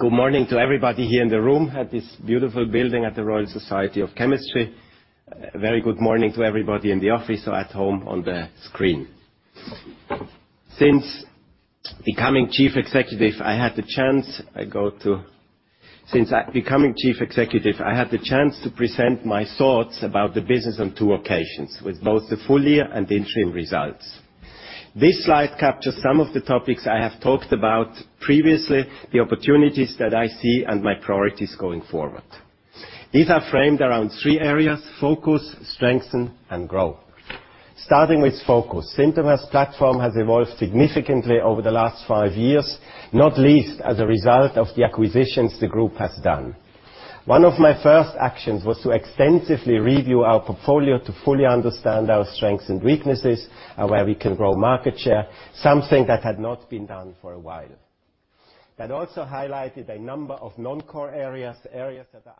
Good morning to everybody here in the room at this beautiful building at the Royal Society of Chemistry. Very good morning to everybody in the office or at home on the screen. Since becoming Chief Executive, I had the chance to present my thoughts about the business on two occasions, with both the full year and the interim results. This slide captures some of the topics I have talked about previously, the opportunities that I see and my priorities going forward. These are framed around three areas, focus, strengthen, and grow. Starting with focus, Synthomer's platform has evolved significantly over the last five years, not least as a result of the acquisitions the Group has done. One of my first actions was to extensively review our portfolio to fully understand our strengths and weaknesses and where we can grow market share, something that had not been done for a while. That also highlighted a number of non-core areas that are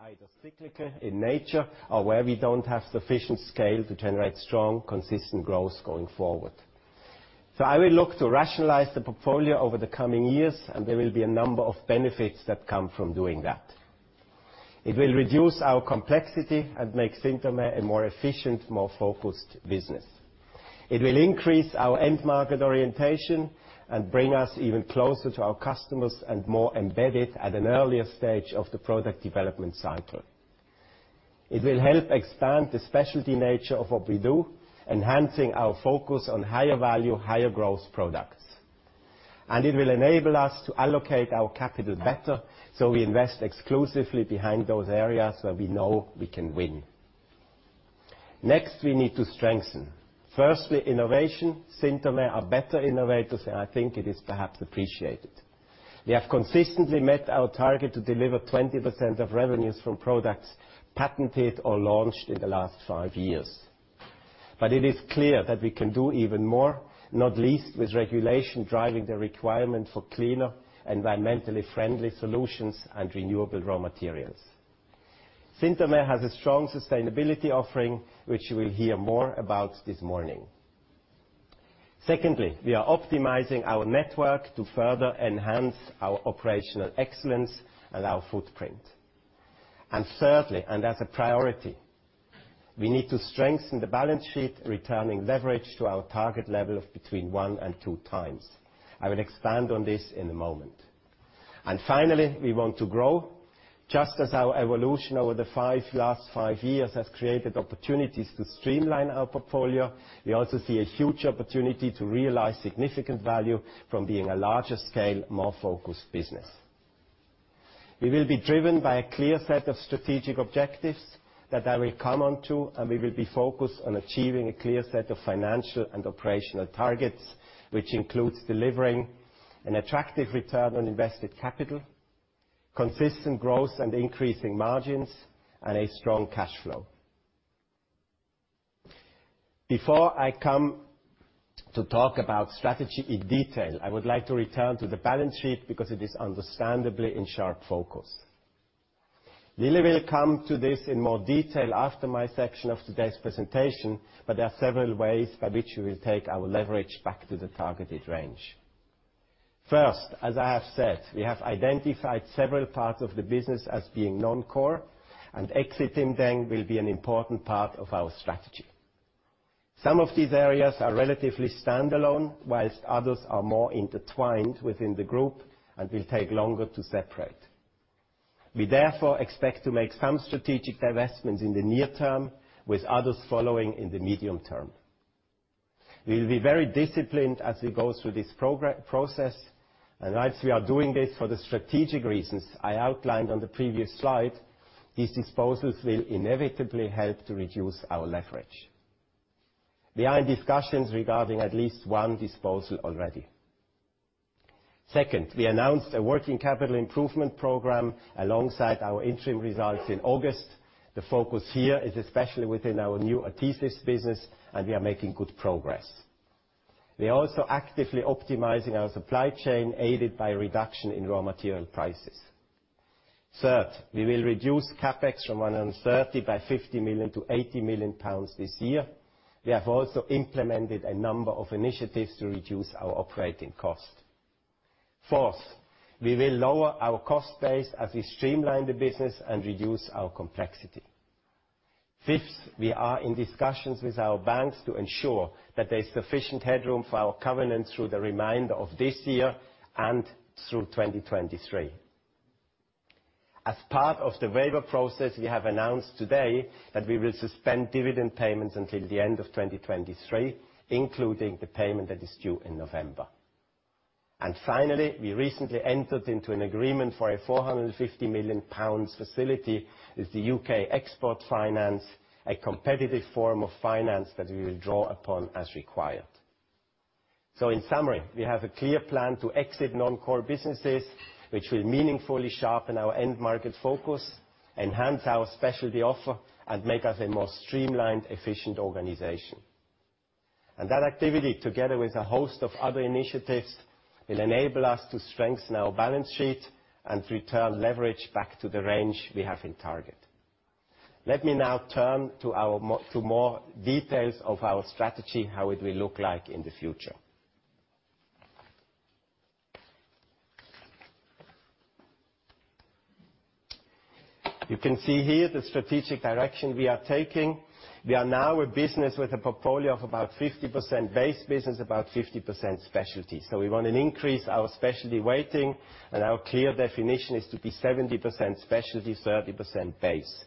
either cyclical in nature or where we don't have sufficient scale to generate strong, consistent growth going forward. I will look to rationalize the portfolio over the coming years, and there will be a number of benefits that come from doing that. It will reduce our complexity and make Synthomer a more efficient, more focused business. It will increase our end market orientation and bring us even closer to our customers and more embedded at an earlier stage of the product development cycle. It will help expand the specialty nature of what we do, enhancing our focus on higher value, higher growth products. It will enable us to allocate our capital better, so we invest exclusively behind those areas where we know we can win. Next, we need to strengthen. Firstly, innovation. Synthomer are better innovators, and I think it is perhaps appreciated. We have consistently met our target to deliver 20% of revenues from products patented or launched in the last five years. But it is clear that we can do even more, not least with regulation driving the requirement for cleaner, environmentally friendly solutions and renewable raw materials. Synthomer has a strong sustainability offering, which we'll hear more about this morning. Secondly, we are optimizing our network to further enhance our operational excellence and our footprint. Thirdly, and as a priority, we need to strengthen the balance sheet, returning leverage to our target level of between one and two times. I will expand on this in a moment. Finally, we want to grow. Just as our evolution over the last five years has created opportunities to streamline our portfolio, we also see a huge opportunity to realize significant value from being a larger scale, more focused business. We will be driven by a clear set of strategic objectives that I will come on to, and we will be focused on achieving a clear set of financial and operational targets, which includes delivering an attractive return on invested capital, consistent growth and increasing margins, and a strong cash flow. Before I come to talk about strategy in detail, I would like to return to the balance sheet because it is understandably in sharp focus. Lily will come to this in more detail after my section of today's presentation, but there are several ways by which we will take our leverage back to the targeted range. First, as I have said, we have identified several parts of the business as being non-core, and exiting them will be an important part of our strategy. Some of these areas are relatively standalone, while others are more intertwined within the group and will take longer to separate. We therefore expect to make some strategic divestments in the near term, with others following in the medium term. We will be very disciplined as we go through this process, and as we are doing this for the strategic reasons I outlined on the previous slide, these disposals will inevitably help to reduce our leverage. We are in discussions regarding at least one disposal already. Second, we announced a working capital improvement program alongside our interim results in August. The focus here is especially within our new Adhesives business, and we are making good progress. We are also actively optimizing our supply chain, aided by reduction in raw material prices. Third, we will reduce CapEx from 130 million by 50 million to 80 million pounds this year. We have also implemented a number of initiatives to reduce our operating cost. Fourth, we will lower our cost base as we streamline the business and reduce our complexity. Fifth, we are in discussions with our banks to ensure that there is sufficient headroom for our covenant through the remainder of this year and through 2023. As part of the waiver process, we have announced today that we will suspend dividend payments until the end of 2023, including the payment that is due in November. Finally, we recently entered into an agreement for a 450 million pounds facility with the UK Export Finance, a competitive form of finance that we will draw upon as required. In summary, we have a clear plan to exit non-core businesses, which will meaningfully sharpen our end market focus, enhance our specialty offer, and make us a more streamlined, efficient organization. That activity, together with a host of other initiatives, will enable us to strengthen our balance sheet and return leverage back to the range we have in target. Let me now turn to more details of our strategy, how it will look like in the future. You can see here the strategic direction we are taking. We are now a business with a portfolio of about 50% base business, about 50% specialty. We want to increase our specialty weighting, and our clear definition is to be 70% specialty, 30% base.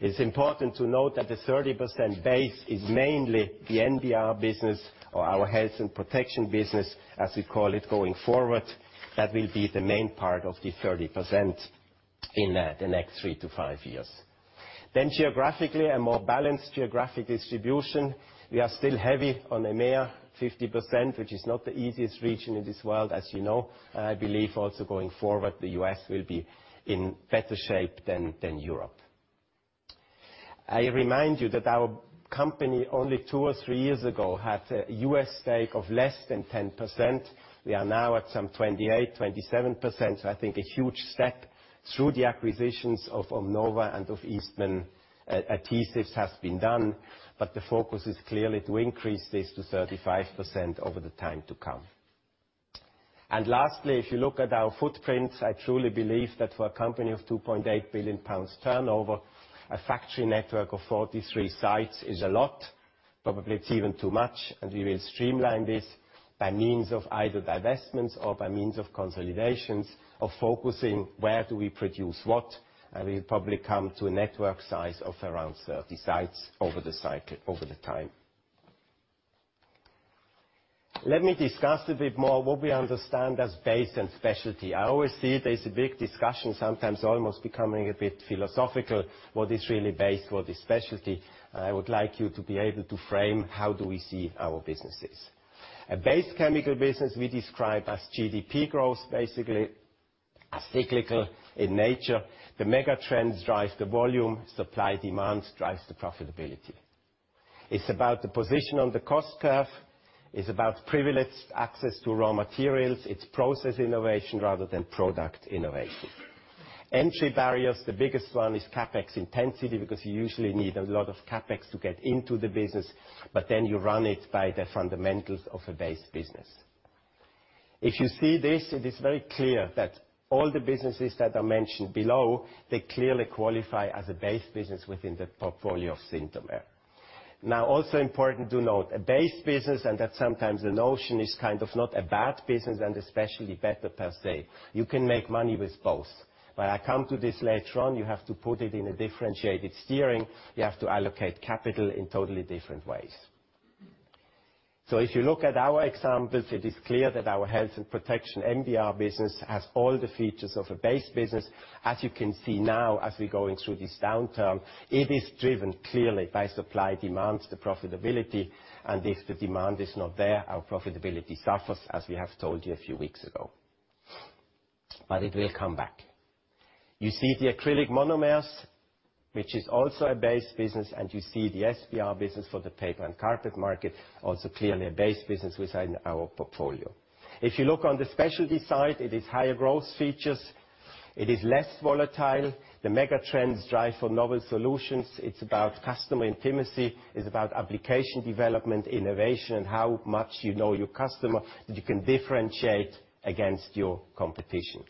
It's important to note that the 30% base is mainly the NBR business or our Health & Protection business, as we call it, going forward. That will be the main part of the 30% in the next three to five years. Geographically, a more balanced geographic distribution. We are still heavy on EMEA, 50%, which is not the easiest region in this world, as you know. I believe also going forward, the U.S. will be in better shape than Europe. I remind you that our company only two or three years ago had a U.S. stake of less than 10%. We are now at some 28%, 27%. I think a huge step through the acquisitions of OMNOVA and of Eastman Adhesives has been done, but the focus is clearly to increase this to 35% over the time to come. Lastly, if you look at our footprints, I truly believe that for a company of 2.8 billion pounds turnover, a factory network of 43 sites is a lot. Probably it's even too much, and we will streamline this by means of either divestments or by means of consolidations, of focusing where do we produce what, and we'll probably come to a network size of around 30 sites over the cycle, over the time. Let me discuss a bit more what we understand as base and specialty. I always see there's a big discussion, sometimes almost becoming a bit philosophical, what is really base, what is specialty. I would like you to be able to frame how do we see our businesses. A base chemical business we describe as GDP growth, basically as cyclical in nature. The mega trends drives the volume. Supply, demand drives the profitability. It's about the position on the cost curve. It's about privileged access to raw materials. It's process innovation rather than product innovation. Entry barriers, the biggest one is CapEx intensity, because you usually need a lot of CapEx to get into the business, but then you run it by the fundamentals of a base business. If you see this, it is very clear that all the businesses that are mentioned below, they clearly qualify as a base business within the portfolio of Synthomer. Now, also important to note, a base business, and that sometimes the notion is kind of not a bad business and especially better per se. You can make money with both. When I come to this later on, you have to put it in a differentiated steering. You have to allocate capital in totally different ways. If you look at our examples, it is clear that our Health & Protection NBR business has all the features of a base business. As you can see now, as we're going through this downturn, it is driven clearly by supply and demand, profitability, and if the demand is not there, our profitability suffers, as we have told you a few weeks ago. It will come back. You see the acrylic monomers, which is also a base business, and you see the SBR business for the paper and carpet market, also clearly a base business within our portfolio. If you look on the specialty side, it is higher growth features. It is less volatile. The megatrends drive for novel solutions. It's about customer intimacy. It's about application development, innovation, how much you know your customer that you can differentiate against your competition.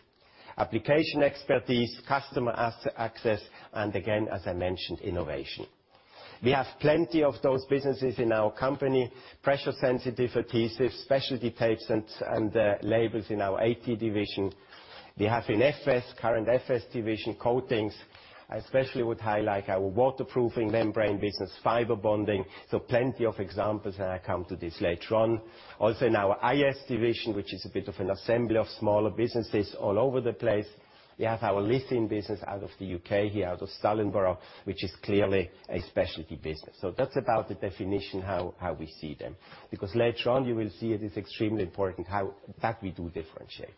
Application expertise, customer access, and again, as I mentioned, innovation. We have plenty of those businesses in our company. Pressure sensitive adhesives, specialty tapes and labels in our AT division. We have in FS, current FS division coatings. I especially would highlight our waterproofing membrane business, fiber bonding. Plenty of examples, and I come to this later on. Also in our IS division, which is a bit of an assembly of smaller businesses all over the place. We have our lithium business out of the U.K. here, out of Stallingborough, which is clearly a specialty business. That's about the definition, how we see them, because later on you will see it is extremely important how we do differentiate.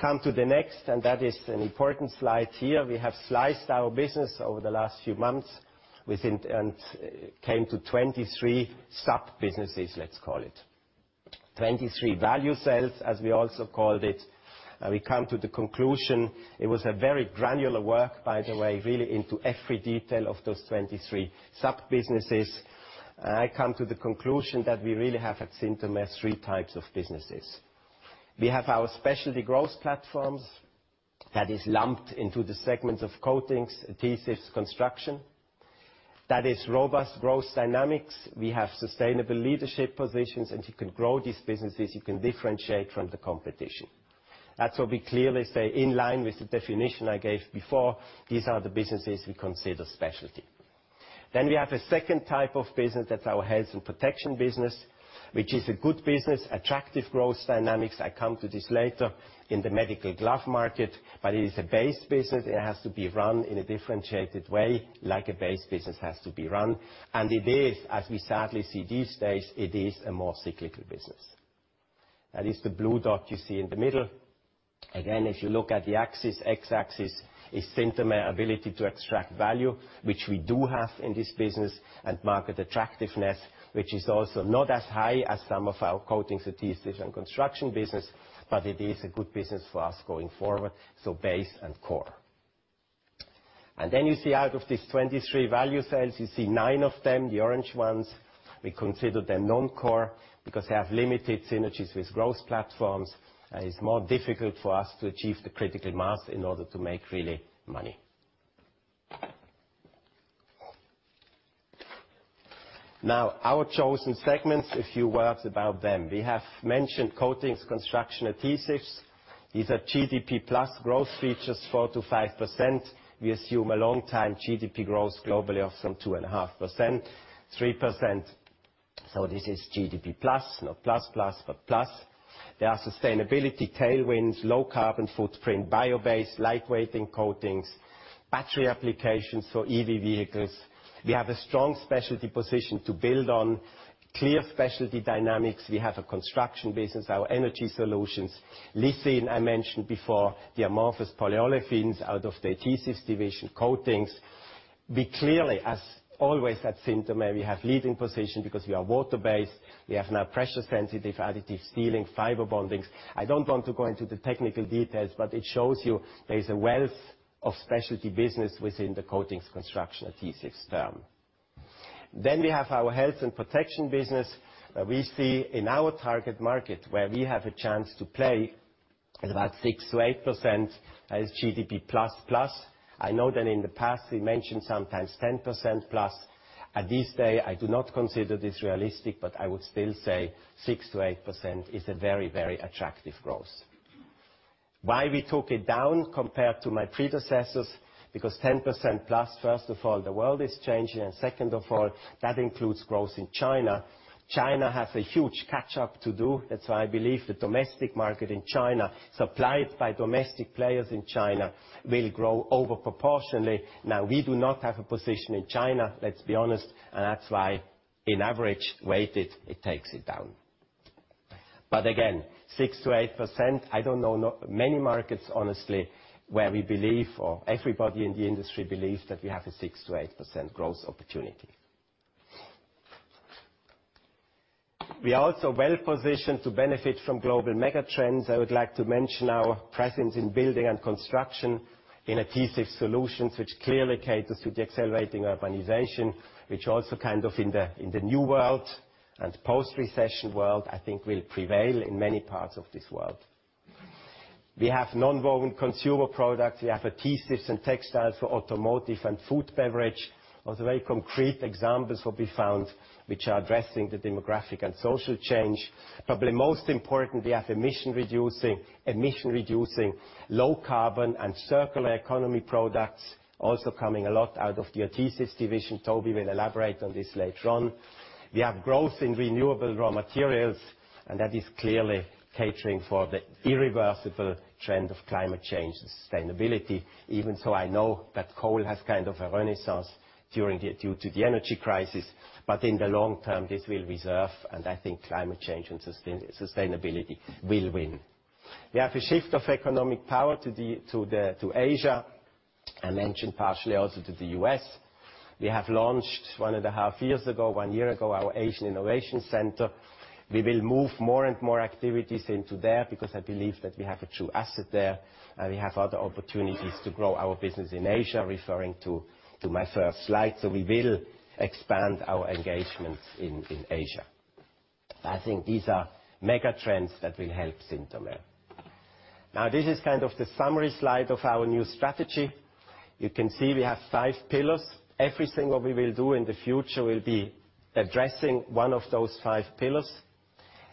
Come to the next, that is an important slide here. We have sliced our business over the last few months within 10-23 sub-businesses, let's call it. Twenty-three value sales, as we also called it. We come to the conclusion it was a very granular work, by the way, really into every detail of those 23 sub-businesses. I come to the conclusion that we really have at Synthomer three types of businesses. We have our specialty growth platforms that is lumped into the segments of coatings, adhesives, construction. That is robust growth dynamics. We have sustainable leadership positions, and you can grow these businesses, you can differentiate from the competition. That's what we clearly say. In line with the definition I gave before, these are the businesses we consider specialty. We have a second type of business. That's our Health & Protection business, which is a good business, attractive growth dynamics. I come to this later in the medical glove market. It is a base business. It has to be run in a differentiated way, like a base business has to be run. It is, as we sadly see these days, it is a more cyclical business. That is the blue dot you see in the middle. Again, if you look at the axis, X-axis is Synthomer ability to extract value, which we do have in this business, and market attractiveness, which is also not as high as some of our coatings, adhesives, and construction business, but it is a good business for us going forward. Base and core. Then you see out of these 23 value sales, you see nine of them, the orange ones, we consider them non-core because they have limited synergies with growth platforms, and it's more difficult for us to achieve the critical mass in order to make real money. Now our chosen segments, a few words about them. We have mentioned coatings, construction, adhesives. These are GDPplus growth features 4%-5%. We assume a long-term GDP growth globally of some 2.5%-3%. This is GDPplus, not plus plus, but plus. There are sustainability tailwinds, low carbon footprint, bio-based, lightweight in coatings, battery applications for EV vehicles. We have a strong specialty position to build on, clear specialty dynamics. We have a construction business, our energy solutions. Eastman, I mentioned before, the amorphous polyolefins out of the adhesives division coatings. We clearly, as always, at Synthomer, we have leading position because we are water-based. We have now pressure-sensitive adhesives, sealing, fiber bondings. I don't want to go into the technical details, but it shows you there is a wealth of specialty business within the coatings, construction, adhesives term. We have our Health & Protection business. We see in our target market where we have a chance to play about 6%-8% as GDP plus plus. I know that in the past, we mentioned sometimes 10% plus. At this day, I do not consider this realistic, but I would still say 6%-8% is a very, very attractive growth. Why we took it down compared to my predecessors? Because 10%+, first of all, the world is changing, and second of all, that includes growth in China. China has a huge catch up to do. That's why I believe the domestic market in China, supplied by domestic players in China, will grow over proportionally. Now, we do not have a position in China, let's be honest, and that's why in average weighted, it takes it down. Again, 6%-8%, I don't know many markets, honestly, where we believe or everybody in the industry believes that we have a 6%-8% growth opportunity. We are also well-positioned to benefit from global mega trends. I would like to mention our presence in building and construction in adhesive solutions, which clearly caters to the accelerating urbanization, which also kind of in the, in the new world and post-recession world, I think will prevail in many parts of this world. We have nonwoven consumer products. We have adhesives and textiles for automotive and food beverage. Those are very concrete examples will be found which are addressing the demographic and social change. Probably most important, we have emission reducing low carbon and circular economy products also coming a lot out of the adhesives division. Toby will elaborate on this later on. We have growth in renewable raw materials, and that is clearly catering for the irreversible trend of climate change and sustainability. Even so, I know that coal has kind of a renaissance due to the energy crisis, but in the long term, this will reserve, and I think climate change and sustainability will win. We have a shift of economic power to Asia, I mentioned partially also to the U.S. We have launched 1.5 years ago, one year ago, our Asian Innovation Center. We will move more and more activities into there because I believe that we have a true asset there, and we have other opportunities to grow our business in Asia, referring to my first slide. We will expand our engagements in Asia. I think these are mega trends that will help Synthomer. Now, this is kind of the summary slide of our new strategy. You can see we have five pillars. Everything what we will do in the future will be addressing one of those five pillars.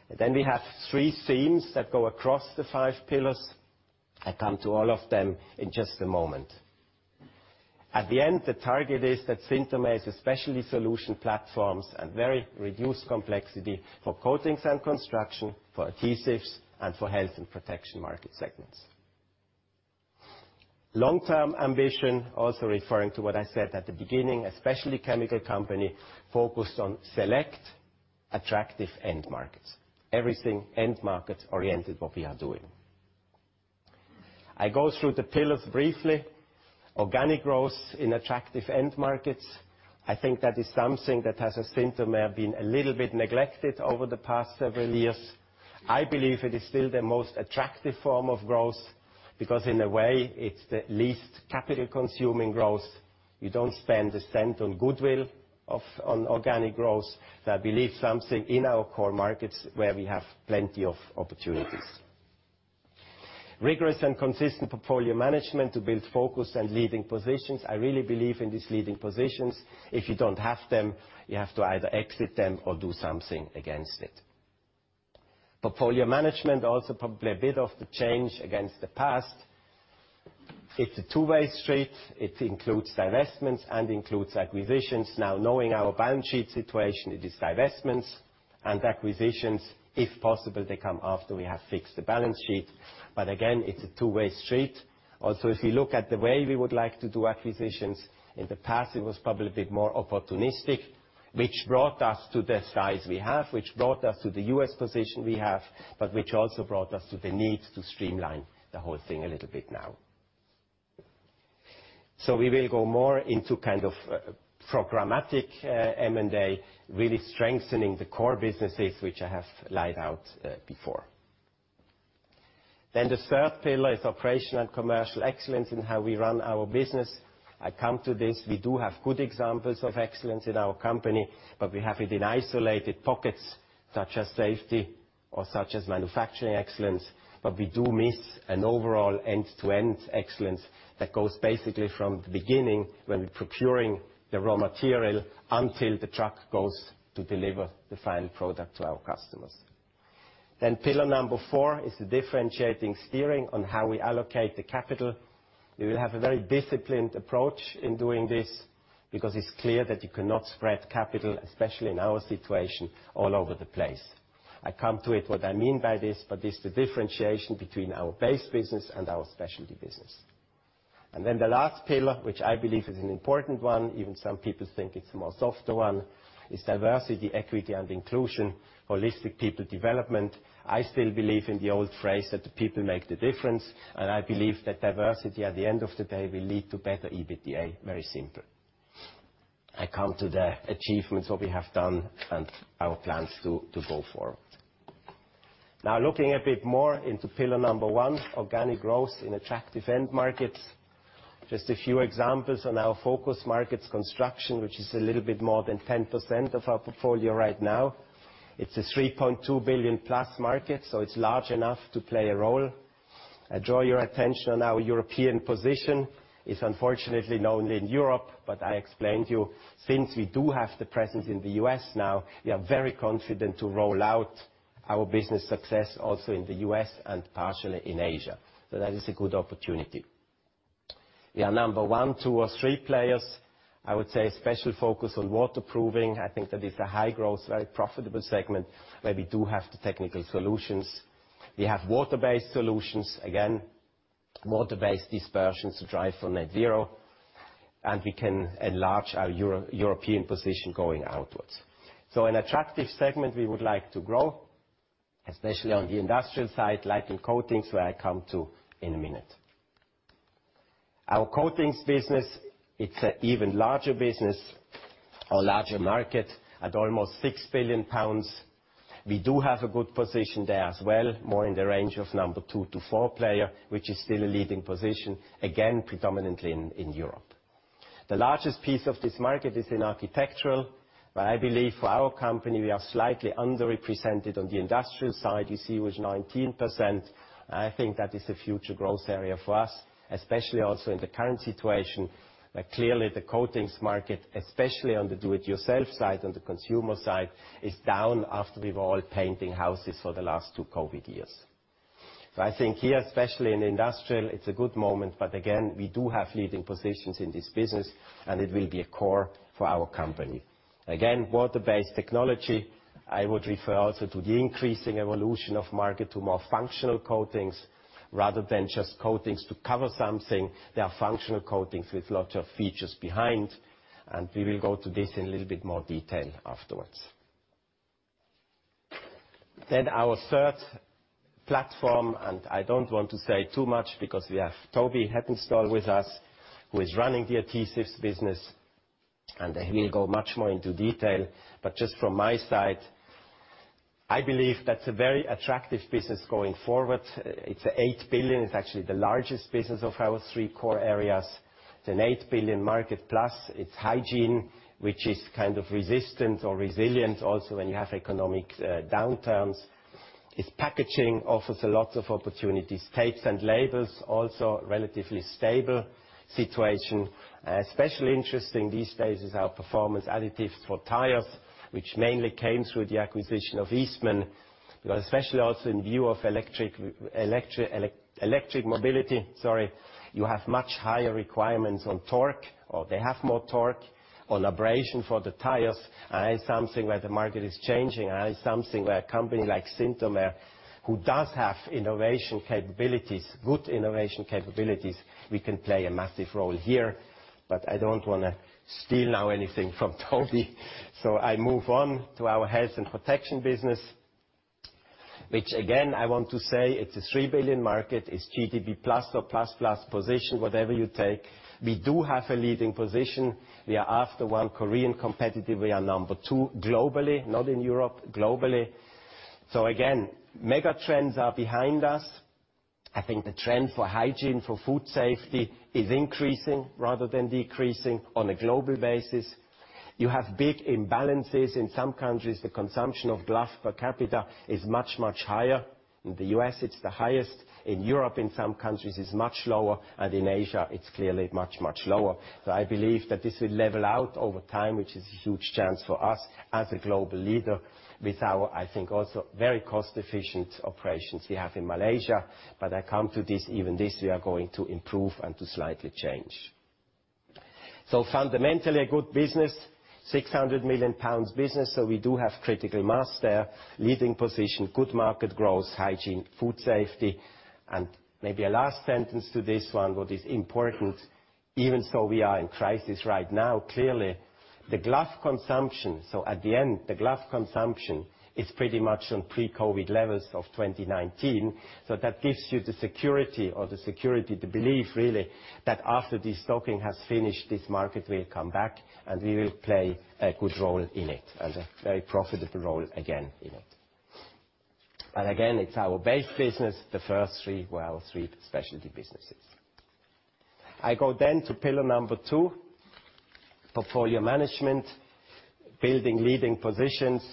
We have three themes that go across the five pillars. I come to all of them in just a moment. At the end, the target is that Synthomer is a specialty solution platforms and very reduced complexity for Coatings & Construction, for adhesives and for Health & Protection market segments. Long-term ambition, also referring to what I said at the beginning, a specialty chemical company focused on select attractive end markets. Everything end market-oriented, what we are doing. I go through the pillars briefly. Organic growth in attractive end markets. I think that is something that as Synthomer been a little bit neglected over the past several years. I believe it is still the most attractive form of growth because in a way it's the least capital consuming growth. You don't spend a cent on goodwill or on organic growth. I believe something in our core markets where we have plenty of opportunities. Rigorous and consistent portfolio management to build focus and leading positions. I really believe in these leading positions. If you don't have them, you have to either exit them or do something against it. Portfolio management, also probably a bit of the change against the past. It's a two-way street. It includes divestments and includes acquisitions. Now, knowing our balance sheet situation, it is divestments and acquisitions. If possible, they come after we have fixed the balance sheet. Again, it's a two-way street. Also, if you look at the way we would like to do acquisitions, in the past, it was probably a bit more opportunistic, which brought us to the size we have, which brought us to the U.S. position we have, but which also brought us to the need to streamline the whole thing a little bit now. So we will go more into kind of programmatic M&A, really strengthening the core businesses, which I have laid out before. The third pillar is operational and commercial excellence in how we run our business. I come to this, we do have good examples of excellence in our company, but we have it in isolated pockets, such as safety or such as manufacturing excellence. We do miss an overall end-to-end excellence that goes basically from the beginning when we're procuring the raw material until the truck goes to deliver the final product to our customers. Pillar number four is the differentiating steering on how we allocate the capital. We will have a very disciplined approach in doing this because it's clear that you cannot spread capital, especially in our situation, all over the place. I'll come to what I mean by this, but it's the differentiation between our base business and our specialty business. The last pillar, which I believe is an important one, even some people think it's a more softer one, is diversity, equity, and inclusion, holistic people development. I still believe in the old phrase that the people make the difference, and I believe that diversity at the end of the day will lead to better EBITDA, very simple. I come to the achievements, what we have done and our plans to go forward. Now looking a bit more into pillar number one, organic growth in attractive end markets. Just a few examples on our focus markets construction, which is a little bit more than 10% of our portfolio right now. It's a 3.2+ billion market, so it's large enough to play a role. I draw your attention on our European position. It's unfortunately known in Europe, but I explained to you, since we do have the presence in the U.S. now, we are very confident to roll out our business success also in the U.S. and partially in Asia. That is a good opportunity. We are number one, two or three players. I would say a special focus on waterproofing. I think that is a high-growth, very profitable segment where we do have the technical solutions. We have water-based solutions. Again, water-based dispersions to drive for net zero. We can enlarge our European position going outwards. An attractive segment we would like to grow, especially on the industrial side, like in coatings, where I come to in a minute. Our coatings business, it's an even larger business or larger market at almost 6 billion pounds. We do have a good position there as well, more in the range of number two to four player, which is still a leading position, again, predominantly in Europe. The largest piece of this market is in architectural, but I believe for our company, we are slightly underrepresented on the industrial side. You see with 19%, I think that is a future growth area for us, especially also in the current situation. Clearly, the coatings market, especially on the do-it-yourself side, on the consumer side, is down after we were all painting houses for the last two COVID years. I think here, especially in industrial, it's a good moment, but again, we do have leading positions in this business, and it will be a core for our company. Again, water-based technology, I would refer also to the increasing evolution of market to more functional coatings rather than just coatings to cover something. They are functional coatings with lots of features behind, and we will go to this in a little bit more detail afterwards. Our third platform, and I don't want to say too much because we have Toby Heppenstall with us, who is running the adhesives business, and he'll go much more into detail. But just from my side, I believe that's a very attractive business going forward. It's 8 billion. It's actually the largest business of our three core areas. It's a 8 billion market plus. It's hygiene, which is kind of resistant or resilient also when you have economic downturns. It's packaging offers a lot of opportunities. Tapes and labels also relatively stable situation. Especially interesting these days is our performance additives for tires, which mainly came through the acquisition of Eastman. Especially also in view of electric mobility, sorry, you have much higher requirements on torque or abrasion for the tires. That is something where the market is changing. That is something where a company like Synthomer, who does have innovation capabilities, good innovation capabilities, we can play a massive role here. I don't wanna steal now anything from Toby. I move on to our Health & Protection business, which again, I want to say it's a 3 billion market. It's GDP plus or plus plus position, whatever you take. We do have a leading position. We are after one Korean competitor, we are number two globally, not in Europe, globally. Again, mega trends are behind us. I think the trend for hygiene, for food safety is increasing rather than decreasing on a global basis. You have big imbalances. In some countries, the consumption of gloves per capita is much, much higher. In the U.S., it's the highest. In Europe, in some countries, it's much lower, and in Asia, it's clearly much, much lower. I believe that this will level out over time, which is a huge chance for us as a global leader with our, I think, also very cost-efficient operations we have in Malaysia. I come to this, even this, we are going to improve and to slightly change. Fundamentally a good business, 600 million pounds business. We do have critical mass there, leading position, good market growth, hygiene, food safety. Maybe a last sentence to this one, what is important, even so we are in crisis right now, clearly, the glove consumption. At the end, the glove consumption is pretty much on pre-COVID levels of 2019. That gives you the security, the belief really, that after this stocking has finished, this market will come back, and we will play a good role in it and a very profitable role again in it. Again, it's our base business. The first three were our three specialty businesses. I go then to pillar number two, portfolio management, building leading positions.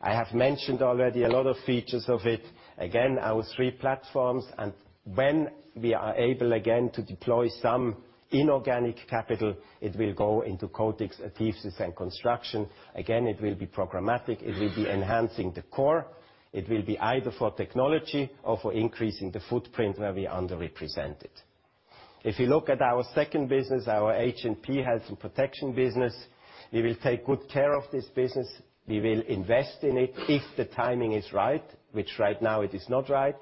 I have mentioned already a lot of features of it. Again, our three platforms, and when we are able again to deploy some inorganic capital, it will go into coatings, adhesives, and construction. Again, it will be programmatic, it will be enhancing the core. It will be either for technology or for increasing the footprint where we underrepresented. If you look at our second business, our H&P, Health & Protection business, we will take good care of this business. We will invest in it if the timing is right, which right now it is not right.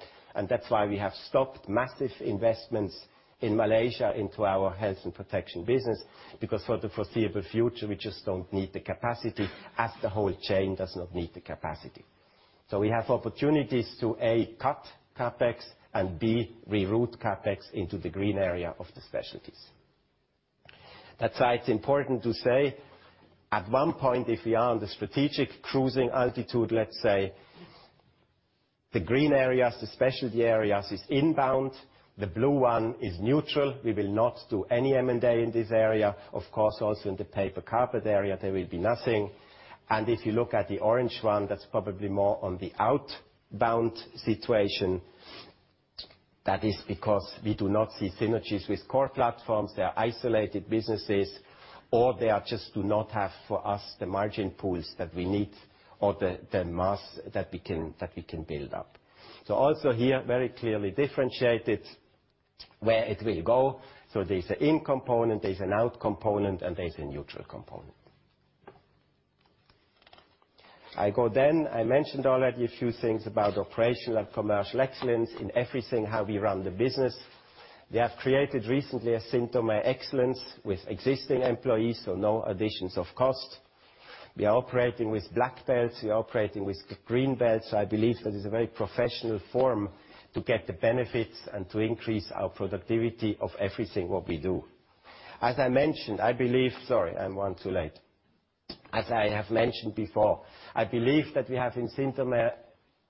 That's why we have stopped massive investments in Malaysia into our Health & Protection business, because for the foreseeable future, we just don't need the capacity as the whole chain does not need the capacity. We have opportunities to, A, cut CapEx, and B, reroute CapEx into the green area of the specialties. That's why it's important to say at one point, if we are on the strategic cruising altitude, let's say the green areas, the specialty areas is inbound, the blue one is neutral. We will not do any M&A in this area. Of course, there will be nothing in the paper and carpet area. If you look at the orange one, that's probably more on the outbound situation. That is because we do not see synergies with core platforms. They are isolated businesses, or they just do not have, for us, the margin pools that we need or the mass that we can build up. Also here, very clearly differentiated where it will go. There's an in component, there's an out component, and there's a neutral component. I mentioned already a few things about operational and commercial excellence in everything, how we run the business. We have created recently a Synthomer Excellence with existing employees, so no additions of cost. We are operating with black belts. We are operating with green belts. I believe that is a very professional form to get the benefits and to increase our productivity of everything what we do. As I mentioned, I believe. Sorry, I'm one too late. As I have mentioned before, I believe that we have in Synthomer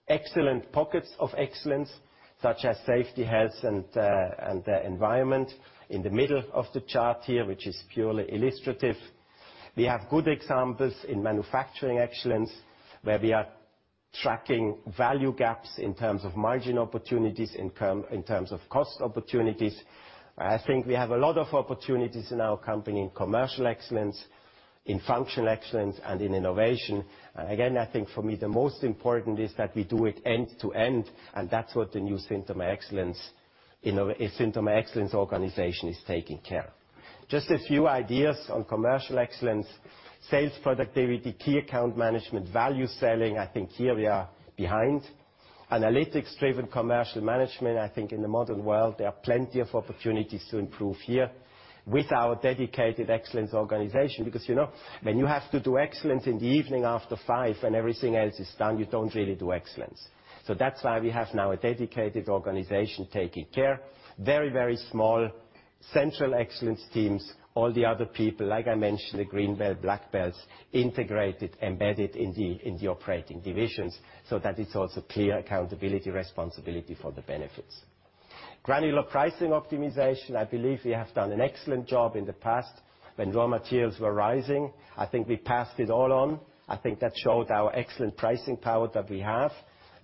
excellent pockets of excellence, such as safety, health, and the environment. In the middle of the chart here, which is purely illustrative. We have good examples in manufacturing excellence, where we are tracking value gaps in terms of margin opportunities, in terms of cost opportunities. I think we have a lot of opportunities in our company in commercial excellence, in functional excellence, and in innovation. Again, I think for me, the most important is that we do it end-to-end, and that's what the new Synthomer Excellence organization is taking care. Just a few ideas on commercial excellence. Sales productivity, key account management, value selling, I think here we are behind. Analytics-driven commercial management. I think in the modern world, there are plenty of opportunities to improve here with our dedicated excellence organization. You know, when you have to do excellence in the evening after five when everything else is done, you don't really do excellence. That's why we have now a dedicated organization taking care. Very, very small central excellence teams. All the other people, like I mentioned, the Green Belts, Black Belts, integrated, embedded in the operating divisions so that it's also clear accountability, responsibility for the benefits. Granular pricing optimization. I believe we have done an excellent job in the past when raw materials were rising. I think we passed it all on. I think that showed our excellent pricing power that we have.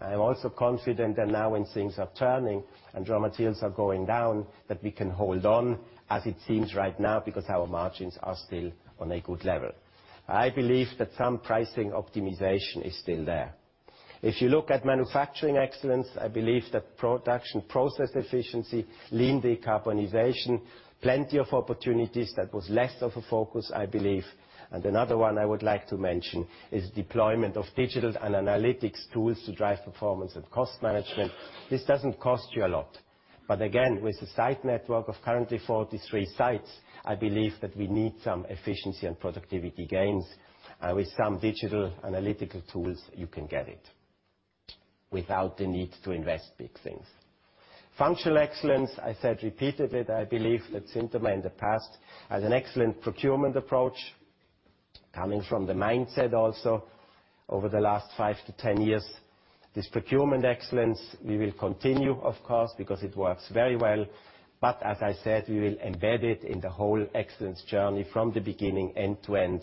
I am also confident that now when things are turning and raw materials are going down, that we can hold on as it seems right now because our margins are still on a good level. I believe that some pricing optimization is still there. If you look at manufacturing excellence, I believe that production process efficiency, lean decarbonization, plenty of opportunities. That was less of a focus, I believe. Another one I would like to mention is deployment of digital and analytics tools to drive performance and cost management. This doesn't cost you a lot. Again, with the site network of currently 43 sites, I believe that we need some efficiency and productivity gains. With some digital analytical tools, you can get it without the need to invest big things. Functional excellence. I said repeatedly that I believe that Synthomer in the past had an excellent procurement approach coming from the mindset also over the last five to 10 years. This procurement excellence, we will continue, of course, because it works very well. As I said, we will embed it in the whole excellence journey from the beginning end to end.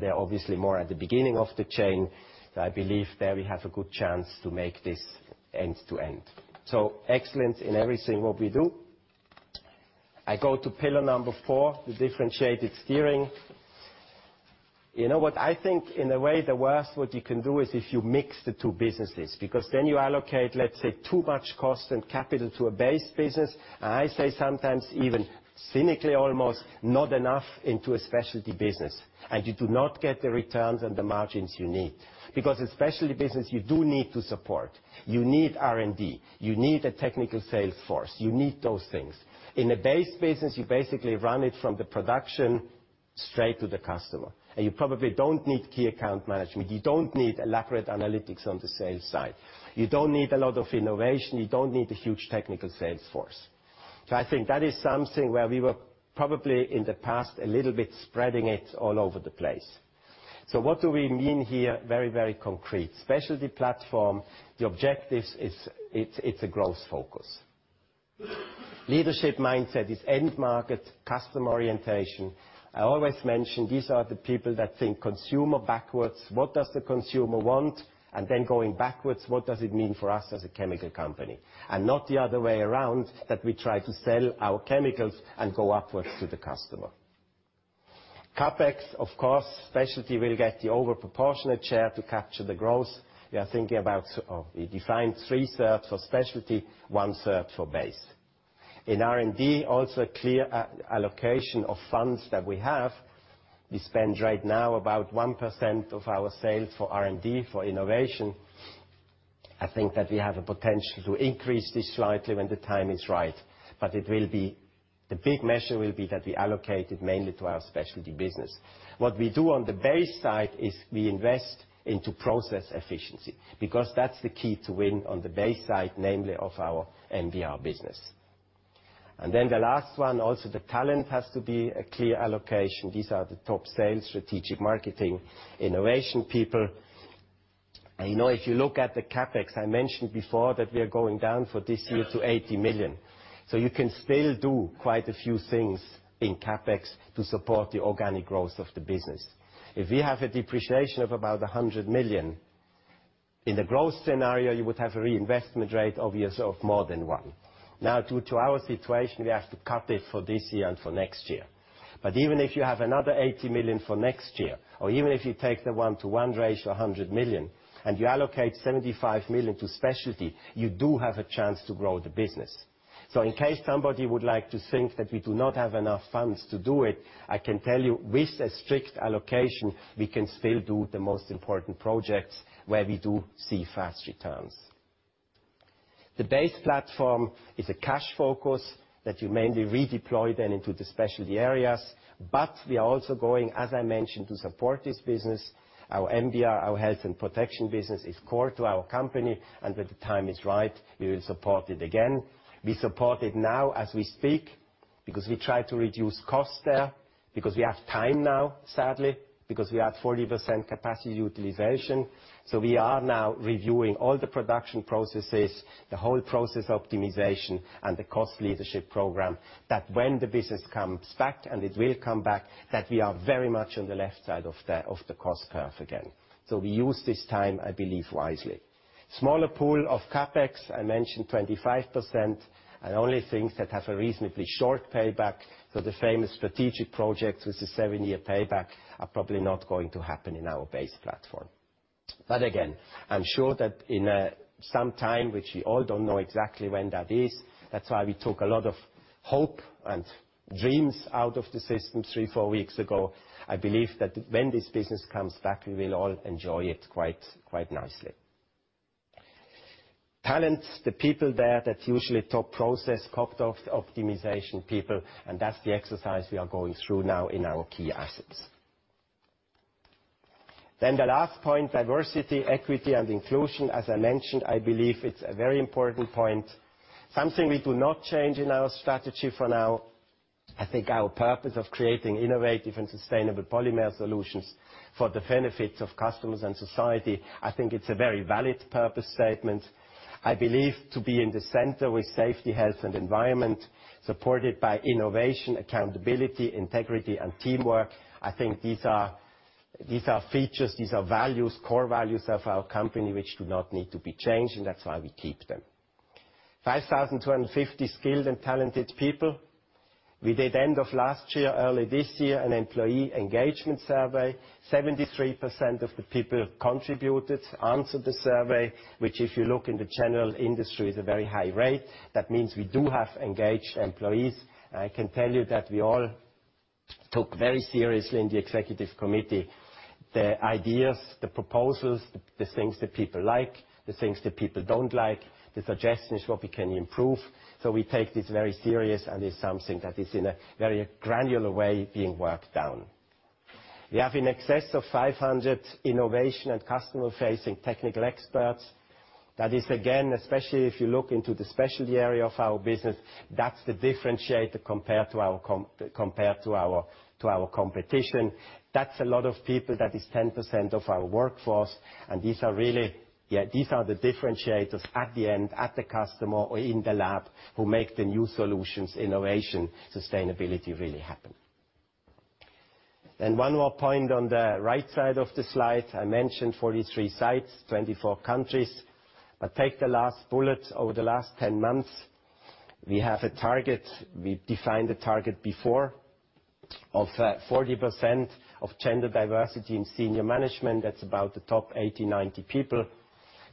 They're obviously more at the beginning of the chain that I believe there we have a good chance to make this end-to-end. Excellence in everything what we do. I go to pillar number four, the differentiated steering. You know what? I think in a way, the worst what you can do is if you mix the two businesses, because then you allocate, let's say, too much cost and capital to a base business. I say sometimes even cynically almost, not enough into a specialty business. You do not get the returns and the margins you need. Because a specialty business you do need to support. You need R&D, you need a technical sales force, you need those things. In a base business, you basically run it from the production straight to the customer. You probably don't need key account management. You don't need elaborate analytics on the sales side. You don't need a lot of innovation. You don't need a huge technical sales force. I think that is something where we were probably in the past, a little bit spreading it all over the place. What do we mean here? Very, very concrete. Specialty platform, the objective is it's a growth focus. Leadership mindset is end market customer orientation. I always mention these are the people that think consumer backwards, what does the consumer want? Going backwards, what does it mean for us as a chemical company? Not the other way around, that we try to sell our chemicals and go upwards to the customer. CapEx, of course, specialty will get the over proportionate share to capture the growth. We defined 2/3 for specialty, 1/3 for base. In R&D, also clear allocation of funds that we have. We spend right now about 1% of our sales for R&D for innovation. I think that we have a potential to increase this slightly when the time is right, but the big measure will be that we allocate it mainly to our specialty business. What we do on the base side is we invest into process efficiency, because that's the key to win on the base side, namely of our NBR business. Then the last one, also the talent has to be a clear allocation. These are the top sales, strategic marketing, innovation people. I know if you look at the CapEx, I mentioned before that we are going down for this year to 80 million. You can still do quite a few things in CapEx to support the organic growth of the business. If we have a depreciation of about 100 million, in the growth scenario, you would have a reinvestment rate obviously of more than one. Now due to our situation, we have to cut it for this year and for next year. Even if you have another 80 million for next year, or even if you take the one-to-one ratio, 100 million, and you allocate 75 million to specialty, you do have a chance to grow the business. In case somebody would like to think that we do not have enough funds to do it, I can tell you with a strict allocation, we can still do the most important projects where we do see fast returns. The base platform is a cash focus that you mainly redeploy then into the specialty areas, but we are also going, as I mentioned, to support this business. Our NBR, our Health & Protection business is core to our company and when the time is right, we will support it again. We support it now as we speak because we try to reduce costs there, because we have time now, sadly, because we are at 40% capacity utilization. We are now reviewing all the production processes, the whole process optimization and the cost leadership program, that when the business comes back, and it will come back, that we are very much on the left side of the cost curve again. We use this time, I believe, wisely. Smaller pool of CapEx, I mentioned 25%, and only things that have a reasonably short payback. The famous strategic projects with the seven-year payback are probably not going to happen in our base platform. Again, I'm sure that in some time, which we all don't know exactly when that is, that's why we took a lot of hope and dreams out of the system three or four weeks ago. I believe that when this business comes back, we will all enjoy it quite nicely. Talents, the people there, that's usually top process, top optimization people, and that's the exercise we are going through now in our key assets. The last point, diversity, equity and inclusion. As I mentioned, I believe it's a very important point. Something we do not change in our strategy for now. I think our purpose of creating innovative and sustainable polymer solutions for the benefit of customers and society, I think it's a very valid purpose statement. I believe to be in the center with safety, health and environment, supported by innovation, accountability, integrity and teamwork. I think these are features, values, core values of our company which do not need to be changed, and that's why we keep them. 5,250 skilled and talented people. We did end of last year, early this year, an employee engagement survey. 73% of the people contributed, answered the survey, which if you look in the general industry, is a very high rate. That means we do have engaged employees. I can tell you that we all took very seriously in the executive committee the ideas, the proposals, the things that people like, the things that people don't like, the suggestions what we can improve. We take this very serious and is something that is in a very granular way being worked down. We have in excess of 500 innovation and customer-facing technical experts. That is again, especially if you look into the specialty area of our business, that's the differentiator compared to our competition. That's a lot of people. That is 10% of our workforce. These are really the differentiators at the end, at the customer or in the lab who make the new solutions, innovation, sustainability really happen. One more point on the right side of the slide. I mentioned 43 sites, 24 countries. Take the last bullet. Over the last 10 months, we have a target. We defined the target before of 40% of gender diversity in senior management. That's about the top 80, 90 people.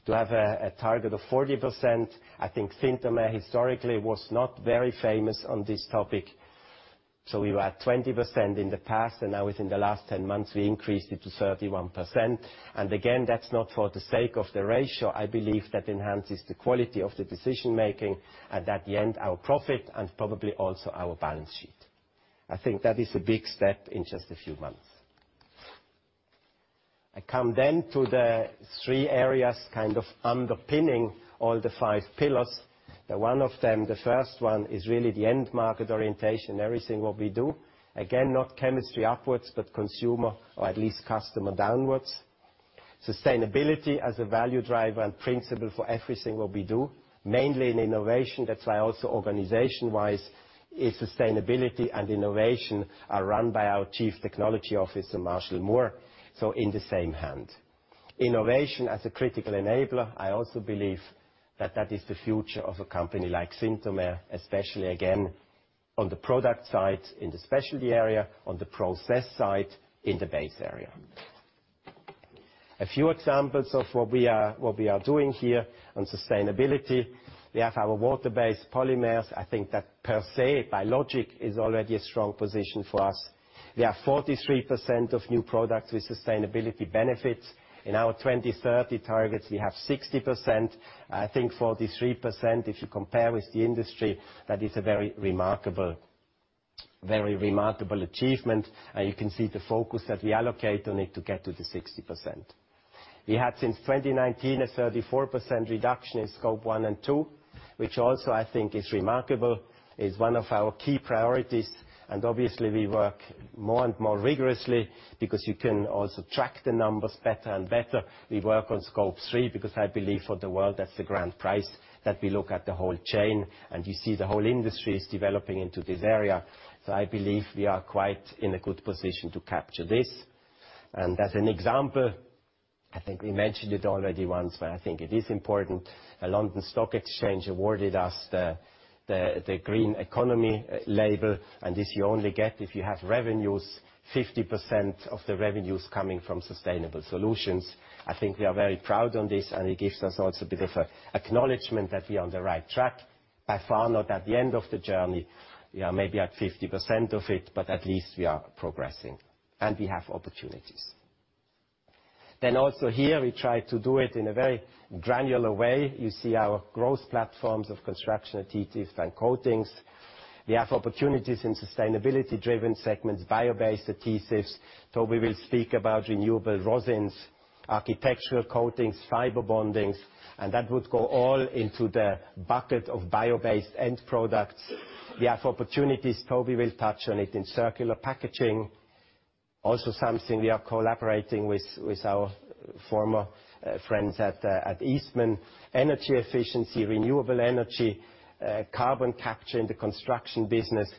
To have a target of 40%, I think Synthomer historically was not very famous on this topic. We were at 20% in the past, and now within the last 10 months, we increased it to 31%. Again, that's not for the sake of the ratio. I believe that enhances the quality of the decision-making and at the end, our profit and probably also our balance sheet. I think that is a big step in just a few months. I come then to the three areas kind of underpinning all the five pillars. One of them, the first one is really the end market orientation, everything what we do. Again, not chemistry upwards, but consumer or at least customer downwards. Sustainability as a value driver and principle for everything that we do, mainly in innovation. That's why also organization-wise, is sustainability and innovation are run by our Chief Technology Officer, Marshall Moore, so in the same hand. Innovation as a critical enabler, I also believe that is the future of a company like Synthomer, especially again, on the product side, in the specialty area, on the process side, in the base area. A few examples of what we are doing here on sustainability. We have our water-based polymers. I think that per se, by logic, is already a strong position for us. We have 43% of new products with sustainability benefits. In our 2030 targets, we have 60%. I think 43%, if you compare with the industry, that is a very remarkable achievement. You can see the focus that we allocate on it to get to the 60%. We had, since 2019, a 34% reduction in Scope 1 and 2, which also I think is remarkable. It's one of our key priorities, and obviously we work more and more rigorously because you can also track the numbers better and better. We work on Scope 3 because I believe for the world that's the grand prize, that we look at the whole chain, and you see the whole industry is developing into this area. I believe we are quite in a good position to capture this. As an example, I think we mentioned it already once, but I think it is important. The London Stock Exchange awarded us the Green Economy label, and this you only get if you have revenues, 50% of the revenues coming from sustainable solutions. I think we are very proud on this, and it gives us also a bit of a acknowledgement that we are on the right track. By far not at the end of the journey. We are maybe at 50% of it, but at least we are progressing and we have opportunities. Also here, we try to do it in a very granular way. You see our growth platforms of construction adhesives and coatings. We have opportunities in sustainability-driven segments, bio-based adhesives. Toby will speak about renewable rosins, architectural coatings, fiber bondings, and that would go all into the bucket of bio-based end products. We have opportunities, Toby will touch on it, in circular packaging. Also something we are collaborating with our former friends at Eastman. Energy efficiency, renewable energy, carbon capture in the construction business.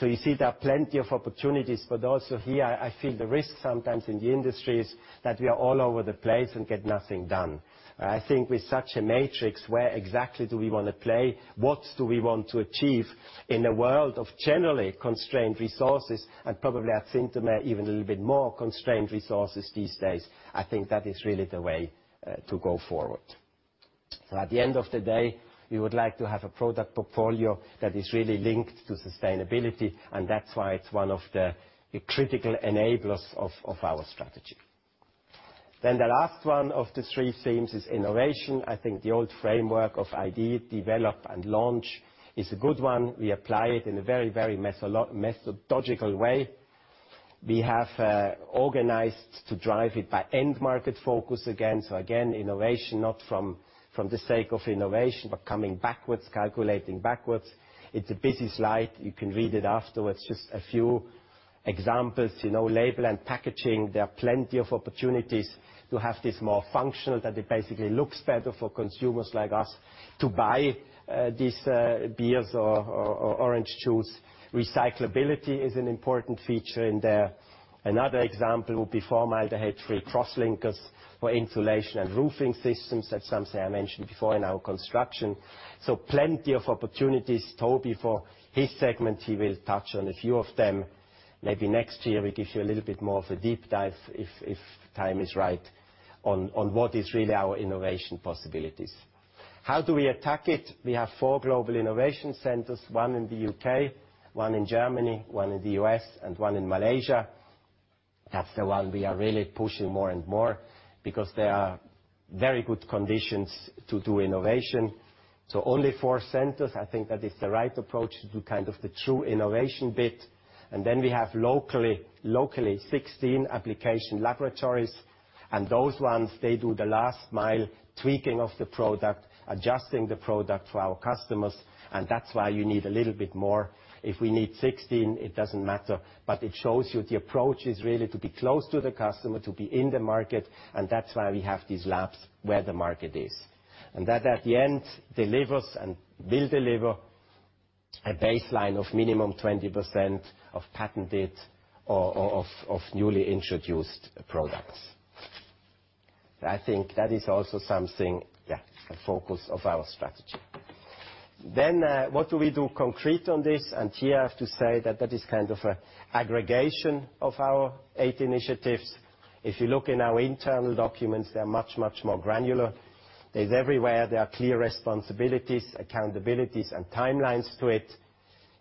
You see there are plenty of opportunities, but also here I feel the risk sometimes in the industry is that we are all over the place and get nothing done. I think with such a matrix, where exactly do we wanna play? What do we want to achieve in a world of generally constrained resources and probably at Synthomer even a little bit more constrained resources these days? I think that is really the way to go forward. At the end of the day, we would like to have a product portfolio that is really linked to sustainability, and that's why it's one of the critical enablers of our strategy. The last one of the three themes is innovation. I think the old framework of idea, develop and launch is a good one. We apply it in a very methodological way. We have organized to drive it by end market focus again. Again, innovation not from the sake of innovation, but coming backwards, calculating backwards. It's a busy slide. You can read it afterwards. Just a few examples. You know, label and packaging, there are plenty of opportunities to have this more functional, that it basically looks better for consumers like us to buy these beers or orange juice. Recyclability is an important feature in there. Another example would be formaldehyde-free crosslinkers for insulation and roofing systems. That's something I mentioned before in our construction. Plenty of opportunities. Toby, for his segment, he will touch on a few of them. Maybe next year we give you a little bit more of a deep dive if time is right on what is really our innovation possibilities. How do we attack it? We have four global innovation centers, one in the U.K., one in Germany, one in the U.S., and one in Malaysia. That's the one we are really pushing more and more because there are very good conditions to do innovation. Only four centers, I think that is the right approach to do kind of the true innovation bit. Then we have locally 16 application laboratories. Those ones, they do the last mile tweaking of the product, adjusting the product for our customers, and that's why you need a little bit more. If we need 16, it doesn't matter, but it shows you the approach is really to be close to the customer, to be in the market, and that's why we have these labs where the market is. That at the end delivers and will deliver a baseline of minimum 20% of patented or of newly introduced products. I think that is also something, yeah, a focus of our strategy. What do we do concretely on this? Here I have to say that that is kind of an aggregation of our eight initiatives. If you look in our internal documents, they are much, much more granular. Everywhere there are clear responsibilities, accountabilities and timelines to it.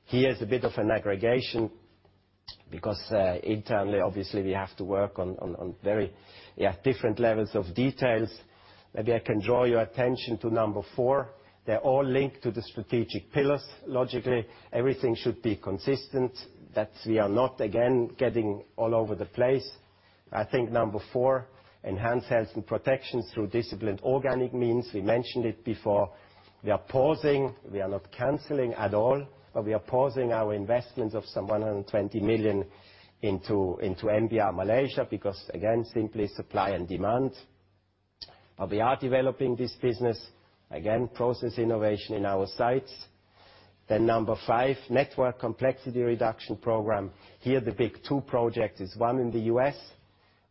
Here's a bit of an aggregation because internally, obviously, we have to work on very different levels of detail. Maybe I can draw your attention to number four. They're all linked to the strategic pillars. Logically, everything should be consistent, that we are not again getting all over the place. I think number four, enhance Health & Protection through disciplined organic means. We mentioned it before. We are pausing. We are not canceling at all, but we are pausing our investments of some 120 million into NBR Malaysia because again, simply supply and demand. We are developing this business. Again, process innovation in our sights. Number five, network complexity reduction program. Here, the big two project is one in the U.S.,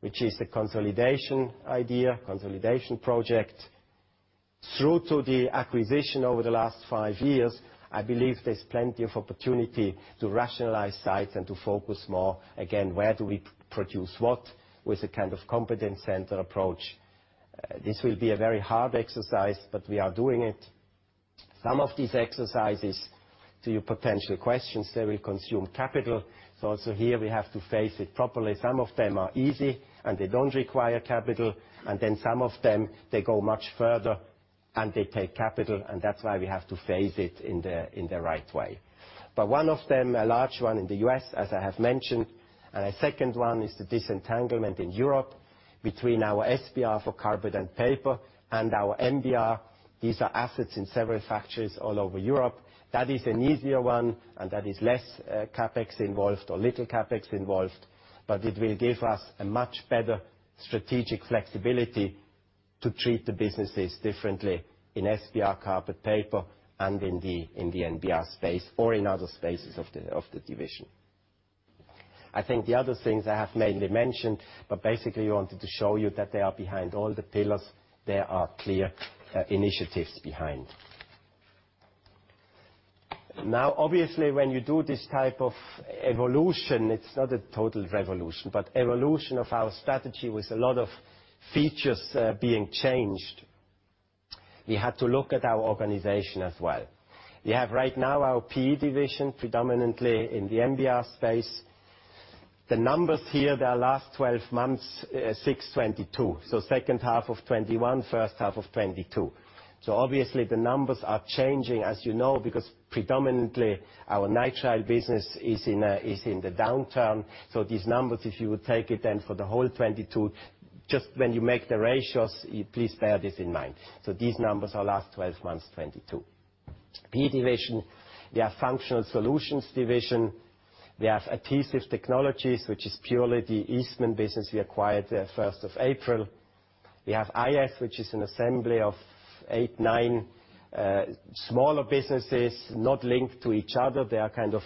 which is a consolidation project. Through the acquisitions over the last five years, I believe there's plenty of opportunity to rationalize sites and to focus more, again, where do we produce what with a kind of competence center approach. This will be a very hard exercise, but we are doing it. Some of these exercises, to your potential questions, they will consume capital. Also here we have to face it properly. Some of them are easy, and they don't require capital, and then some of them, they go much further, and they take capital, and that's why we have to phase it in the right way. One of them, a large one in the U.S., as I have mentioned, and a second one is the disentanglement in Europe between our SBR for carpet and paper and our NBR. These are assets in several factories all over Europe. That is an easier one, and that is less, CapEx involved or little CapEx involved, but it will give us a much better strategic flexibility to treat the businesses differently in SBR carpet paper and in the NBR space or in other spaces of the division. I think the other things I have mainly mentioned, but basically wanted to show you that they are behind all the pillars. There are clear initiatives behind. Now, obviously, when you do this type of evolution, it's not a total revolution, but evolution of our strategy with a lot of features being changed, we had to look at our organization as well. We have right now our PE division predominantly in the NBR space. The numbers here, they are last 12 months, 6/22, so second half of 2021, first half of 2022. Obviously the numbers are changing, as you know, because predominantly our nitrile business is in the downturn. These numbers, if you would take it then for the whole 2022, just when you make the ratios, please bear this in mind. These numbers are last 12 months, 2022. PE division, we have Functional Solutions division. We have Adhesive Technologies, which is purely the Eastman business we acquired the first of April. We have IS, which is an assembly of eight, nine smaller businesses not linked to each other. They are kind of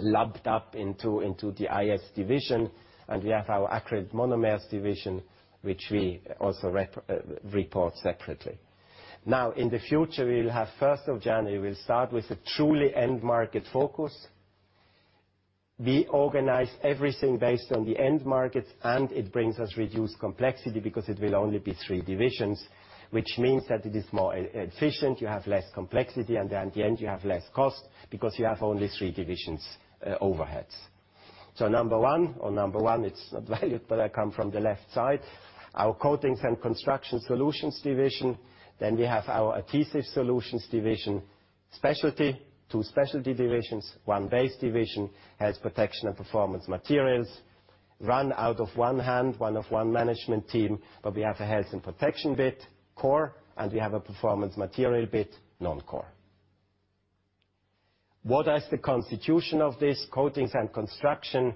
lumped up into the IS division, and we have our acrylic monomers division, which we also report separately. Now, in the future, we'll have first of January, we'll start with a truly end market focus. We organize everything based on the end markets, and it brings us reduced complexity because it will only be three divisions, which means that it is more efficient. You have less complexity, and at the end you have less cost because you have only three divisions, overheads. Number one, it's not valid, but I come from the left side, our Coatings & Construction Solutions division. Then we have our Adhesive Solutions division, specialty, two specialty divisions. One base division, Health & Protection and Performance Materials, run out of one hand, one management team, but we have a Health & Protection bit core, and we have a Performance Materials bit non-core. What is the constitution of this? Coatings & Construction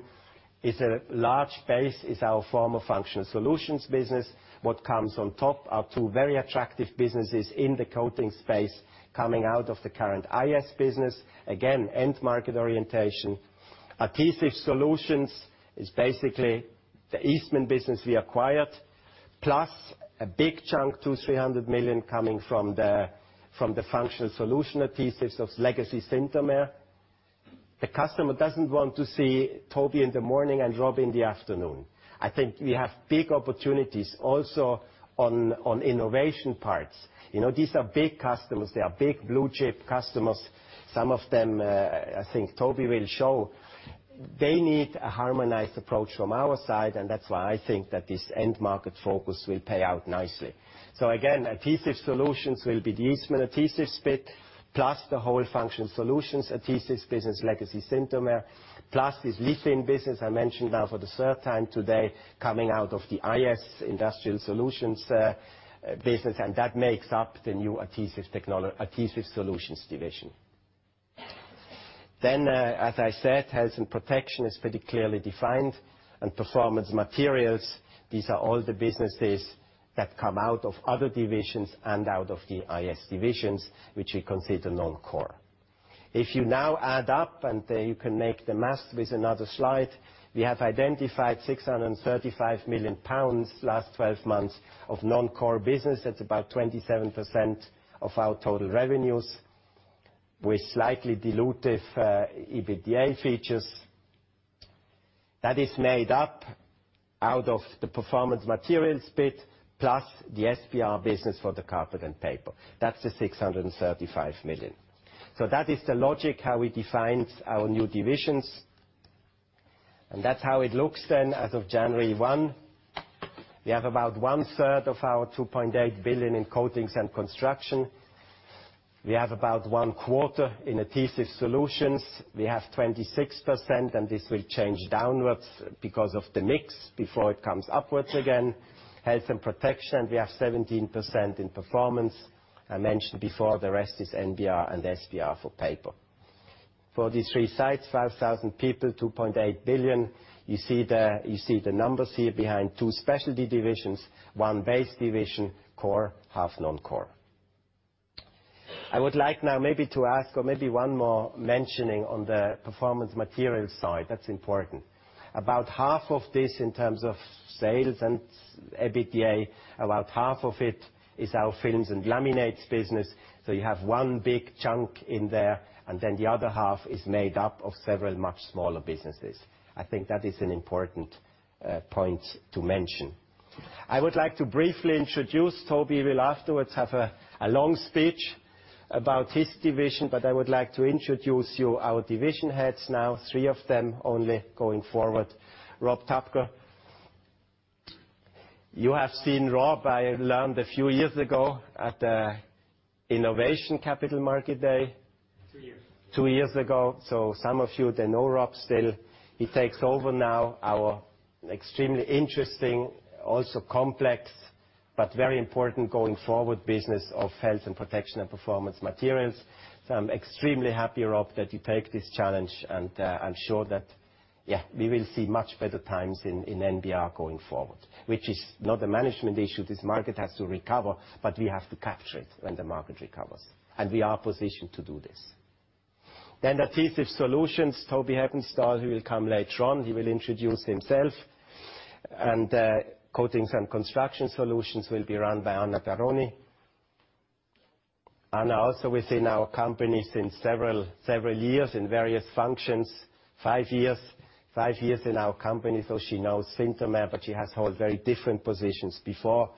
is a large base, is our former Functional Solutions business. What comes on top are two very attractive businesses in the coatings space coming out of the current IS business. Again, end-market orientation. Adhesive Solutions is basically the Eastman business we acquired, plus a big chunk, 200 million-300 million coming from the Functional Solutions adhesives of legacy Synthomer. The customer doesn't want to see Toby in the morning and Rob in the afternoon. I think we have big opportunities also on innovation parts. You know, these are big customers. They are big blue chip customers. Some of them, I think Toby will show they need a harmonized approach from our side, and that's why I think that this end market focus will pay out nicely. Again, Adhesive Solutions will be the Eastman adhesives bit, plus the whole Functional Solutions adhesives business, legacy Synthomer, plus this Lithene business I mentioned now for the third time today, coming out of the Industrial Specialties business, and that makes up the new Adhesive Solutions division. As I said, Health & Protection is pretty clearly defined. Performance materials, these are all the businesses that come out of other divisions and out of the IS divisions, which we consider non-core. If you now add up, and you can make the math with another slide, we have identified 635 million pounds last twelve months of non-core business. That's about 27% of our total revenues with slightly dilutive EBITDA features. That is made up out of the performance materials bit plus the SBR business for the carpet and paper. That's the 635 million. That is the logic how we defined our new divisions. That's how it looks then as of January 1. We have about 1/3 of our 2.8 billion in Coatings & Construction. We have about one-quarter in adhesive solutions. We have 26%, and this will change downwards because of the mix before it comes upwards again. Health & Protection, we have 17% in Performance. I mentioned before, the rest is NBR and SBR for paper. For these three sites, 5,000 people, 2.8 billion. You see the numbers here behind two specialty divisions, one base division core, half non-core. I would like now maybe to ask or maybe one more mentioning on the Performance Materials side. That's important. About half of this in terms of sales and EBITDA, about half of it is our films and laminates business. You have one big chunk in there, and then the other half is made up of several much smaller businesses. I think that is an important point to mention. I would like to briefly introduce Toby, who will afterwards have a long speech about his division, but I would like to introduce you our division heads now, three of them only going forward. Rob Tupker. You have seen Rob, I met a few years ago at the Capital Markets Day. Two years. Two years ago. Some of you then know Rob still. He takes over now our extremely interesting, also complex but very important going forward business of Health & Protection and Performance Materials. I'm extremely happy, Rob, that you take this challenge and I'm sure that, yeah, we will see much better times in NBR going forward. Which is not a management issue. This market has to recover, but we have to capture it when the market recovers, and we are positioned to do this. Adhesive Technologies, Toby Heppenstall, who will come later on. He will introduce himself. Coatings & Construction Solutions will be run by Ana Perroni. Ana also is in our company since several years in various functions. Five years in our company, so she knows Synthomer, but she has held very different positions before.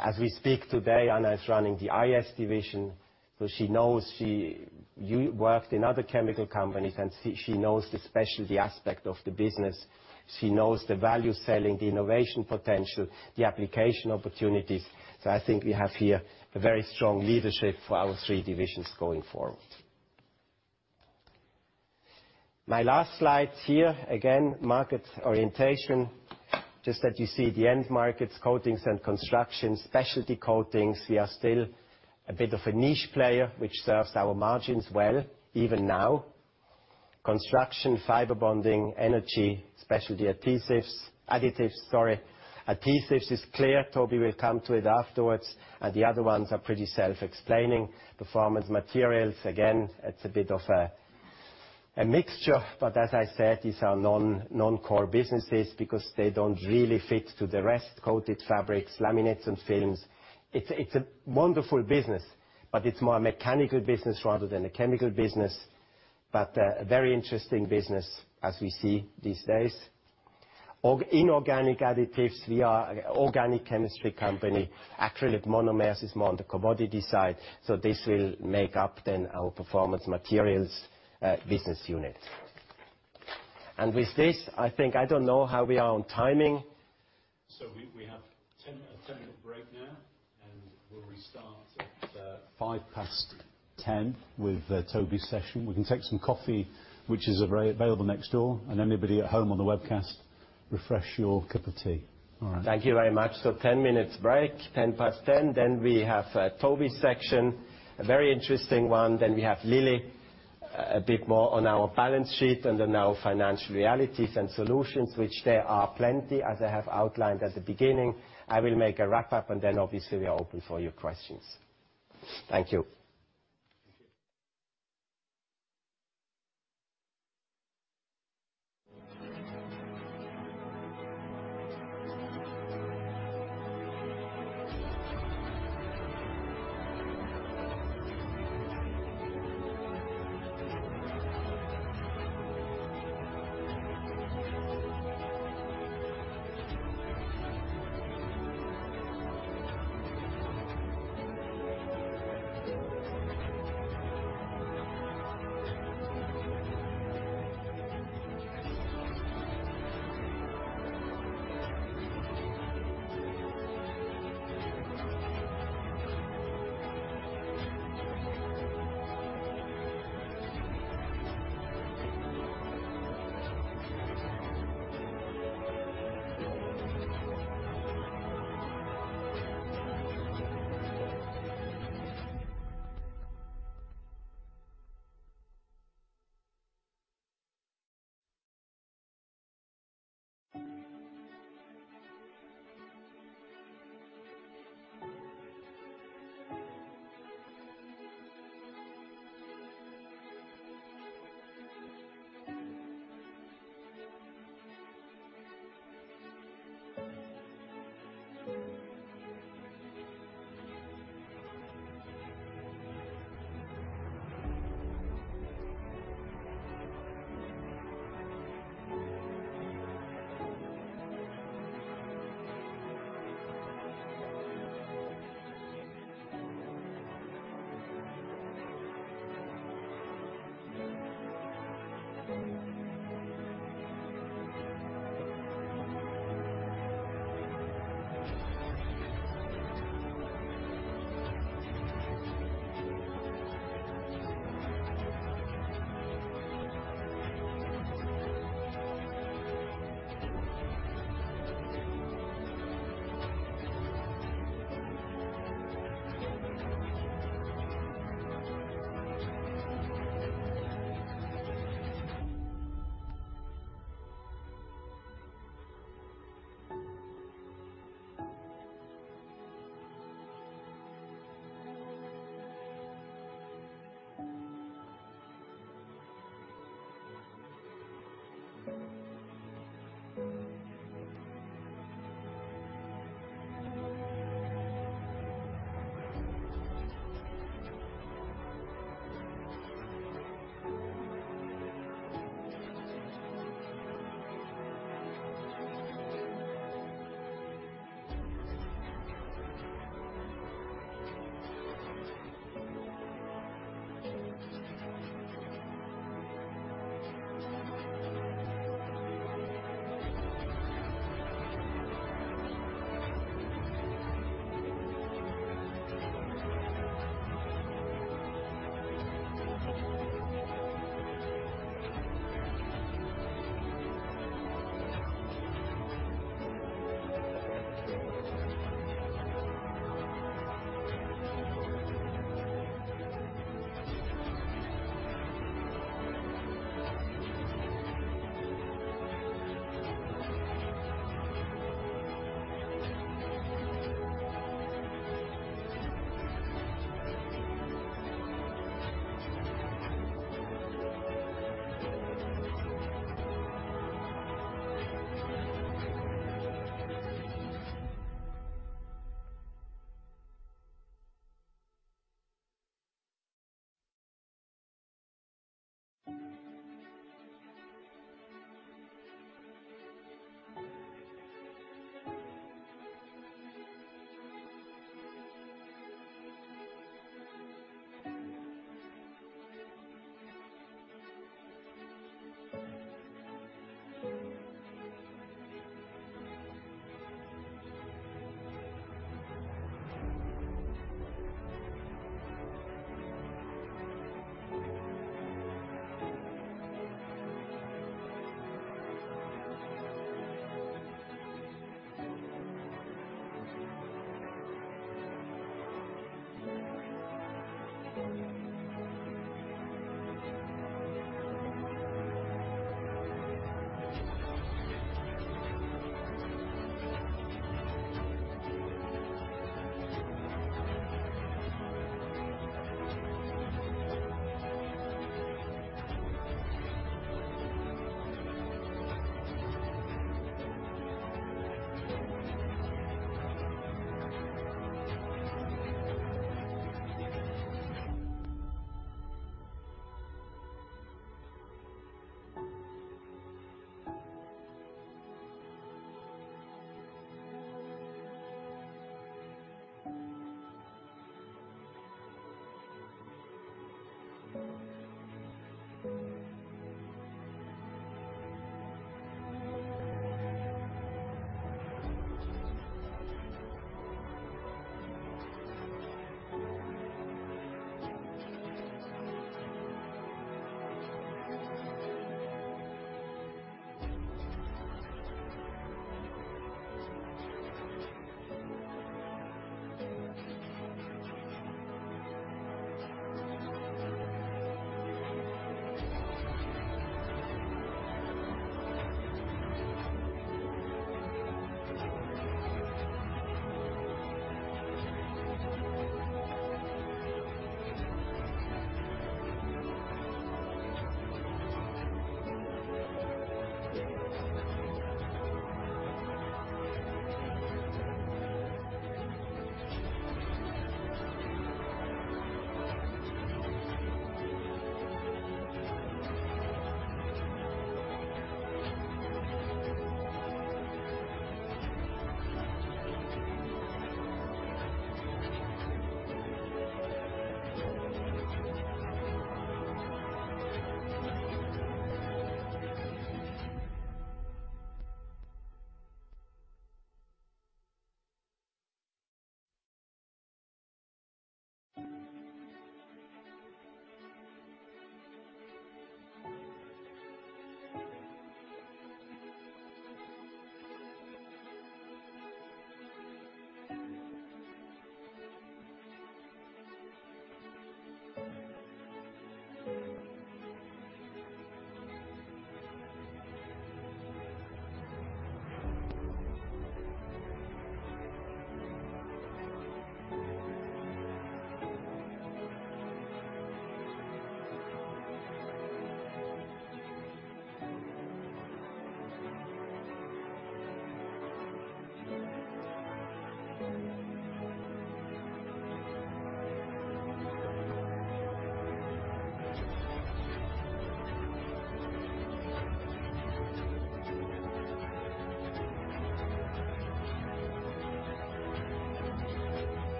As we speak today, Ana is running the IS division, so she knows. She worked in other chemical companies and she knows the specialty aspect of the business. She knows the value selling, the innovation potential, the application opportunities. I think we have here a very strong leadership for our three divisions going forward. My last slide here, again, market orientation. Just that you see the end markets, Coatings & Construction. Specialty coatings, we are still a bit of a niche player, which serves our margins well even now. Construction, fiber bonding, energy, specialty adhesives. Additives, sorry. Adhesives is clear. Toby will come to it afterwards. The other ones are pretty self-explaining. Performance materials, again, it's a bit of a mixture, but as I said, these are non-core businesses because they don't really fit to the rest. Coated fabrics, laminates and films. It's a wonderful business, but it's more a mechanical business rather than a chemical business. A very interesting business as we see these days. Inorganic additives, we are organic chemistry company. Acrylic monomers is more on the commodity side. This will make up then our Performance Materials business unit. With this, I think I don't know how we are on timing. We have a 10-minute break now, and we'll restart at 10:05 A.M. with Toby's session. We can take some coffee, which is available next door. Anybody at home on the webcast, refresh your cup of tea. All right. Thank you very much. Ten-minute break, 10:10 A.M., then we have Toby's section. A very interesting one. Then we have Lily, a bit more on our balance sheet and then our financial realities and solutions, which there are plenty, as I have outlined at the beginning. I will make a wrap up, and then obviously we are open for your questions. Thank you.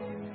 Thank you.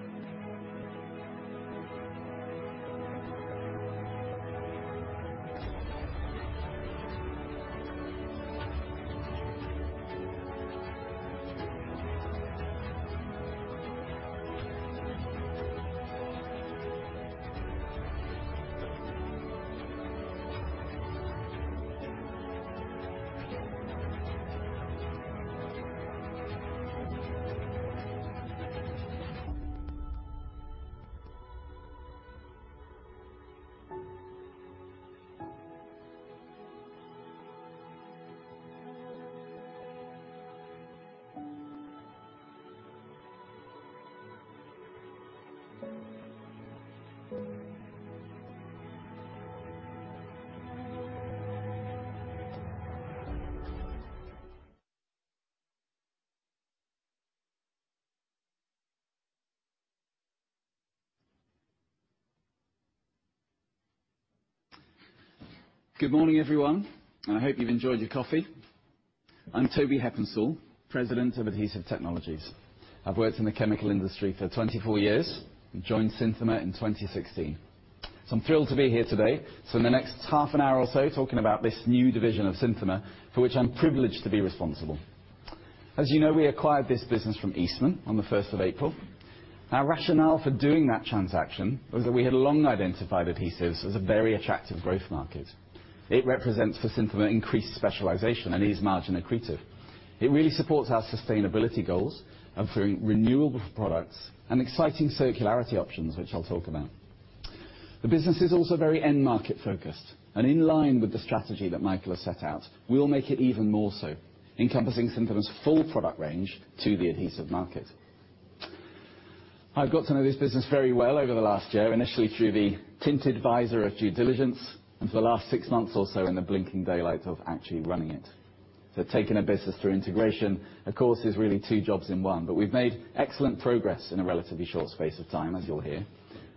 Good morning, everyone, and I hope you've enjoyed your coffee. I'm Toby Heppenstall, President of Adhesive Technologies. I've worked in the chemical industry for 24 years and joined Synthomer in 2016. I'm thrilled to be here today. In the next half an hour or so, talking about this new division of Synthomer, for which I'm privileged to be responsible. As you know, we acquired this business from Eastman on the first of April. Our rationale for doing that transaction was that we had long identified adhesives as a very attractive growth market. It represents, for Synthomer, increased specialization and is margin accretive. It really supports our sustainability goals of creating renewable products and exciting circularity options, which I'll talk about. The business is also very end market-focused and in line with the strategy that Michael has set out, we'll make it even more so, encompassing Synthomer's full product range to the adhesive market. I've got to know this business very well over the last year. Initially through the tinted visor of due diligence and for the last six months or so in the blinking daylight of actually running it. Taking a business through integration, of course, is really two jobs in one. We've made excellent progress in a relatively short space of time, as you'll hear.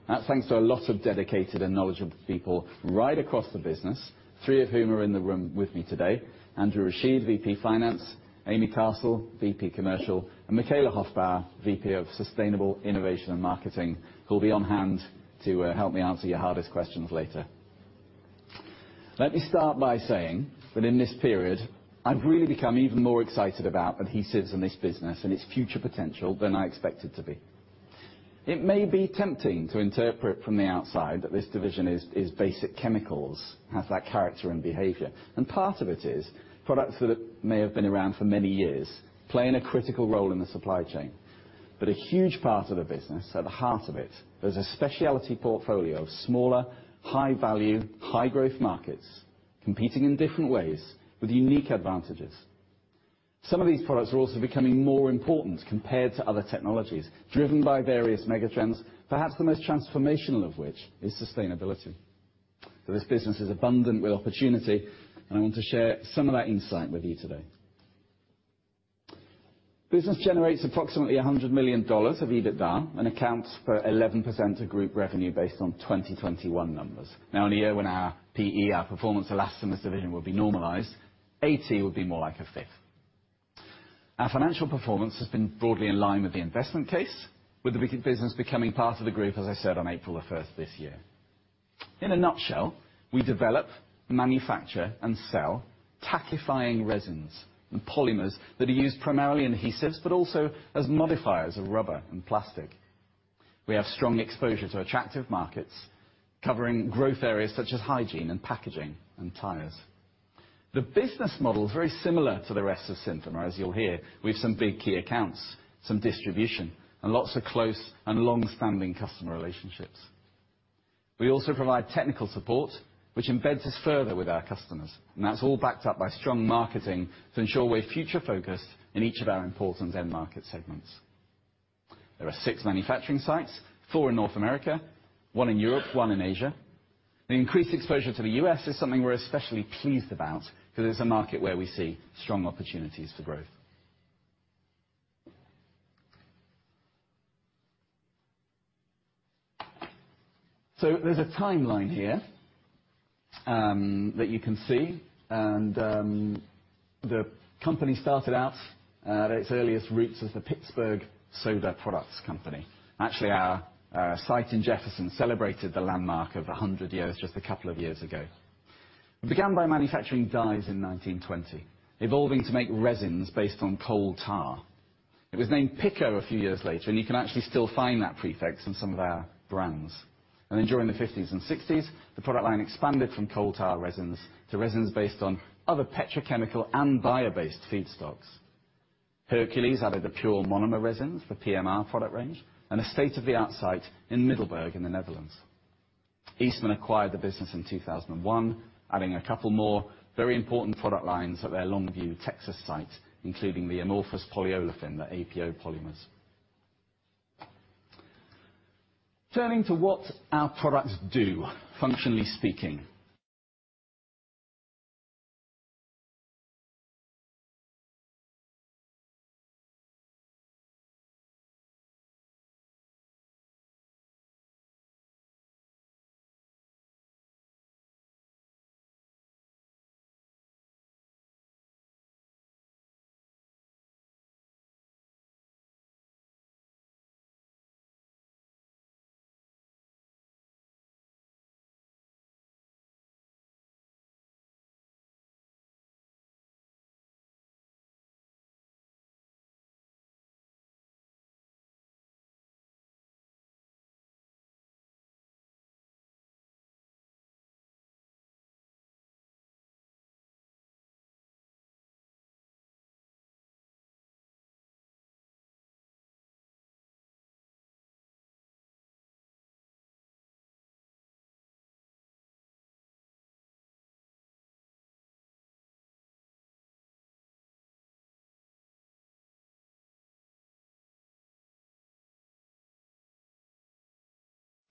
That's thanks to a lot of dedicated and knowledgeable people right across the business, three of whom are in the room with me today. Andrew Rashid, VP Finance, Amy Castle, VP Commercial, and Michaela Hofbauer, VP of Sustainable Innovation and Marketing, who will be on hand to help me answer your hardest questions later. Let me start by saying that in this period, I've really become even more excited about adhesives and this business and its future potential than I expected to be. It may be tempting to interpret from the outside that this division is basic chemicals, has that character and behavior. Part of it is products that may have been around for many years, playing a critical role in the supply chain. A huge part of the business at the heart of it, there's a specialty portfolio of smaller, high value, high growth markets competing in different ways with unique advantages. Some of these products are also becoming more important compared to other technologies driven by various megatrends, perhaps the most transformational of which is sustainability. This business is abundant with opportunity, and I want to share some of that insight with you today. Business generates approximately $100 million of EBITDA and accounts for 11% of group revenue based on 2021 numbers. Now, in a year when our PE, our Performance Elastomers division will be normalized, AT will be more like a fifth. Our financial performance has been broadly in line with the investment case, with the business becoming part of the group, as I said, on April 1st this year. In a nutshell, we develop, manufacture, and sell tackifying resins and polymers that are used primarily in adhesives, but also as modifiers of rubber and plastic. We have strong exposure to attractive markets, covering growth areas such as hygiene and packaging and tires. The business model is very similar to the rest of Synthomer. As you'll hear, we have some big key accounts, some distribution, and lots of close and long-standing customer relationships. We also provide technical support, which embeds us further with our customers, and that's all backed up by strong marketing to ensure we're future-focused in each of our important end market segments. There are six manufacturing sites, four in North America, one in Europe, one in Asia. The increased exposure to the U.S. is something we're especially pleased about because it's a market where we see strong opportunities for growth. There's a timeline here, that you can see and, the company started out at its earliest roots as the Pittsburgh Soda products company. Actually, our site in Jefferson celebrated the landmark of 100 years just a couple of years ago. It began by manufacturing dyes in 1920, evolving to make resins based on coal tar. It was named Picco a few years later, and you can actually still find that prefix in some of our brands. Then during the 1950s and 1960s, the product line expanded from coal tar resins to resins based on other petrochemical and bio-based feedstocks. Hercules added the pure monomer resins for PMR product range, and a state-of-the-art site in Middelburg in the Netherlands. Eastman acquired the business in 2001, adding a couple more very important product lines at their Longview, Texas site, including the amorphous polyolefin, the APO polymers. Turning to what our products do, functionally speaking.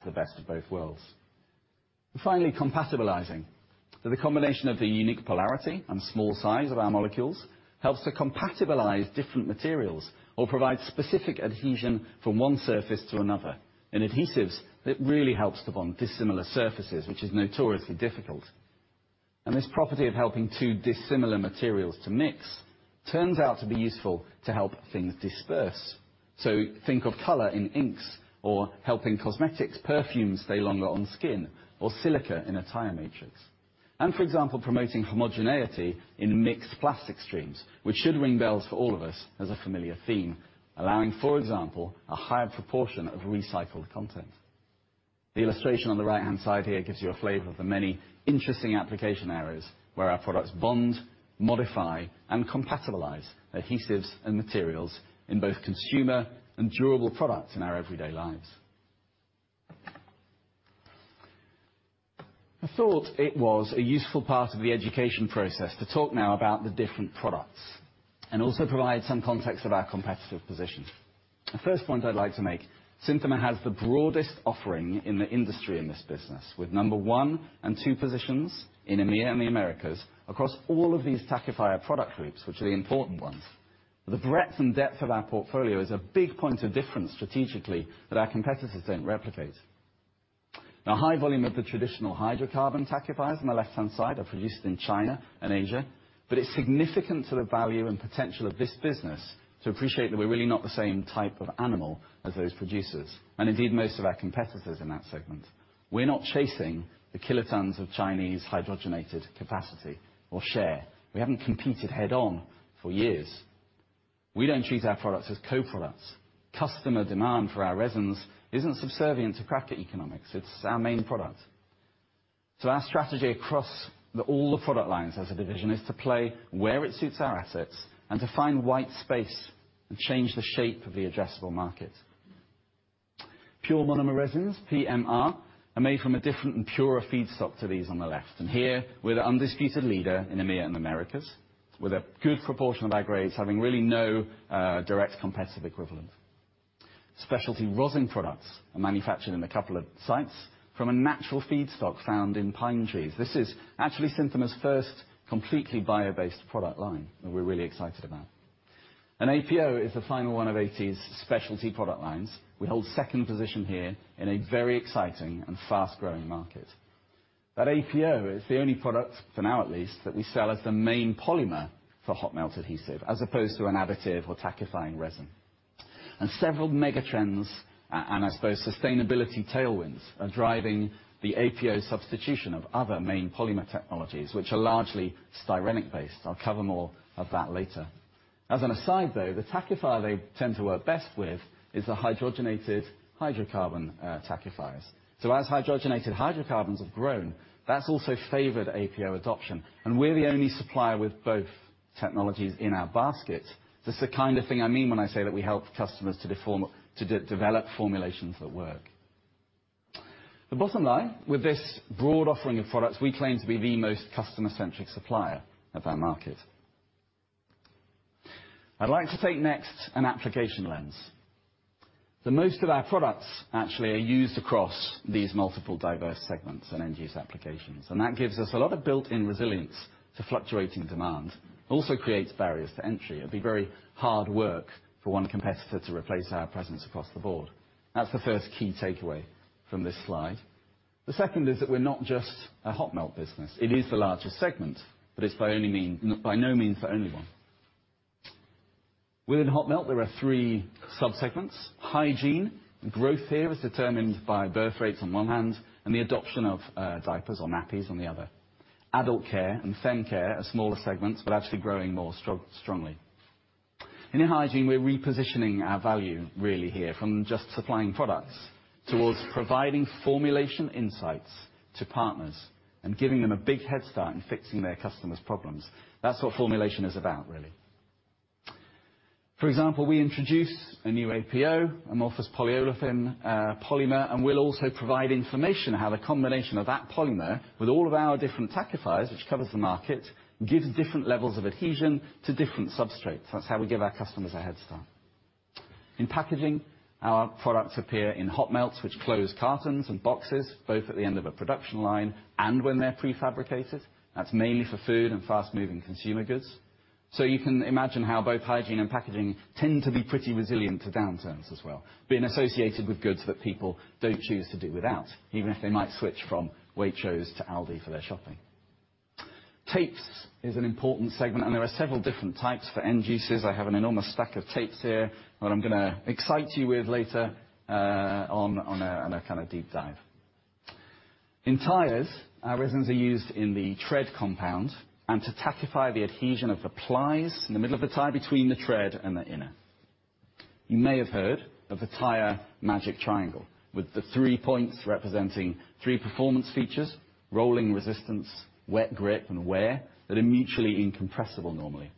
The best of both worlds. Finally, compatibilizing. The combination of the unique polarity and small size of our molecules helps to compatibilize different materials or provide specific adhesion from one surface to another. In adhesives, it really helps to bond dissimilar surfaces, which is notoriously difficult. This property of helping two dissimilar materials to mix turns out to be useful to help things disperse. Think of color in inks or helping cosmetics, perfumes stay longer on skin or silica in a tire matrix. For example, promoting homogeneity in mixed plastic streams, which should ring bells for all of us as a familiar theme, allowing, for example, a higher proportion of recycled content. The illustration on the right-hand side here gives you a flavor of the many interesting application areas where our products bond, modify, and compatibilize adhesives and materials in both consumer and durable products in our everyday lives. I thought it was a useful part of the education process to talk now about the different products and also provide some context of our competitive position. The first point I'd like to make, Synthomer has the broadest offering in the industry in this business, with number one and two positions in EMEA and the Americas across all of these tackifier product groups, which are the important ones. The breadth and depth of our portfolio is a big point of difference strategically that our competitors don't replicate. Now, high volume of the traditional hydrocarbon tackifiers on the left-hand side are produced in China and Asia, but it's significant to the value and potential of this business to appreciate that we're really not the same type of animal as those producers and indeed most of our competitors in that segment. We're not chasing the kilotons of Chinese hydrogenated capacity or share. We haven't competed head-on for years. We don't treat our products as co-products. Customer demand for our resins isn't subservient to cracker economics. It's our main product. Our strategy across all the product lines as a division is to play where it suits our assets and to find white space and change the shape of the addressable market. Pure monomer resins, PMR, are made from a different and purer feedstock to these on the left. Here, we're the undisputed leader in EMEA and Americas, with a good proportion of our grades having really no direct competitive equivalent. Specialty rosin products are manufactured in a couple of sites from a natural feedstock found in pine trees. This is actually Synthomer's first completely bio-based product line that we're really excited about. APO is the final one of AT's specialty product lines. We hold second position here in a very exciting and fast-growing market. That APO is the only product, for now at least, that we sell as the main polymer for hot melt adhesive, as opposed to an additive or tackifying resin. Several megatrends, and I suppose sustainability tailwinds are driving the APO substitution of other main polymer technologies, which are largely styrenic based. I'll cover more of that later. As an aside though, the tackifier they tend to work best with is the hydrogenated hydrocarbon tackifiers. As hydrogenated hydrocarbons have grown, that's also favored APO adoption, and we're the only supplier with both technologies in our basket. This is the kind of thing I mean when I say that we help customers to develop formulations that work. The bottom line, with this broad offering of products, we claim to be the most customer-centric supplier of our market. I'd like to take next an application lens. Most of our products actually are used across these multiple diverse segments and end use applications, and that gives us a lot of built-in resilience to fluctuating demand. Also creates barriers to entry. It'd be very hard work for one competitor to replace our presence across the board. That's the first key takeaway from this slide. The second is that we're not just a hot melt business. It is the largest segment, but it's by no means the only one. Within hot melt, there are three sub-segments. Hygiene, growth here is determined by birth rates on one hand, and the adoption of diapers or nappies on the other. Adult care and fem care are smaller segments, but actually growing more strongly. In hygiene, we're repositioning our value really here from just supplying products towards providing formulation insights to partners and giving them a big head start in fixing their customers' problems. That's what formulation is about, really. For example, we introduce a new APO, amorphous polyolefin, polymer, and we'll also provide information how the combination of that polymer with all of our different tackifiers, which covers the market, gives different levels of adhesion to different substrates. That's how we give our customers a head start. In packaging, our products appear in hot melts, which close cartons and boxes, both at the end of a production line and when they're prefabricated. That's mainly for food and fast-moving consumer goods. You can imagine how both hygiene and packaging tend to be pretty resilient to downturns as well, being associated with goods that people don't choose to do without, even if they might switch from Waitrose to Aldi for their shopping. Tapes is an important segment, and there are several different types for end uses. I have an enormous stack of tapes here that I'm gonna excite you with later, on a kind of deep dive. In tires, our resins are used in the tread compound and to tackify the adhesion of the plies in the middle of the tire between the tread and the inner. You may have heard of the tire magic triangle, with the three points representing three performance features, rolling resistance, wet grip, and wear that are mutually incompatible normally.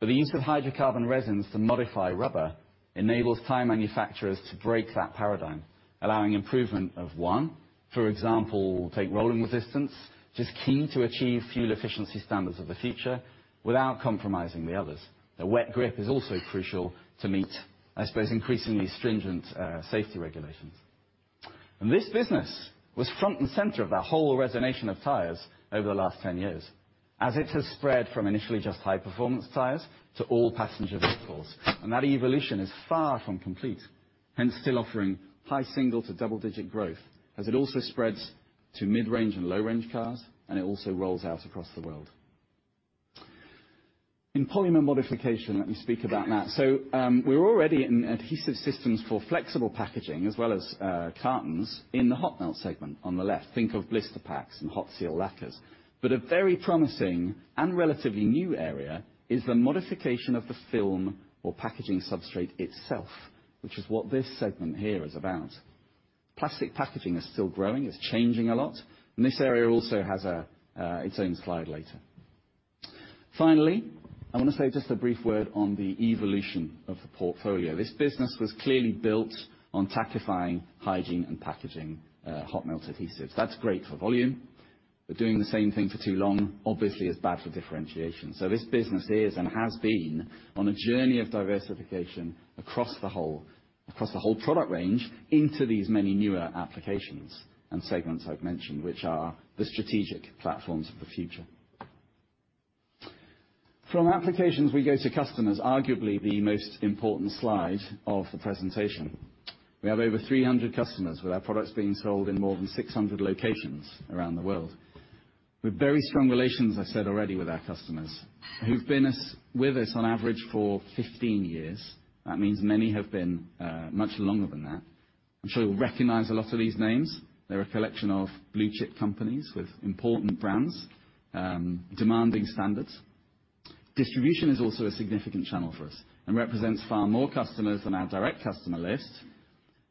The use of hydrocarbon resins to modify rubber enables tire manufacturers to break that paradigm, allowing improvement of one. For example, take rolling resistance, which is key to achieve fuel efficiency standards of the future without compromising the others. The wet grip is also crucial to meet, I suppose, increasingly stringent safety regulations. This business was front and center of that whole resinization of tires over the last 10 years, as it has spread from initially just high performance tires to all passenger vehicles. That evolution is far from complete, hence still offering high single- to double-digit growth as it also spreads to mid-range and low-range cars, and it also rolls out across the world. In polymer modification, let me speak about that. We're already in adhesive systems for flexible packaging as well as cartons in the hot melt segment on the left. Think of blister packs and hot seal lacquers. A very promising and relatively new area is the modification of the film or packaging substrate itself, which is what this segment here is about. Plastic packaging is still growing, it's changing a lot, and this area also has its own slide later. Finally, I wanna say just a brief word on the evolution of the portfolio. This business was clearly built on tackifying hygiene and packaging hot melt adhesives. That's great for volume. Doing the same thing for too long obviously is bad for differentiation. This business is and has been on a journey of diversification across the whole product range into these many newer applications and segments I've mentioned, which are the strategic platforms of the future. From applications, we go to customers, arguably the most important slide of the presentation. We have over 300 customers with our products being sold in more than 600 locations around the world. With very strong relations, I said already with our customers who've been with us on average for 15 years. That means many have been much longer than that. I'm sure you'll recognize a lot of these names. They're a collection of blue chip companies with important brands, demanding standards. Distribution is also a significant channel for us and represents far more customers than our direct customer list.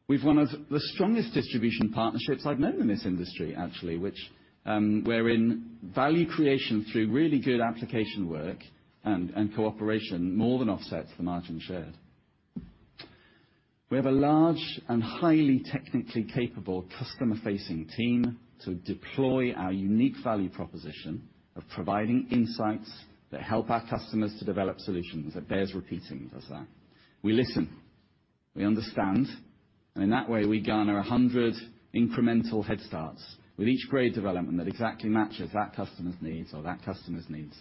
We have one of the strongest distribution partnerships I've known in this industry, actually, which, wherein value creation through really good application work and cooperation more than offsets the margin shared. We have a large and highly technically capable customer-facing team to deploy our unique value proposition of providing insights that help our customers to develop solutions. That bears repeating, does that. We listen, we understand, and in that way, we garner 100 incremental head starts with each grade development that exactly matches that customer's needs or that customer's needs.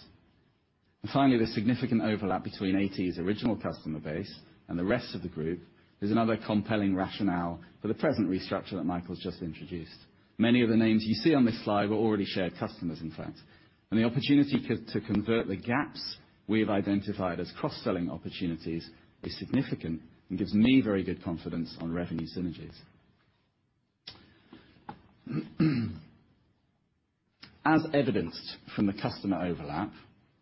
Finally, the significant overlap between AT's original customer base and the rest of the group is another compelling rationale for the present restructure that Michael just introduced. Many of the names you see on this slide were already shared customers, in fact. The opportunity to convert the gaps we've identified as cross-selling opportunities is significant and gives me very good confidence on revenue synergies. As evidenced from the customer overlap,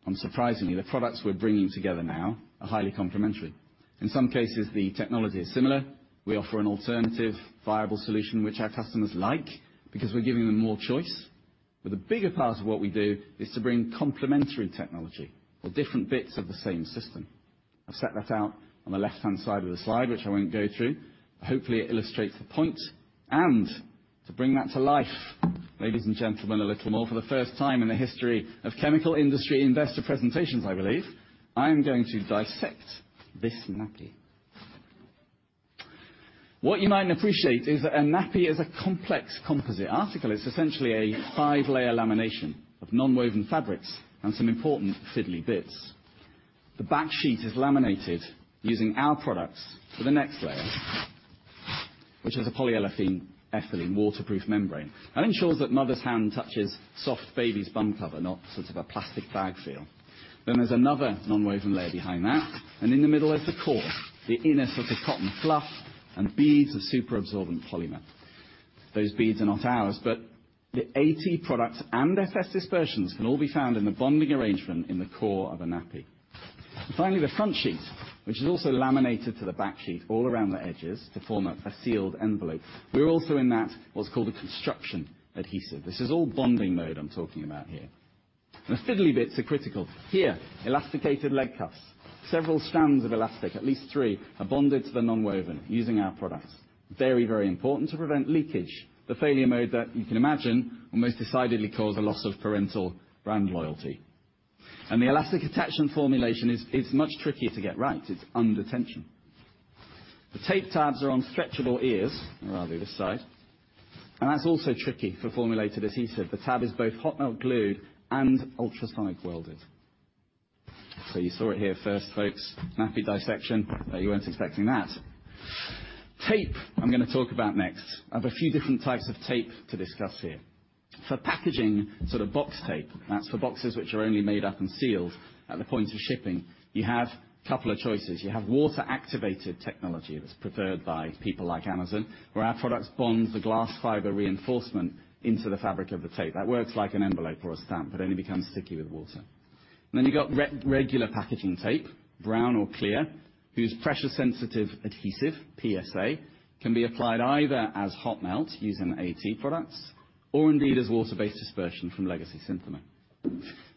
unsurprisingly, the products we're bringing together now are highly complementary. In some cases, the technology is similar. We offer an alternative viable solution which our customers like, because we're giving them more choice. The bigger part of what we do is to bring complementary technology or different bits of the same system. I've set that out on the left-hand side of the slide, which I won't go through. Hopefully, it illustrates the point and to bring that to life, ladies and gentlemen, a little more, for the first time in the history of chemical industry investor presentations, I believe, I am going to dissect this nappy. What you might not appreciate is that a nappy is a complex composite article. It's essentially a five-layer lamination of nonwoven fabrics and some important fiddly bits. The backsheet is laminated using our products for the next layer, which is a polyolefin ethylene waterproof membrane, and ensures that mother's hand touches soft baby's bum cover, not sort of a plastic bag feel. Then there's another nonwoven layer behind that, and in the middle is the core, the inner sort of cotton fluff and beads of super absorbent polymer. Those beads are not ours, but the AT products and FS dispersions can all be found in the bonding arrangement in the core of a nappy. Finally, the frontsheet, which is also laminated to the backsheet all around the edges to form a sealed envelope. We're also in that, what's called a construction adhesive. This is all bonding mode I'm talking about here. The fiddly bits are critical. Here, elasticated leg cuffs. Several strands of elastic, at least three, are bonded to the nonwoven using our products. Very, very important to prevent leakage. The failure mode that you can imagine will most decidedly cause a loss of parental brand loyalty. The elastic attachment formulation is much trickier to get right. It's under tension. The tape tabs are on stretchable ears. Rather this side, and that's also tricky for formulated adhesive. The tab is both hot melt glued and ultrasonic welded. You saw it here first, folks. Nappy dissection. Bet you weren't expecting that. Tape, I'm gonna talk about next. I've a few different types of tape to discuss here. For packaging, sort of box tape, that's for boxes which are only made up and sealed at the point of shipping. You have a couple of choices. You have water-activated technology that's preferred by people like Amazon, where our products bonds the glass fiber reinforcement into the fabric of the tape. That works like an envelope or a stamp. It only becomes sticky with water. You got regular packaging tape, brown or clear, whose pressure-sensitive adhesive, PSA, can be applied either as hot melt using AT products, or indeed as water-based dispersion from legacy Synthomer.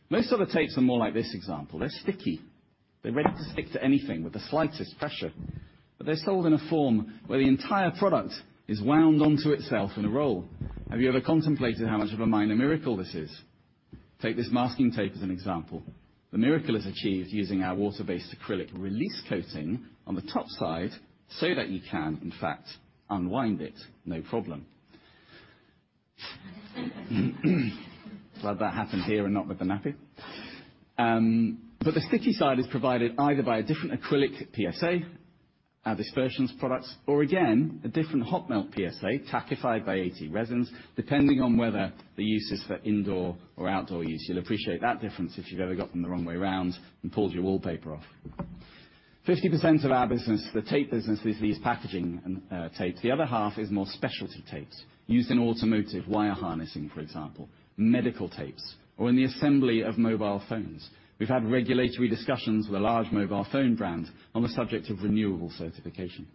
Most of the tapes are more like this example. They're sticky. They're ready to stick to anything with the slightest pressure. They're sold in a form where the entire product is wound onto itself in a roll. Have you ever contemplated how much of a minor miracle this is? Take this masking tape as an example. The miracle is achieved using our water-based acrylic release coating on the top side so that you can, in fact, unwind it, no problem. Glad that happened here and not with the nappy. The sticky side is provided either by a different acrylic PSA, our dispersions products, or again, a different hot melt PSA tackified by AT resins, depending on whether the use is for indoor or outdoor use. You'll appreciate that difference if you've ever got them the wrong way around and pulled your wallpaper off. 50% of our business, the tape business, is these packaging tapes. The other half is more specialty tapes used in automotive wire harnessing, for example, medical tapes or in the assembly of mobile phones. We've had regulatory discussions with a large mobile phone brand on the subject of renewable certification.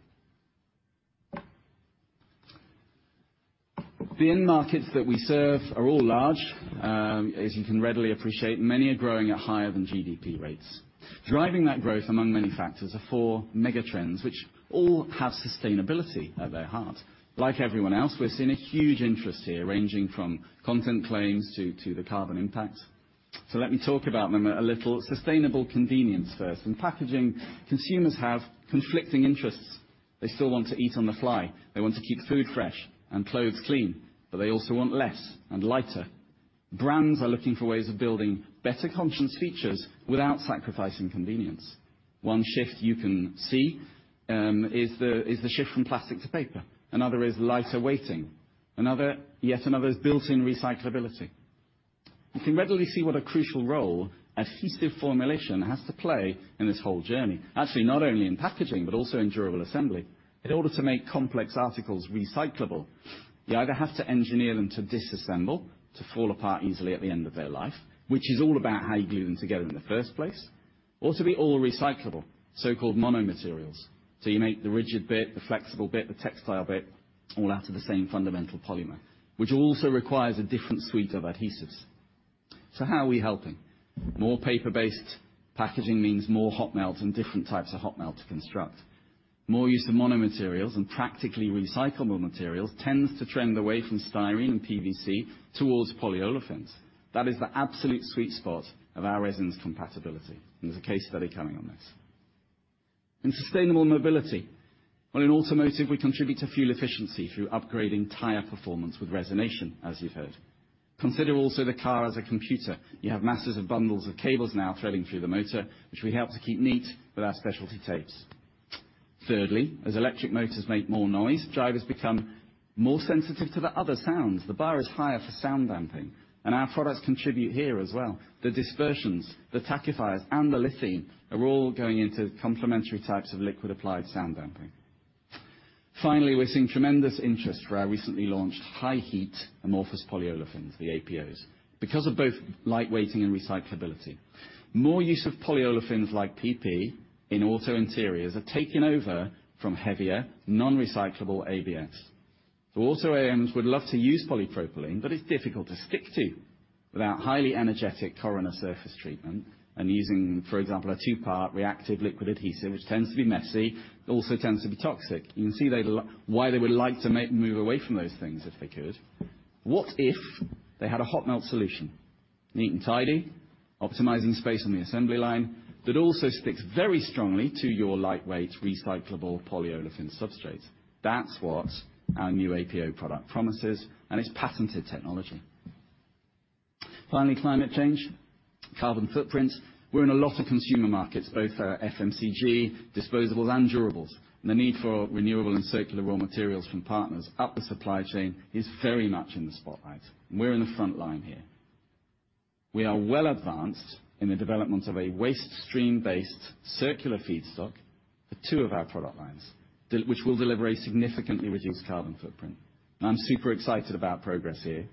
The end markets that we serve are all large. As you can readily appreciate, many are growing at higher-than-GDP rates. Driving that growth among many factors are four mega trends which all have sustainability at their heart. Like everyone else, we're seeing a huge interest here, ranging from content claims to the carbon impact. Let me talk about them a little. Sustainable convenience first. In packaging, consumers have conflicting interests. They still want to eat on the fly. They want to keep food fresh and clothes clean, but they also want less and lighter. Brands are looking for ways of building better conscious features without sacrificing convenience. One shift you can see is the shift from plastic to paper. Another is lighter weighting. Yet another is built-in recyclability. You can readily see what a crucial role adhesive formulation has to play in this whole journey. Actually, not only in packaging but also in durable assembly. In order to make complex articles recyclable, you either have to engineer them to disassemble, to fall apart easily at the end of their life, which is all about how you glue them together in the first place. To be all recyclable, so-called mono materials. You make the rigid bit, the flexible bit, the textile bit, all out of the same fundamental polymer, which also requires a different suite of adhesives. How are we helping? More paper-based packaging means more hot melt and different types of hot melt to construct. More use of mono materials and practically recyclable materials tends to trend away from styrene and PVC towards polyolefins. That is the absolute sweet spot of our resins compatibility, and there's a case study coming on this. In sustainable mobility. Well, in automotive, we contribute to fuel efficiency through upgrading tire performance with resinization, as you've heard. Consider also the car as a computer. You have masses of bundles of cables now threading through the motor, which we help to keep neat with our specialty tapes. Thirdly, as electric motors make more noise, drivers become more sensitive to the other sounds. The bar is higher for sound damping, and our products contribute here as well. The dispersions, the tackifiers, and the Lithene are all going into complementary types of liquid applied sound damping. Finally, we're seeing tremendous interest for our recently launched high heat amorphous polyolefins, the APOs, because of both lightweighting and recyclability. More use of polyolefins like PP in auto interiors are taking over from heavier non-recyclable ABS. The auto OEMs would love to use polypropylene, but it's difficult to stick to without highly energetic corona surface treatment and using, for example, a two-part reactive liquid adhesive, which tends to be messy, but also tends to be toxic. You can see why they would like to move away from those things if they could. What if they had a hot melt solution, neat and tidy, optimizing space on the assembly line that also sticks very strongly to your lightweight recyclable polyolefin substrate? That's what our new APO product promises, and it's patented technology. Finally, climate change, carbon footprint. We're in a lot of consumer markets, both FMCG, disposables, and durables. The need for renewable and circular raw materials from partners up the supply chain is very much in the spotlight. We're in the front line here. We are well advanced in the development of a waste stream-based circular feedstock for two of our product lines, which will deliver a significantly reduced carbon footprint. Now, I'm super excited about progress here.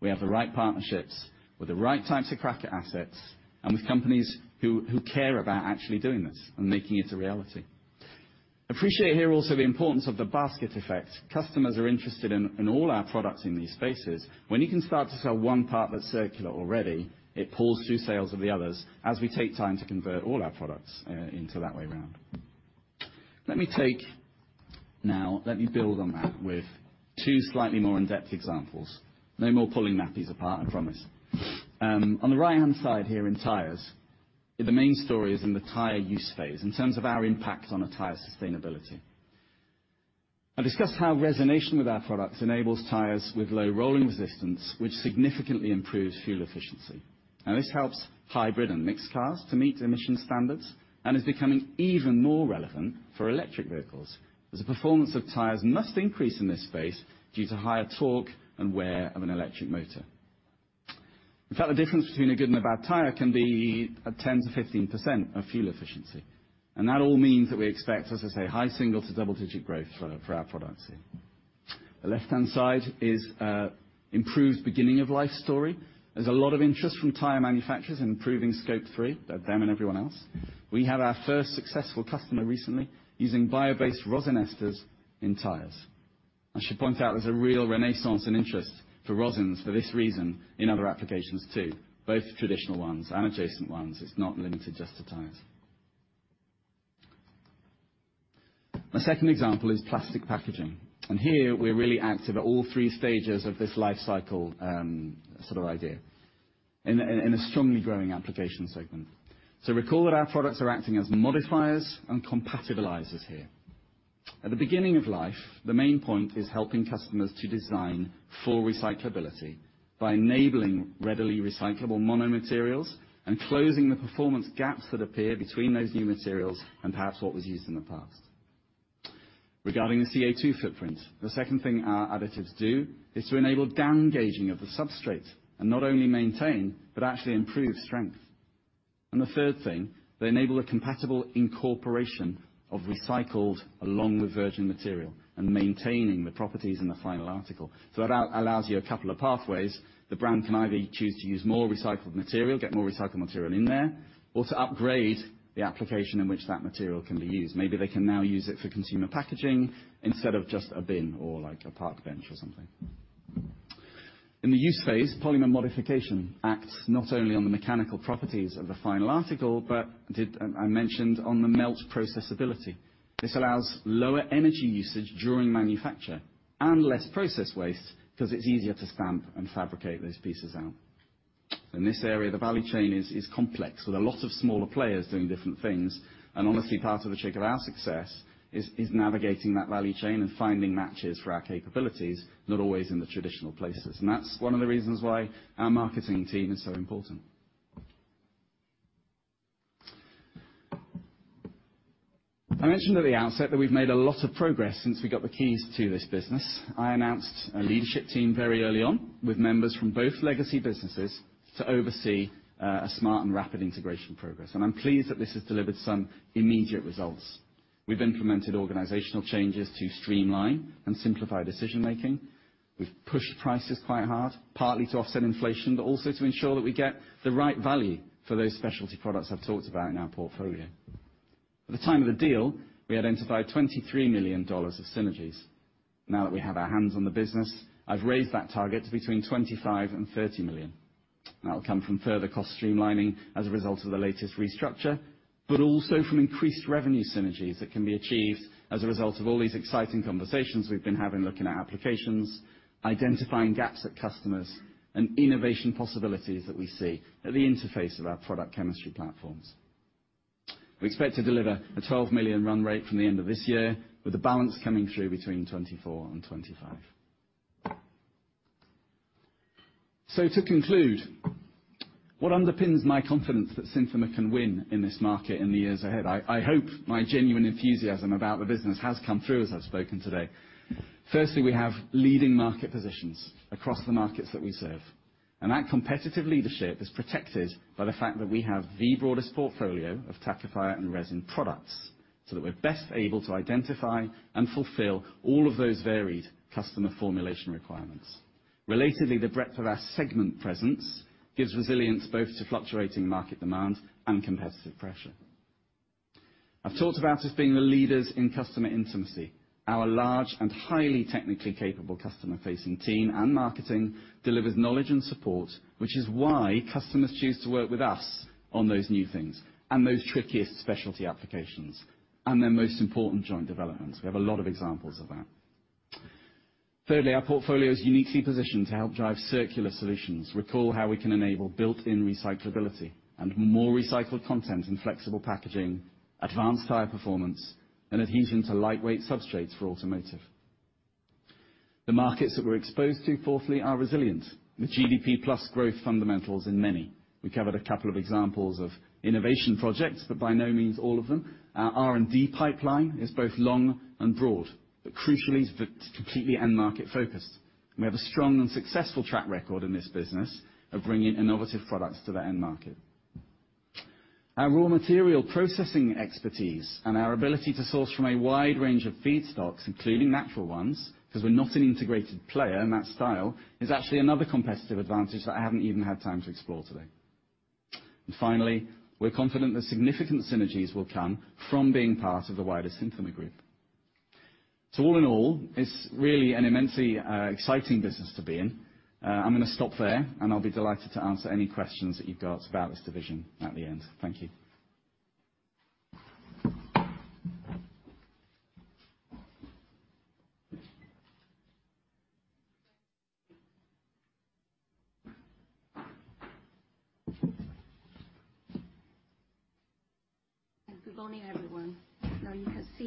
We have the right partnerships with the right types of cracker assets and with companies who care about actually doing this and making it a reality. Appreciate here also the importance of the basket effect. Customers are interested in all our products in these spaces. When you can start to sell one part that's circular already, it pulls two sales of the others as we take time to convert all our products into that way round. Now, let me build on that with two slightly more in-depth examples. No more pulling nappies apart, I promise. On the right-hand side here in tires, the main story is in the tire use phase in terms of our impact on a tire's sustainability. I discussed how resinization with our products enables tires with low rolling resistance, which significantly improves fuel efficiency. Now, this helps hybrid and mixed cars to meet emission standards and is becoming even more relevant for electric vehicles, as the performance of tires must increase in this space due to higher torque and wear of an electric motor. In fact, the difference between a good and a bad tire can be at 10%-15% of fuel efficiency, and that all means that we expect, as I say, high single- to double-digit growth for our products here. The left-hand side is improved beginning of life story. There's a lot of interest from tire manufacturers in improving Scope 3, them and everyone else. We had our first successful customer recently using bio-based rosin esters in tires. I should point out there's a real renaissance in interest for rosins for this reason in other applications too, both traditional ones and adjacent ones. It's not limited just to tires. The second example is plastic packaging. Here we're really active at all three stages of this life cycle, sort of idea, in a strongly growing application segment. Recall that our products are acting as modifiers and compatibilizers here. At the beginning of life, the main point is helping customers to design for recyclability by enabling readily recyclable mono materials and closing the performance gaps that appear between those new materials and perhaps what was used in the past. Regarding the CO2 footprint, the second thing our additives do is to enable down gauging of the substrate and not only maintain, but actually improve strength. The third thing, they enable a compatible incorporation of recycled along with virgin material and maintaining the properties in the final article. That allows you a couple of pathways. The brand can either choose to use more recycled material, get more recycled material in there, or to upgrade the application in which that material can be used. Maybe they can now use it for consumer packaging instead of just a bin or, like, a park bench or something. In the use phase, polymer modification acts not only on the mechanical properties of the final article, but I mentioned on the melt processability. This allows lower energy usage during manufacture and less process waste 'cause it's easier to stamp and fabricate those pieces out. In this area, the value chain is complex with a lot of smaller players doing different things. Honestly, part of the trick of our success is navigating that value chain and finding matches for our capabilities, not always in the traditional places. That's one of the reasons why our marketing team is so important. I mentioned at the outset that we've made a lot of progress since we got the keys to this business. I announced a leadership team very early on with members from both legacy businesses to oversee a smart and rapid integration progress, and I'm pleased that this has delivered some immediate results. We've implemented organizational changes to streamline and simplify decision-making. We've pushed prices quite hard, partly to offset inflation, but also to ensure that we get the right value for those specialty products I've talked about in our portfolio. At the time of the deal, we identified $23 million of synergies. Now that we have our hands on the business, I've raised that target to between $25 million and $30 million. That'll come from further cost streamlining as a result of the latest restructure, but also from increased revenue synergies that can be achieved as a result of all these exciting conversations we've been having, looking at applications, identifying gaps at customers, and innovation possibilities that we see at the interface of our product chemistry platforms. We expect to deliver a $12 million run rate from the end of this year with the balance coming through between 2024 and 2025. To conclude, what underpins my confidence that Synthomer can win in this market in the years ahead? I hope my genuine enthusiasm about the business has come through as I've spoken today. Firstly, we have leading market positions across the markets that we serve, and that competitive leadership is protected by the fact that we have the broadest portfolio of tackifier and resin products so that we're best able to identify and fulfill all of those varied customer formulation requirements. Relatedly, the breadth of our segment presence gives resilience both to fluctuating market demand and competitive pressure. I've talked about us being the leaders in customer intimacy. Our large and highly technically capable customer-facing team and marketing delivers knowledge and support, which is why customers choose to work with us on those new things and those trickiest specialty applications and their most important joint developments. We have a lot of examples of that. Thirdly, our portfolio is uniquely positioned to help drive circular solutions. Recall how we can enable built-in recyclability and more recycled content and flexible packaging, advanced tire performance, and adhesion to lightweight substrates for automotive. The markets that we're exposed to, fourthly, are resilient, with GDP plus growth fundamentals in many. We covered a couple of examples of innovation projects, but by no means all of them. Our R&D pipeline is both long and broad, but crucially, it's completely end market-focused. We have a strong and successful track record in this business of bringing innovative products to the end market. Our raw material processing expertise and our ability to source from a wide range of feedstocks, including natural ones, because we're not an integrated player in that style, is actually another competitive advantage that I haven't even had time to explore today. Finally, we're confident that significant synergies will come from being part of the wider Synthomer Group. All in all, it's really an immensely exciting business to be in. I'm gonna stop there, and I'll be delighted to answer any questions that you've got about this division at the end. Thank you.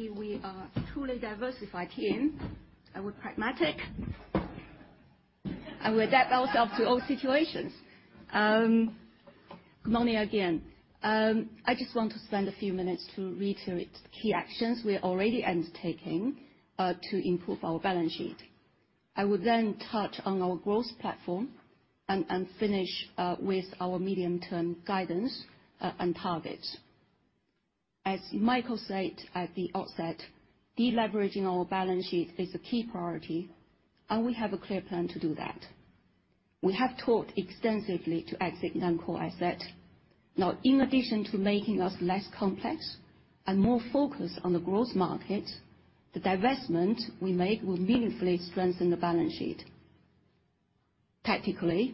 Good morning, everyone. Now you can see we are truly diversified team, and we're pragmatic. We adapt ourselves to all situations. Good morning again. I just want to spend a few minutes to reiterate key actions we're already undertaking to improve our balance sheet. I will then touch on our growth platform and finish with our medium-term guidance and targets. As Michael said at the outset, deleveraging our balance sheet is a key priority, and we have a clear plan to do that. We have talked extensively to exit non-core asset. Now, in addition to making us less complex and more focused on the growth market, the divestment we make will meaningfully strengthen the balance sheet. Tactically,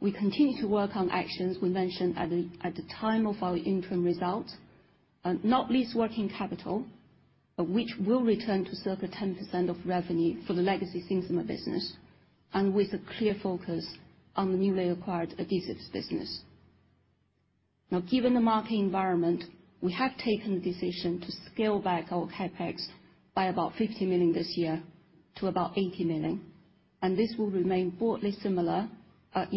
we continue to work on actions we mentioned at the time of our interim results. Not least working capital, but which will return to circa 10% of revenue for the legacy Synthomer business and with a clear focus on the newly acquired adhesives business. Given the market environment, we have taken the decision to scale back our CapEx by about 50 million this year to about 80 million, and this will remain broadly similar, at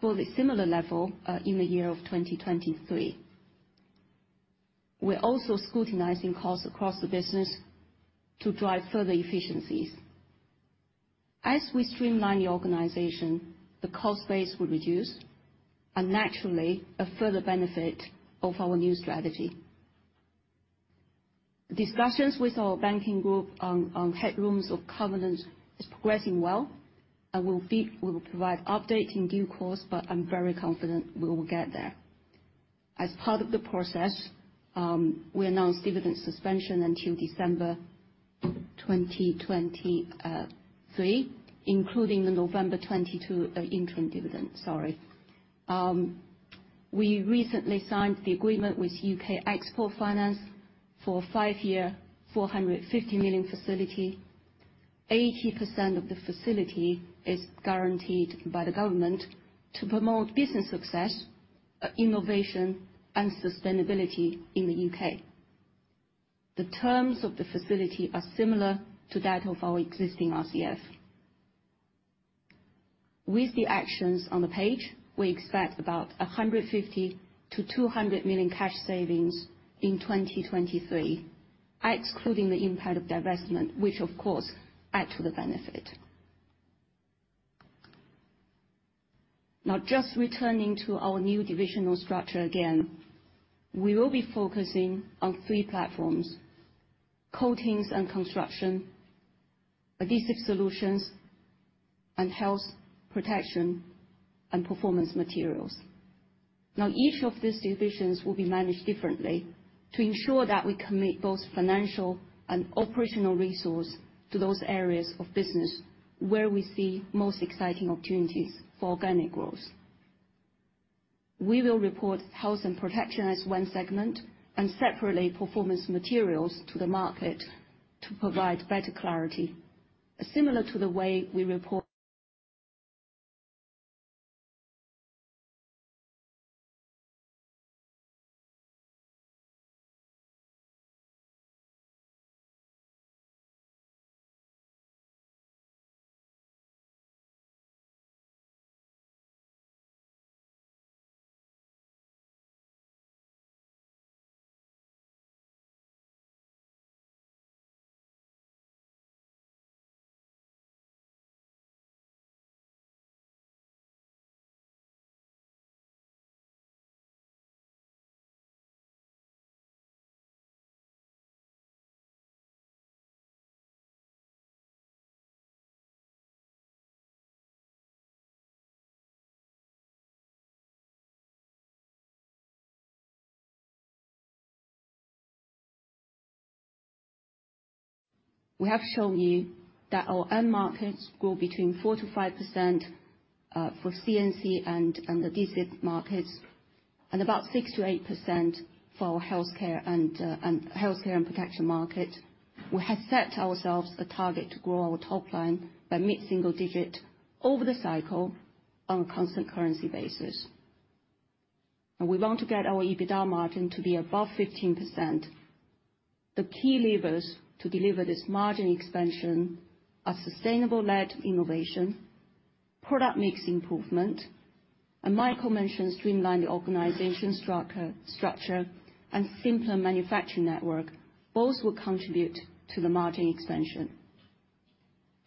broadly similar level, in the year of 2023. We're also scrutinizing costs across the business to drive further efficiencies. As we streamline the organization, the cost base will reduce and naturally a further benefit of our new strategy. Discussions with our banking group on covenant headroom is progressing well and we will provide update in due course, but I'm very confident we will get there. As part of the process, we announced dividend suspension until December 2023, including the November 2022 interim dividend. We recently signed the agreement with UK Export Finance for a five-year, 450 million facility. 80% of the facility is guaranteed by the government to promote business success, innovation, and sustainability in the U.K. The terms of the facility are similar to that of our existing RCF. With the actions on the page, we expect about 150 million-200 million cash savings in 2023, excluding the impact of divestment, which of course add to the benefit. Now, just returning to our new divisional structure again, we will be focusing on three platforms, Coatings & Construction, Adhesive Solutions, and Health & Protection and Performance Materials. Now, each of these divisions will be managed differently to ensure that we commit both financial and operational resource to those areas of business where we see most exciting opportunities for organic growth. We will report Health & Protection as one segment and separately Performance Materials to the market to provide better clarity. We have shown you that our end markets grow between 4%-5% for C&C and the DC markets, and about 6%-8% for our Health & Protection market. We have set ourselves a target to grow our top line by mid-single digit over the cycle on a constant currency basis. We want to get our EBITDA margin to be above 15%. The key levers to deliver this margin expansion are sustainable-led innovation, product mix improvement, and Michael mentioned streamlined organization structure, and simpler manufacturing network. Both will contribute to the margin expansion.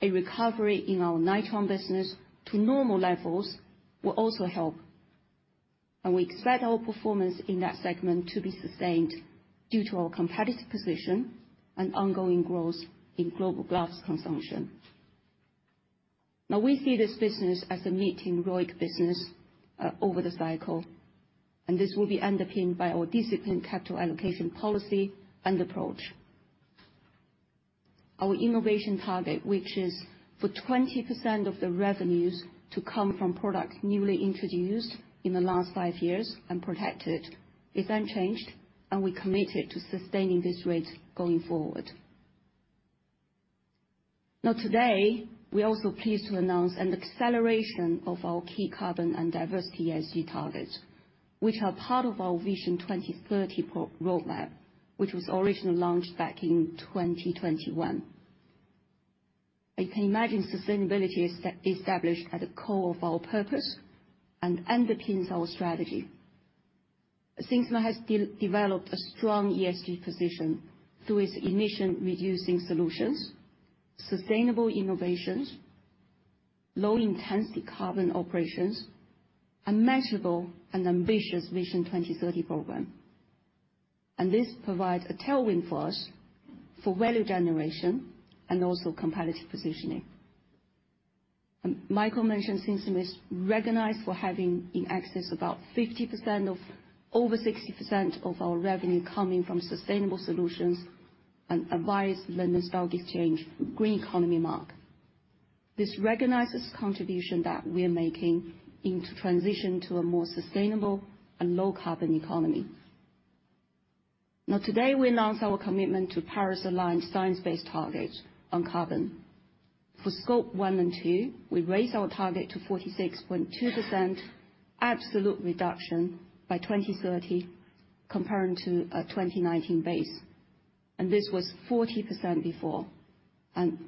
A recovery in our nitrile business to normal levels will also help. We expect our performance in that segment to be sustained due to our competitive position and ongoing growth in global gloves consumption. Now, we see this business as a mid-teens ROIC business over the cycle, and this will be underpinned by our disciplined capital allocation policy and approach. Our innovation target, which is for 20% of the revenues to come from products newly introduced in the last five years and protected, is unchanged, and we're committed to sustaining this rate going forward. Now today, we're also pleased to announce an acceleration of our key carbon and diversity ESG targets, which are part of our Vision 2030 roadmap, which was originally launched back in 2021. You can imagine sustainability is established at the core of our purpose and underpins our strategy. Synthomer has developed a strong ESG position through its emission reducing solutions, sustainable innovations, low intensity carbon operations, and measurable and ambitious Vision 2030 program. This provides a tailwind for us for value generation and also competitive positioning. Michael mentioned Synthomer is recognized for having over 60% of our revenue coming from sustainable solutions and achieved London Stock Exchange Green Economy Mark. This recognizes contribution that we are making into transition to a more sustainable and low carbon economy. Now today, we announced our commitment to Paris-aligned science-based targets on carbon. For Scope 1 and 2, we raised our target to 46.2% absolute reduction by 2030 compared to a 2019 base. This was 40% before.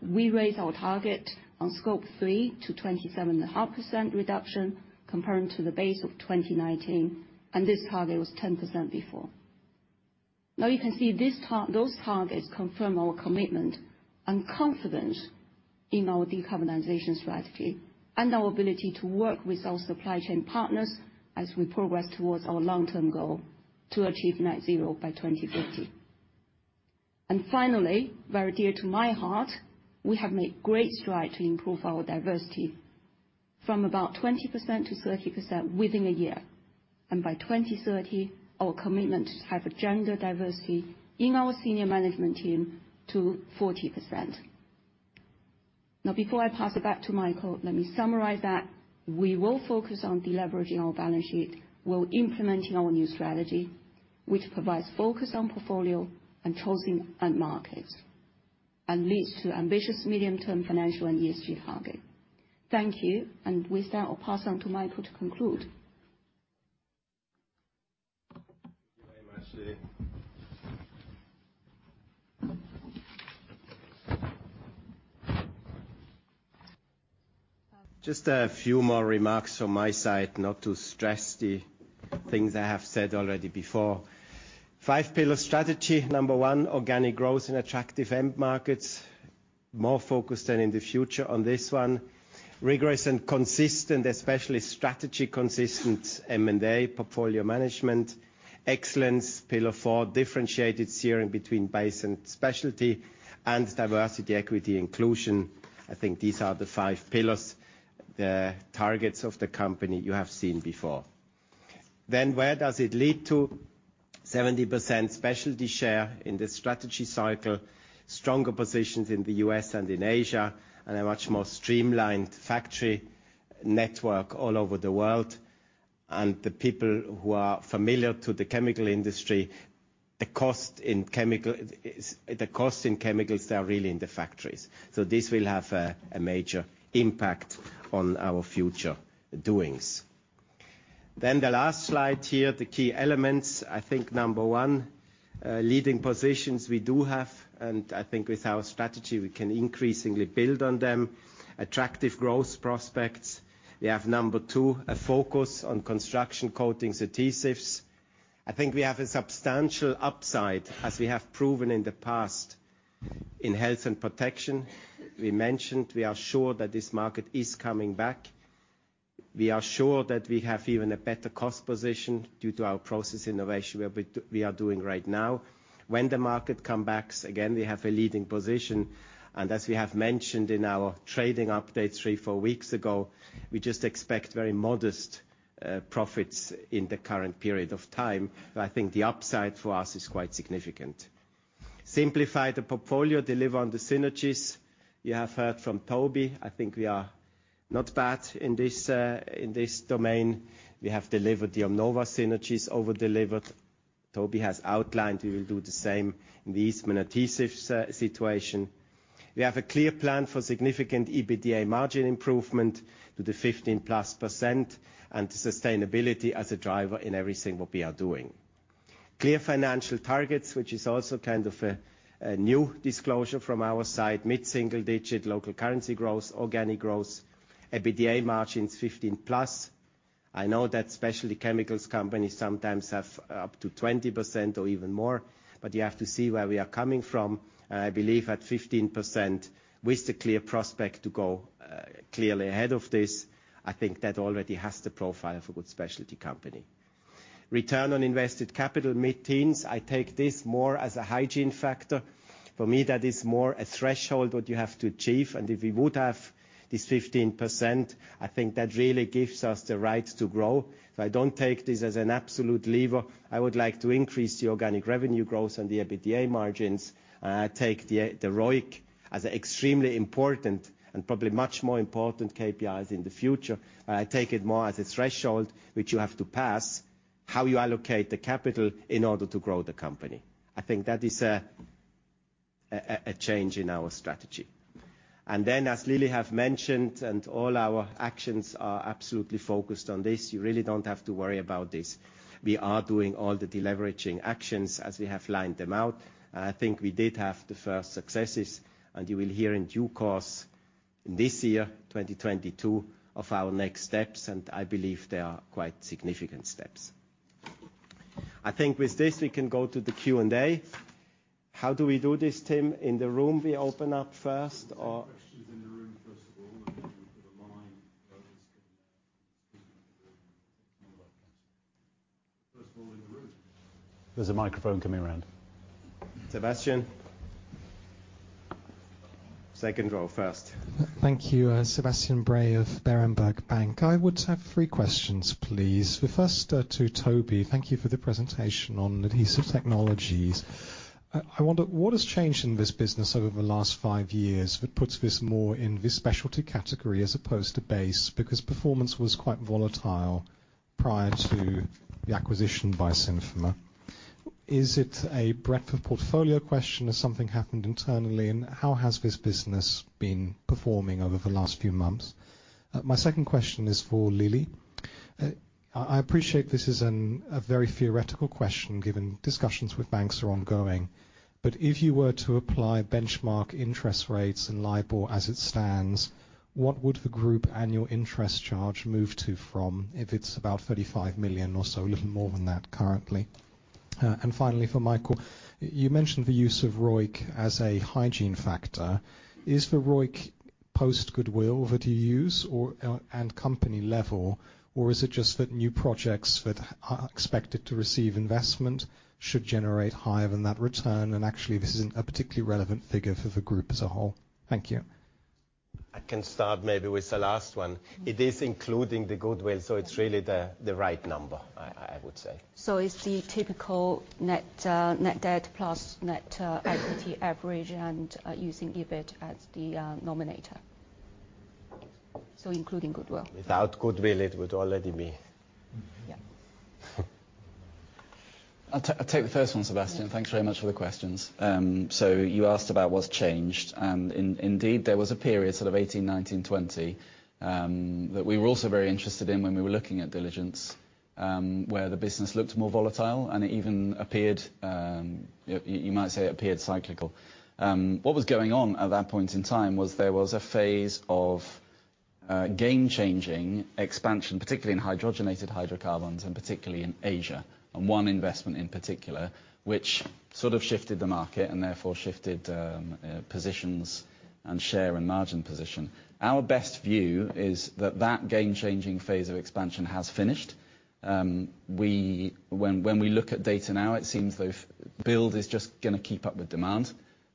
We raised our target on Scope 3 to 27.5% reduction compared to the base of 2019, and this target was 10% before. Now you can see those targets confirm our commitment and confidence in our decarbonization strategy and our ability to work with our supply chain partners as we progress towards our long-term goal to achieve net zero by 2050. Finally, very dear to my heart, we have made great strides to improve our diversity from about 20%-30% within a year. By 2030, our commitment to have a gender diversity in our senior management team to 40%. Now, before I pass it back to Michael, let me summarize that we will focus on deleveraging our balance sheet. We're implementing our new strategy, which provides focus on portfolio and choosing end markets and leads to ambitious medium-term financial and ESG target. Thank you. With that, I'll pass on to Michael to conclude. Thank you very much, Lily. Just a few more remarks from my side, not to stress the things I have said already before. Five pillar strategy. Number one, organic growth in attractive end markets. More focused than in the future on this one. Rigorous and consistent, especially strategy consistent M&A portfolio management. Excellence, pillar four, differentiated steering between base and specialty, and diversity, equity, inclusion. I think these are the five pillars, the targets of the company you have seen before. Where does it lead to? 70% specialty share in this strategy cycle, stronger positions in the U.S. and in Asia, and a much more streamlined factory network all over the world. The people who are familiar to the chemical industry, the cost in chemicals are really in the factories. This will have a major impact on our future doings. The last slide here, the key elements. I think number one, leading positions we do have, and I think with our strategy, we can increasingly build on them. Attractive growth prospects. We have number two, a focus on construction coatings adhesives. I think we have a substantial upside as we have proven in the past in Health & Protection. We mentioned we are sure that this market is coming back. We are sure that we have even a better cost position due to our process innovation where we are doing right now. When the market comes back, again, we have a leading position. As we have mentioned in our trading update three, four weeks ago, we just expect very modest profits in the current period of time. I think the upside for us is quite significant. Simplify the portfolio, deliver on the synergies. You have heard from Toby. I think we are not bad in this domain. We have delivered the OMNOVA synergies over-delivered. Toby has outlined we will do the same in the Eastman Adhesives situation. We have a clear plan for significant EBITDA margin improvement to the 15%+ and sustainability as a driver in everything what we are doing. Clear financial targets, which is also kind of a new disclosure from our side. Mid-single-digit local currency growth, organic growth, EBITDA margins 15%+. I know that specialty chemicals companies sometimes have up to 20% or even more, but you have to see where we are coming from. I believe at 15% with the clear prospect to go clearly ahead of this, I think that already has the profile of a good specialty company. Return on invested capital mid-teens, I take this more as a hygiene factor. For me, that is more a threshold what you have to achieve. If we would have this 15%, I think that really gives us the right to grow. If I don't take this as an absolute lever, I would like to increase the organic revenue growth and the EBITDA margins. I take the ROIC as extremely important and probably much more important KPIs in the future. I take it more as a threshold which you have to pass, how you allocate the capital in order to grow the company. I think that is a change in our strategy. As Lily have mentioned, and all our actions are absolutely focused on this, you really don't have to worry about this. We are doing all the deleveraging actions as we have laid them out. I think we did have the first successes, and you will hear in due course in this year, 2022, of our next steps, and I believe they are quite significant steps. I think with this, we can go to the Q&A. How do we do this, Tim? In the room we open up first or? Questions in the room first of all, and then we'll go to online. There's a microphone coming around. Sebastian. Second row first. Thank you. Sebastian Bray of Berenberg Bank. I would have three questions, please. The first to Toby. Thank you for the presentation on Adhesive Technologies. I wonder what has changed in this business over the last five years that puts this more in this specialty category as opposed to base? Because performance was quite volatile prior to the acquisition by Synthomer. Is it a breadth of portfolio question? Has something happened internally? And how has this business been performing over the last few months? My second question is for Lily. I appreciate this is a very theoretical question, given discussions with banks are ongoing. If you were to apply benchmark interest rates and LIBOR as it stands, what would the group annual interest charge move to from if it's about 35 million or so, a little more than that currently? Finally, for Michael, you mentioned the use of ROIC as a hygiene factor. Is the ROIC post goodwill that you use or at company level or is it just that new projects that are expected to receive investment should generate higher than that return and actually this isn't a particularly relevant figure for the group as a whole? Thank you. I can start maybe with the last one. It is including the goodwill, so it's really the right number, I would say. It's the typical net debt plus net equity average and using EBIT as the numerator. Including goodwill. Without goodwill, it would already be. Yeah. I'll take the first one, Sebastian. Thanks very much for the questions. You asked about what's changed, and indeed, there was a period sort of 2018, 2019, 2020, that we were also very interested in when we were looking at diligence, where the business looked more volatile and it even appeared, you might say, cyclical. What was going on at that point in time was a phase of game-changing expansion, particularly in hydrogenated hydrocarbons and particularly in Asia, and one investment in particular, which sort of shifted the market and therefore shifted positions and share and margin position. Our best view is that that game-changing phase of expansion has finished. When we look at data now, it seems the build is just gonna keep up with demand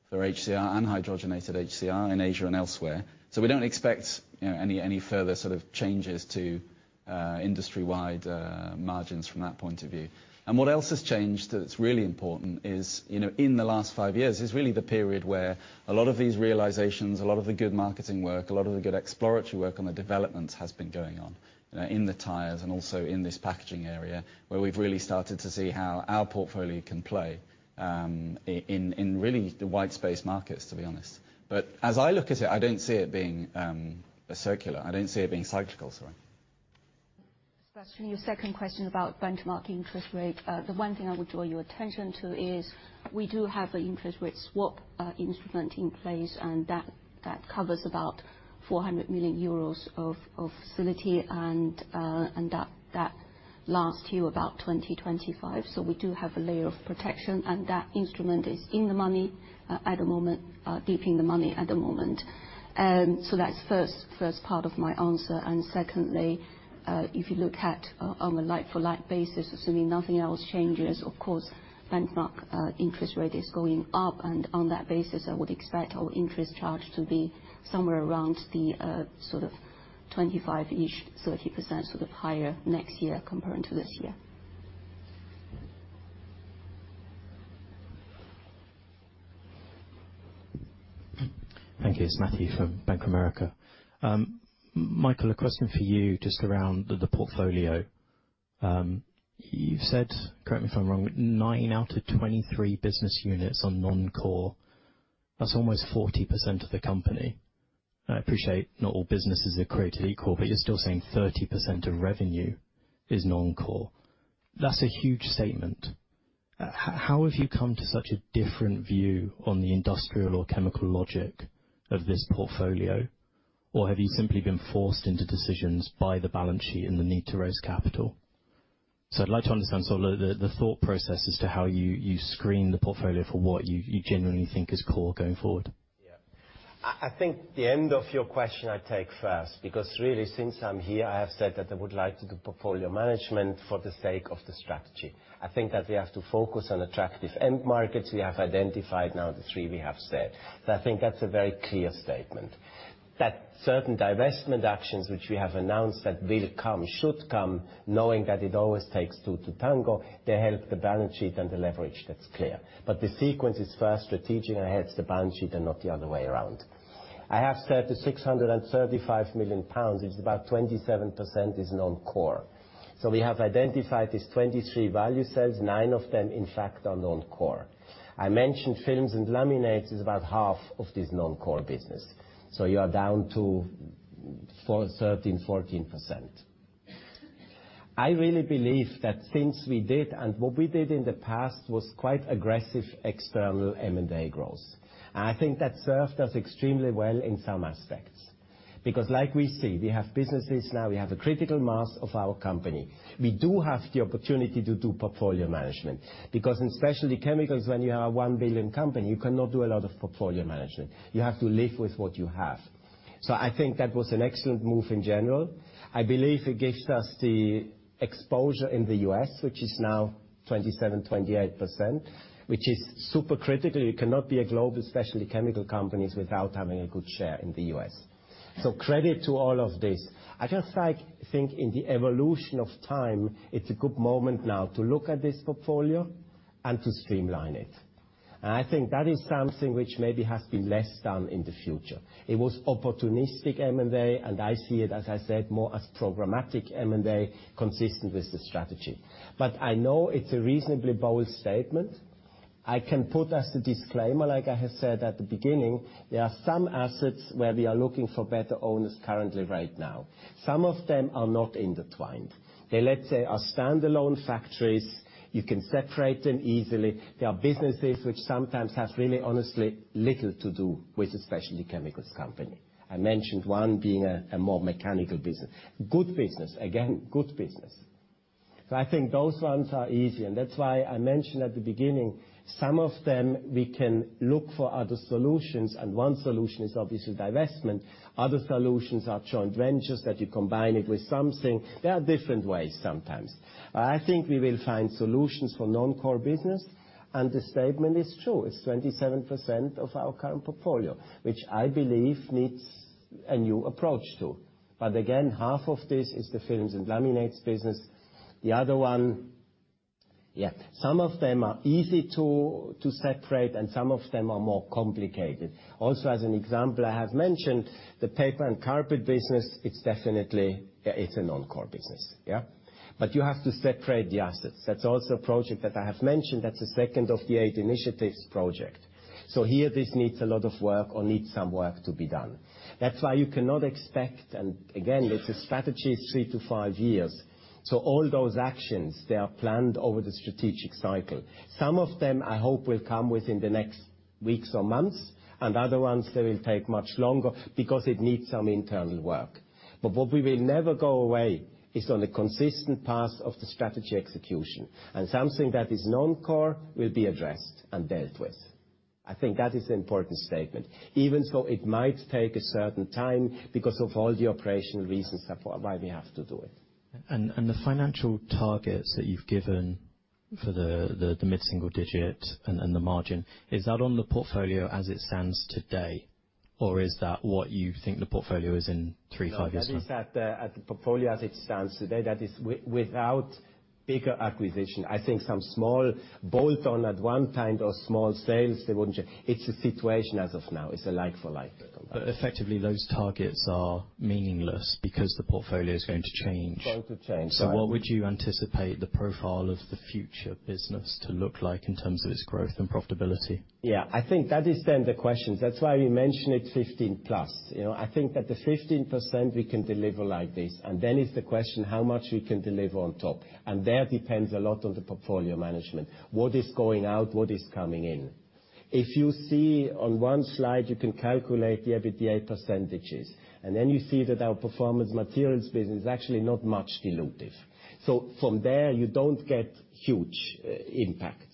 for HCR and hydrogenated HCR in Asia and elsewhere. We don't expect, you know, any further sort of changes to industry-wide margins from that point of view. What else has changed that's really important is, you know, in the last five years is really the period where a lot of these realizations, a lot of the good marketing work, a lot of the good exploratory work on the developments has been going on in the tires and also in this packaging area where we've really started to see how our portfolio can play in really the white space markets, to be honest. As I look at it, I don't see it being cyclical. I don't see it being cyclical. Sorry Especially your second question about benchmark interest rate. The one thing I would draw your attention to is we do have an interest rate swap instrument in place, and that covers about 400 million euros of facility and that lasts to about 2025. We do have a layer of protection, and that instrument is in the money at the moment, deep in the money at the moment. That's first part of my answer. Secondly, if you look at on a like-for-like basis, assuming nothing else changes, of course, benchmark interest rate is going up, and on that basis, I would expect our interest charge to be somewhere around the sort of 25%-30% higher next year compared to this year. Thank you. It's Matthew from Bank of America. Michael, a question for you just around the portfolio. You've said, correct me if I'm wrong, but nine out of 23 business units are non-core. That's almost 40% of the company. I appreciate not all businesses are created equal, but you're still saying 30% of revenue is non-core. That's a huge statement. How have you come to such a different view on the industrial or chemical logic of this portfolio? Or have you simply been forced into decisions by the balance sheet and the need to raise capital? I'd like to understand the thought process as to how you screen the portfolio for what you generally think is core going forward. Yeah. I think the end of your question I take first, because really, since I'm here, I have said that I would like to do portfolio management for the sake of the strategy. I think that we have to focus on attractive end markets. We have identified now the three we have said. I think that's a very clear statement. That certain divestment actions which we have announced that will come, should come, knowing that it always takes two to tango, they help the balance sheet and the leverage, that's clear. The sequence is first strategic and helps the balance sheet and not the other way around. I have said the 635 million pounds is about 27% is non-core. We have identified these 23 value sales. Nine of them, in fact, are non-core. I mentioned films and laminates is about half of this non-core business. You are down to 13%-14%. I really believe that things we did and what we did in the past was quite aggressive external M&A growth. I think that served us extremely well in some aspects. Because like we see, we have businesses now, we have a critical mass of our company. We do have the opportunity to do portfolio management because in specialty chemicals, when you are a 1 billion company, you cannot do a lot of portfolio management. You have to live with what you have. I think that was an excellent move in general. I believe it gives us the exposure in the U.S., which is now 27%-28%, which is super critical. You cannot be a global specialty chemical companies without having a good share in the U.S. Credit to all of this. I just, like, think in the evolution of time, it's a good moment now to look at this portfolio and to streamline it. I think that is something which maybe has been less done in the future. It was opportunistic M&A, and I see it, as I said, more as programmatic M&A consistent with the strategy. I know it's a reasonably bold statement. I can put as the disclaimer, like I have said at the beginning, there are some assets where we are looking for better owners currently right now. Some of them are not intertwined. They, let's say, are standalone factories. You can separate them easily. There are businesses which sometimes have really, honestly, little to do with a specialty chemicals company. I mentioned one being a more mechanical business. Good business, again, good business. I think those ones are easy, and that's why I mentioned at the beginning, some of them, we can look for other solutions, and one solution is obviously divestment. Other solutions are joint ventures that you combine it with something. There are different ways sometimes. I think we will find solutions for non-core business, and the statement is true. It's 27% of our current portfolio, which I believe needs a new approach too. But again, half of this is the films and laminates business. The other one, yeah, some of them are easy to separate and some of them are more complicated. Also, as an example, I have mentioned the paper and carpet business. It's definitely a non-core business, yeah. But you have to separate the assets. That's also a project that I have mentioned. That's the second of the eight initiatives project. Here, this needs a lot of work or needs some work to be done. That's why you cannot expect, and again, this strategy is three to five years. All those actions, they are planned over the strategic cycle. Some of them I hope will come within the next weeks or months, and other ones, they will take much longer because it needs some internal work. But what we will never go away from is the consistent path of the strategy execution. Something that is non-core will be addressed and dealt with. I think that is an important statement. Even so, it might take a certain time because of all the operational reasons for why we have to do it. The financial targets that you've given for the mid-single digit and the margin, is that on the portfolio as it stands today, or is that what you think the portfolio is in three to five years time? No, that is at the portfolio as it stands today. That is without bigger acquisition. I think some small bolt-on at one time or small sales, they wouldn't change. It's a situation as of now. It's a like-for-like comparison. Effectively, those targets are meaningless because the portfolio is going to change. Going to change. Right. What would you anticipate the profile of the future business to look like in terms of its growth and profitability? Yeah. I think that is then the question. That's why we mention it 15%+. You know, I think that the 15% we can deliver like this. It's the question how much we can deliver on top. There depends a lot on the portfolio management. What is going out? What is coming in? If you see on one slide, you can calculate the EBITDA percentages, and then you see that our performance materials business is actually not much dilutive. From there, you don't get huge impacts.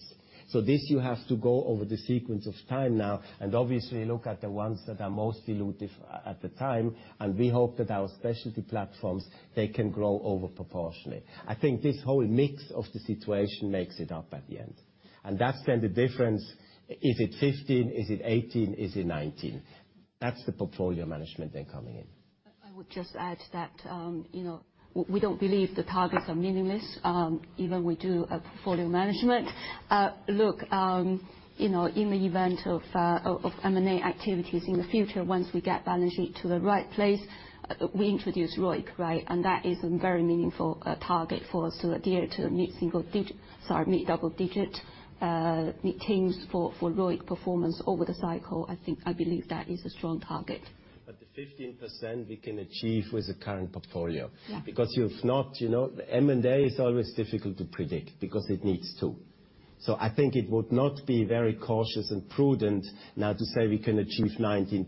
This you have to go over the sequence of time now and obviously look at the ones that are most dilutive at the time, and we hope that our specialty platforms, they can grow over proportionally. I think this whole mix of the situation makes it up at the end. That's then the difference. Is it 15%? Is it 18%? Is it 19%? That's the portfolio management then coming in. I would just add to that, you know, we don't believe the targets are meaningless, even if we do portfolio management. Look, you know, in the event of M&A activities in the future, once we get balance sheet to the right place, we introduce ROIC, right? That is a very meaningful target for us to adhere to meet double-digit teens for ROIC performance over the cycle. I think, I believe that is a strong target. The 15% we can achieve with the current portfolio. Yeah. You've not, you know, M&A is always difficult to predict because it needs two. I think it would not be very cautious and prudent now to say we can achieve 19%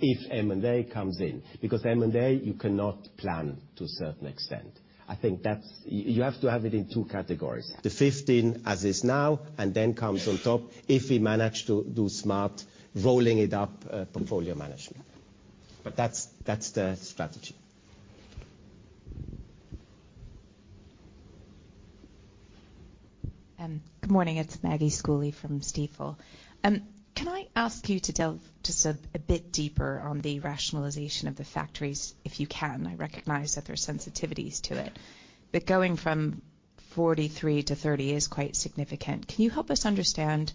if M&A comes in, because M&A you cannot plan to a certain extent. I think that's you have to have it in two categories. Yeah. The 15% as is now, and then comes on top if we manage to do smart rolling it up, portfolio management. That's the strategy. Good morning. It's Maggie Schooley from Stifel. Can I ask you to delve just a bit deeper on the rationalization of the factories, if you can? I recognize that there are sensitivities to it. Going from 43% to 30% is quite significant. Can you help us understand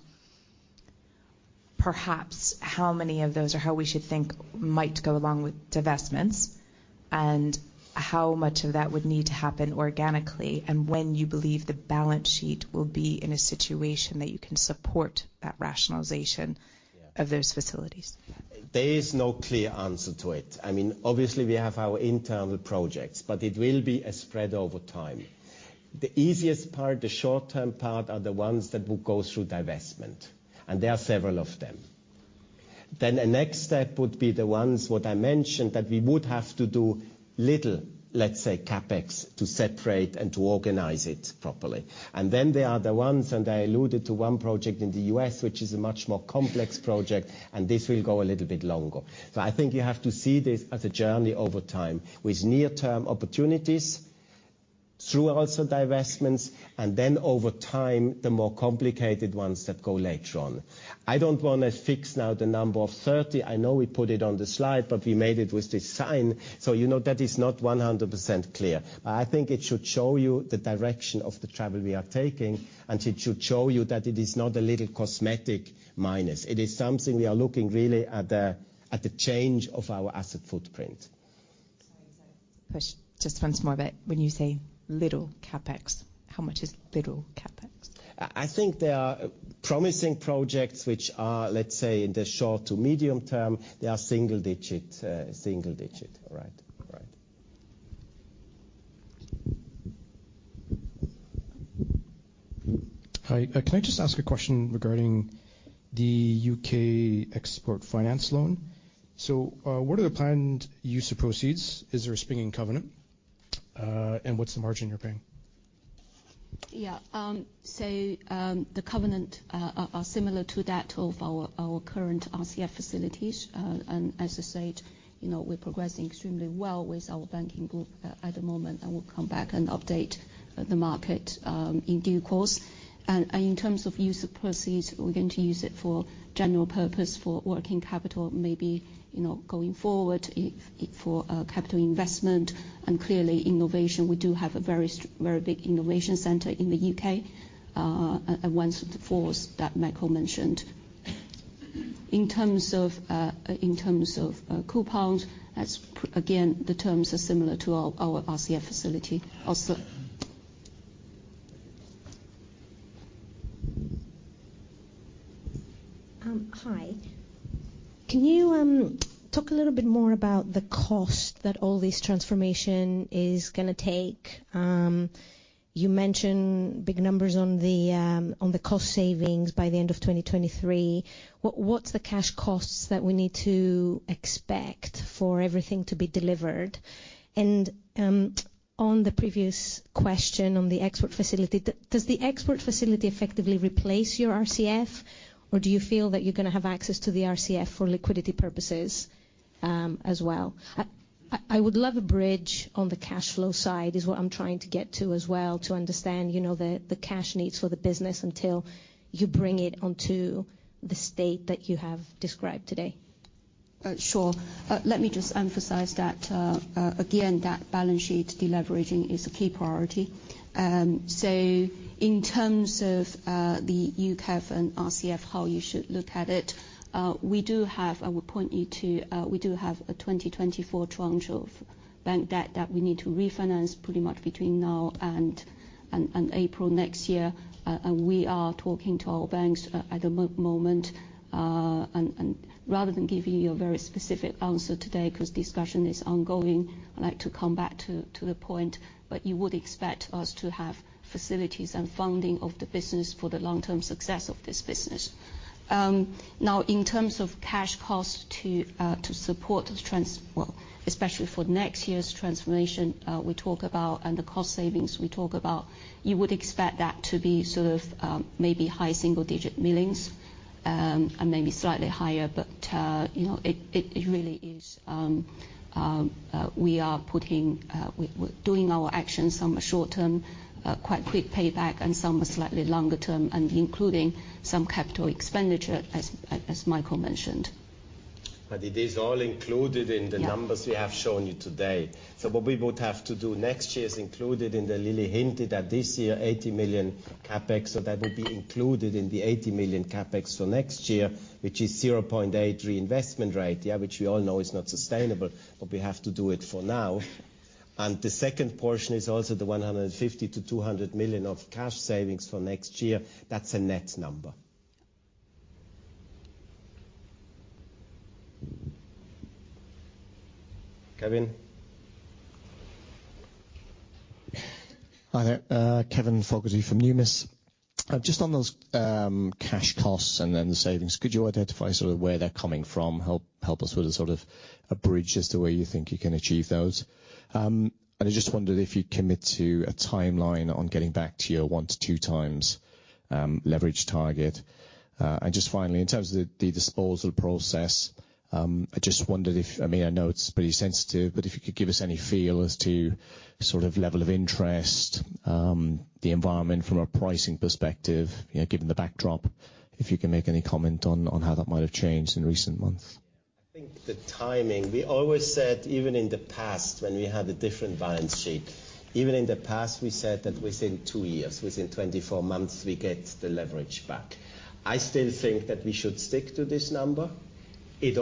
perhaps how many of those or how we should think might go along with divestments, and how much of that would need to happen organically, and when you believe the balance sheet will be in a situation that you can support that rationalization? Yeah. of those facilities? There is no clear answer to it. I mean, obviously we have our internal projects, but it will be a spread over time. The easiest part, the short-term part, are the ones that will go through divestment, and there are several of them. The next step would be the ones what I mentioned, that we would have to do little, let's say, CapEx to separate and to organize it properly. There are the ones, and I alluded to one project in the U.S., which is a much more complex project, and this will go a little bit longer. I think you have to see this as a journey over time with near-term opportunities through also divestments, and then over time, the more complicated ones that go later on. I don't wanna fix now the number of 30%. I know we put it on the slide, but we made it with this sign. You know, that is not 100% clear. I think it should show you the direction of the travel we are taking, and it should show you that it is not a little cosmetic minus. It is something we are looking really at the change of our asset footprint. Sorry, as a last question, just once more, but when you say little CapEx, how much is little CapEx? I think there are promising projects which are, let's say, in the short to medium term, they are single digit. Right. Hi. Can I just ask a question regarding the UK Export Finance loan? What are the planned use of proceeds? Is there a springing covenant? And what's the margin you're paying? Yeah. The covenants are similar to that of our current RCF facilities. As I said, you know, we're progressing extremely well with our banking group at the moment, and we'll come back and update the market in due course. In terms of use of proceeds, we're going to use it for general purpose, for working capital, maybe, you know, going forward for capital investment and clearly innovation. We do have a very big innovation center in the U.K., and one with the focus that Michael mentioned. In terms of coupons, that's again, the terms are similar to our RCF facility also. Hi. Can you talk a little bit more about the cost that all this transformation is gonna take? You mentioned big numbers on the cost savings by the end of 2023. What's the cash costs that we need to expect for everything to be delivered? On the previous question on the export facility, does the export facility effectively replace your RCF? Or do you feel that you're gonna have access to the RCF for liquidity purposes as well? I would love a bridge on the cash flow side is what I'm trying to get to as well, to understand, you know, the cash needs for the business until you bring it onto the state that you have described today. Sure. Let me just emphasize that, again, that balance sheet de-leveraging is a key priority. In terms of the UKEF and RCF, how you should look at it, we do have. I would point you to, we do have a 2024 tranche of bank debt that we need to refinance pretty much between now and April next year. We are talking to our banks at the moment, and rather than give you a very specific answer today, because discussion is ongoing, I'd like to come back to the point, but you would expect us to have facilities and funding of the business for the long-term success of this business. Now in terms of cash costs to support, especially for next year's transformation, we talk about and the cost savings we talk about, you would expect that to be sort of, maybe high single-digit millions, and maybe slightly higher. You know, it really is, we are doing our actions, some short-term, quite quick payback, and some are slightly longer term, and including some capital expenditure as Michael mentioned. It is all included in the numbers. Yeah. We have shown you today. What we would have to do next year is included, and then Lily hinted at this year 80 million CapEx. That would be included in the 80 million CapEx for next year, which is 0.8 reinvestment rate, yeah, which we all know is not sustainable, but we have to do it for now. The second portion is also the 150 million-200 million of cash savings for next year. That's a net number. Kevin? Hi there, Kevin Fogarty from Numis. Just on those cash costs and then the savings, could you identify sort of where they're coming from? Help us with a sort of a bridge as to where you think you can achieve those. I just wondered if you'd commit to a timeline on getting back to your 1x-2x leverage target. Just finally, in terms of the disposal process, I just wondered if, I mean, I know it's pretty sensitive, but if you could give us any feel as to sort of level of interest, the environment from a pricing perspective, you know, given the backdrop, if you can make any comment on how that might have changed in recent months. I think the timing. We always said, even in the past when we had a different balance sheet, even in the past, we said that within two years, within 24 months, we get the leverage back. I still think that we should stick to this number. A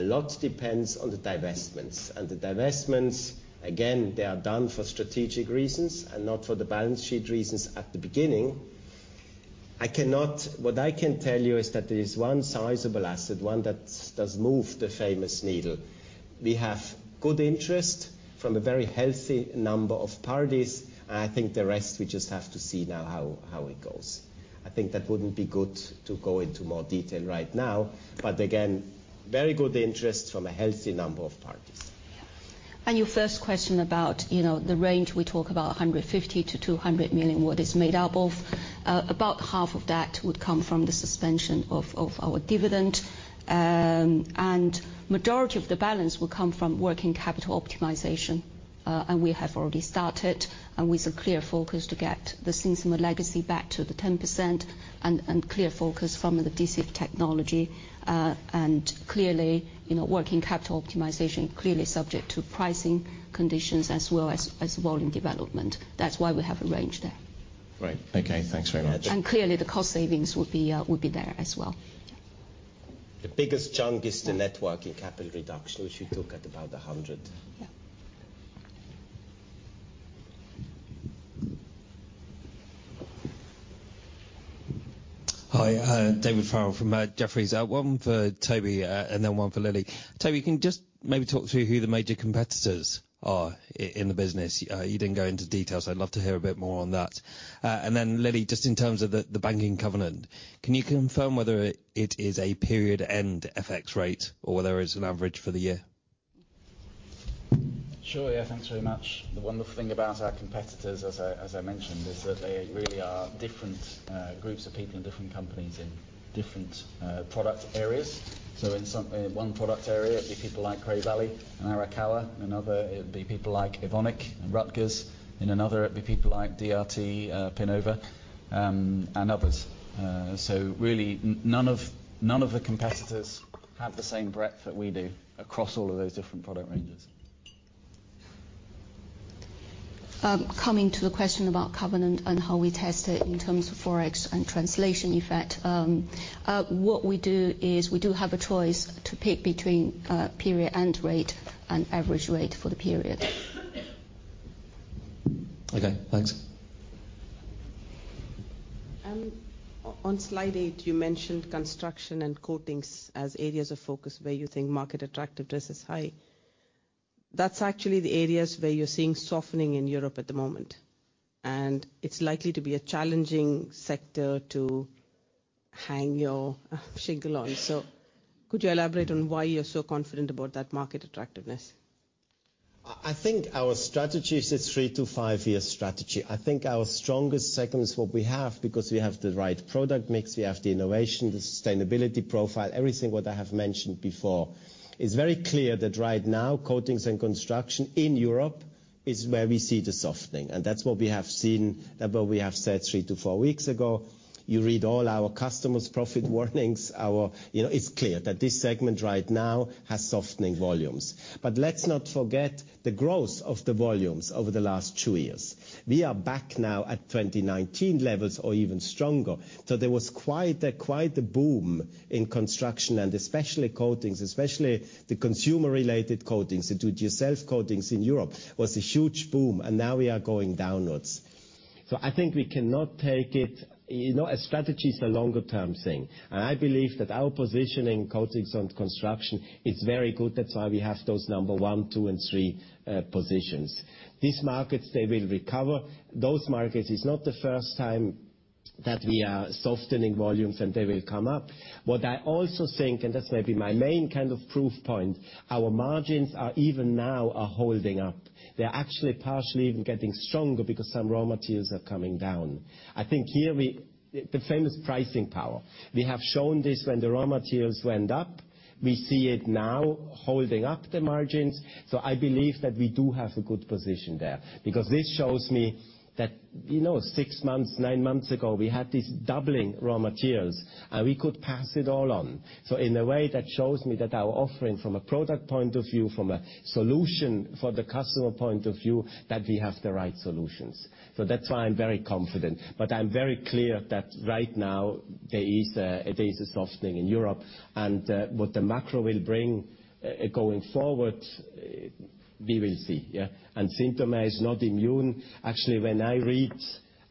lot depends on the divestments. The divestments, again, they are done for strategic reasons and not for the balance sheet reasons at the beginning. I cannot. What I can tell you is that there is one sizable asset, one that does move the famous needle. We have good interest from a very healthy number of parties. I think the rest, we just have to see now how it goes. I think that wouldn't be good to go into more detail right now. Again, very good interest from a healthy number of parties. Your first question about, you know, the range, we talk about 150 million-200 million, what it's made up of. About half of that would come from the suspension of our dividend. Majority of the balance will come from working capital optimization. We have already started and with a clear focus to get the Synthomer legacy back to the 10% and clear focus from the DC technology, and clearly, you know, working capital optimization clearly subject to pricing conditions as well as volume development. That's why we have a range there. Right. Okay. Thanks very much. Clearly the cost savings would be there as well. The biggest chunk is the net working capital reduction, which you look at about 100 million. Yeah. Hi, David Farrell from Jefferies. One for Toby, and then one for Lily. Toby, can you just maybe talk through who the major competitors are in the business? You didn't go into detail, so I'd love to hear a bit more on that. And then Lily, just in terms of the banking covenant, can you confirm whether it is a period-end FX rate or whether it's an average for the year? Sure, yeah. Thanks very much. The wonderful thing about our competitors, as I mentioned, is that they really are different groups of people and different companies in different product areas. In some one product area, it'd be people like Cray Valley and Arakawa. Another, it would be people like Evonik and RÜTGERS. In another, it'd be people like DRT, Pinova, and others. Really none of the competitors have the same breadth that we do across all of those different product ranges. Coming to the question about covenant and how we test it in terms of forex and translation effect, what we do is we do have a choice to pick between period-end rate and average rate for the period. Okay, thanks. On slide eight, you mentioned construction and coatings as areas of focus where you think market attractiveness is high. That's actually the areas where you're seeing softening in Europe at the moment, and it's likely to be a challenging sector to hang your shingle on. Could you elaborate on why you're so confident about that market attractiveness? I think our strategy is a three- to five-year strategy. I think our strongest segment is what we have because we have the right product mix, we have the innovation, the sustainability profile, everything what I have mentioned before. It's very clear that right now Coatings & Construction in Europe is where we see the softening. That's what we have seen, that what we have said three to four weeks ago. You read all our customers' profit warnings. You know, it's clear that this segment right now has softening volumes. Let's not forget the growth of the volumes over the last two years. We are back now at 2019 levels or even stronger. There was quite a boom in construction and especially coatings, especially the consumer-related coatings. The do-it-yourself coatings in Europe was a huge boom, and now we are going downwards. I think we cannot take it. You know, a strategy is a longer-term thing. I believe that our position in Coatings & Construction is very good. That's why we have those number one, two, and three positions. These markets, they will recover. Those markets, it's not the first time that we are softening volumes, and they will come up. What I also think, and this may be my main kind of proof point, our margins are even now are holding up. They're actually partially even getting stronger because some raw materials are coming down. The famous pricing power. We have shown this when the raw materials went up. We see it now holding up the margins. I believe that we do have a good position there because this shows me that, you know, six months, nine months ago, we had this doubling raw materials, and we could pass it all on. In a way, that shows me that our offering from a product point of view, from a solution for the customer point of view, that we have the right solutions. That's why I'm very confident. I'm very clear that right now there is a softening in Europe, and what the macro will bring going forward, we will see, yeah. Synthomer is not immune. Actually, when I read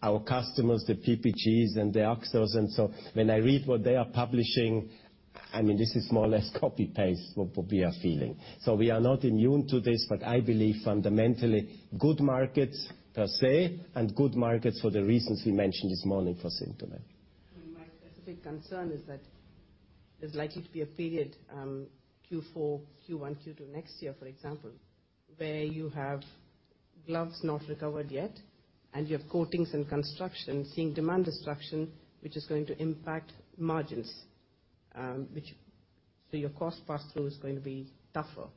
our customers, the PPGs and the Akzo and so, when I read what they are publishing, I mean, this is more or less copy-paste what we are feeling. We are not immune to this, but I believe fundamentally good markets per se and good markets for the reasons we mentioned this morning for Synthomer. My specific concern is that there's likely to be a period, Q4, Q1, Q2 next year, for example, where you have gloves not recovered yet and you have Coatings & Construction seeing demand destruction, which is going to impact margins, so your cost pass-through is going to be tougher,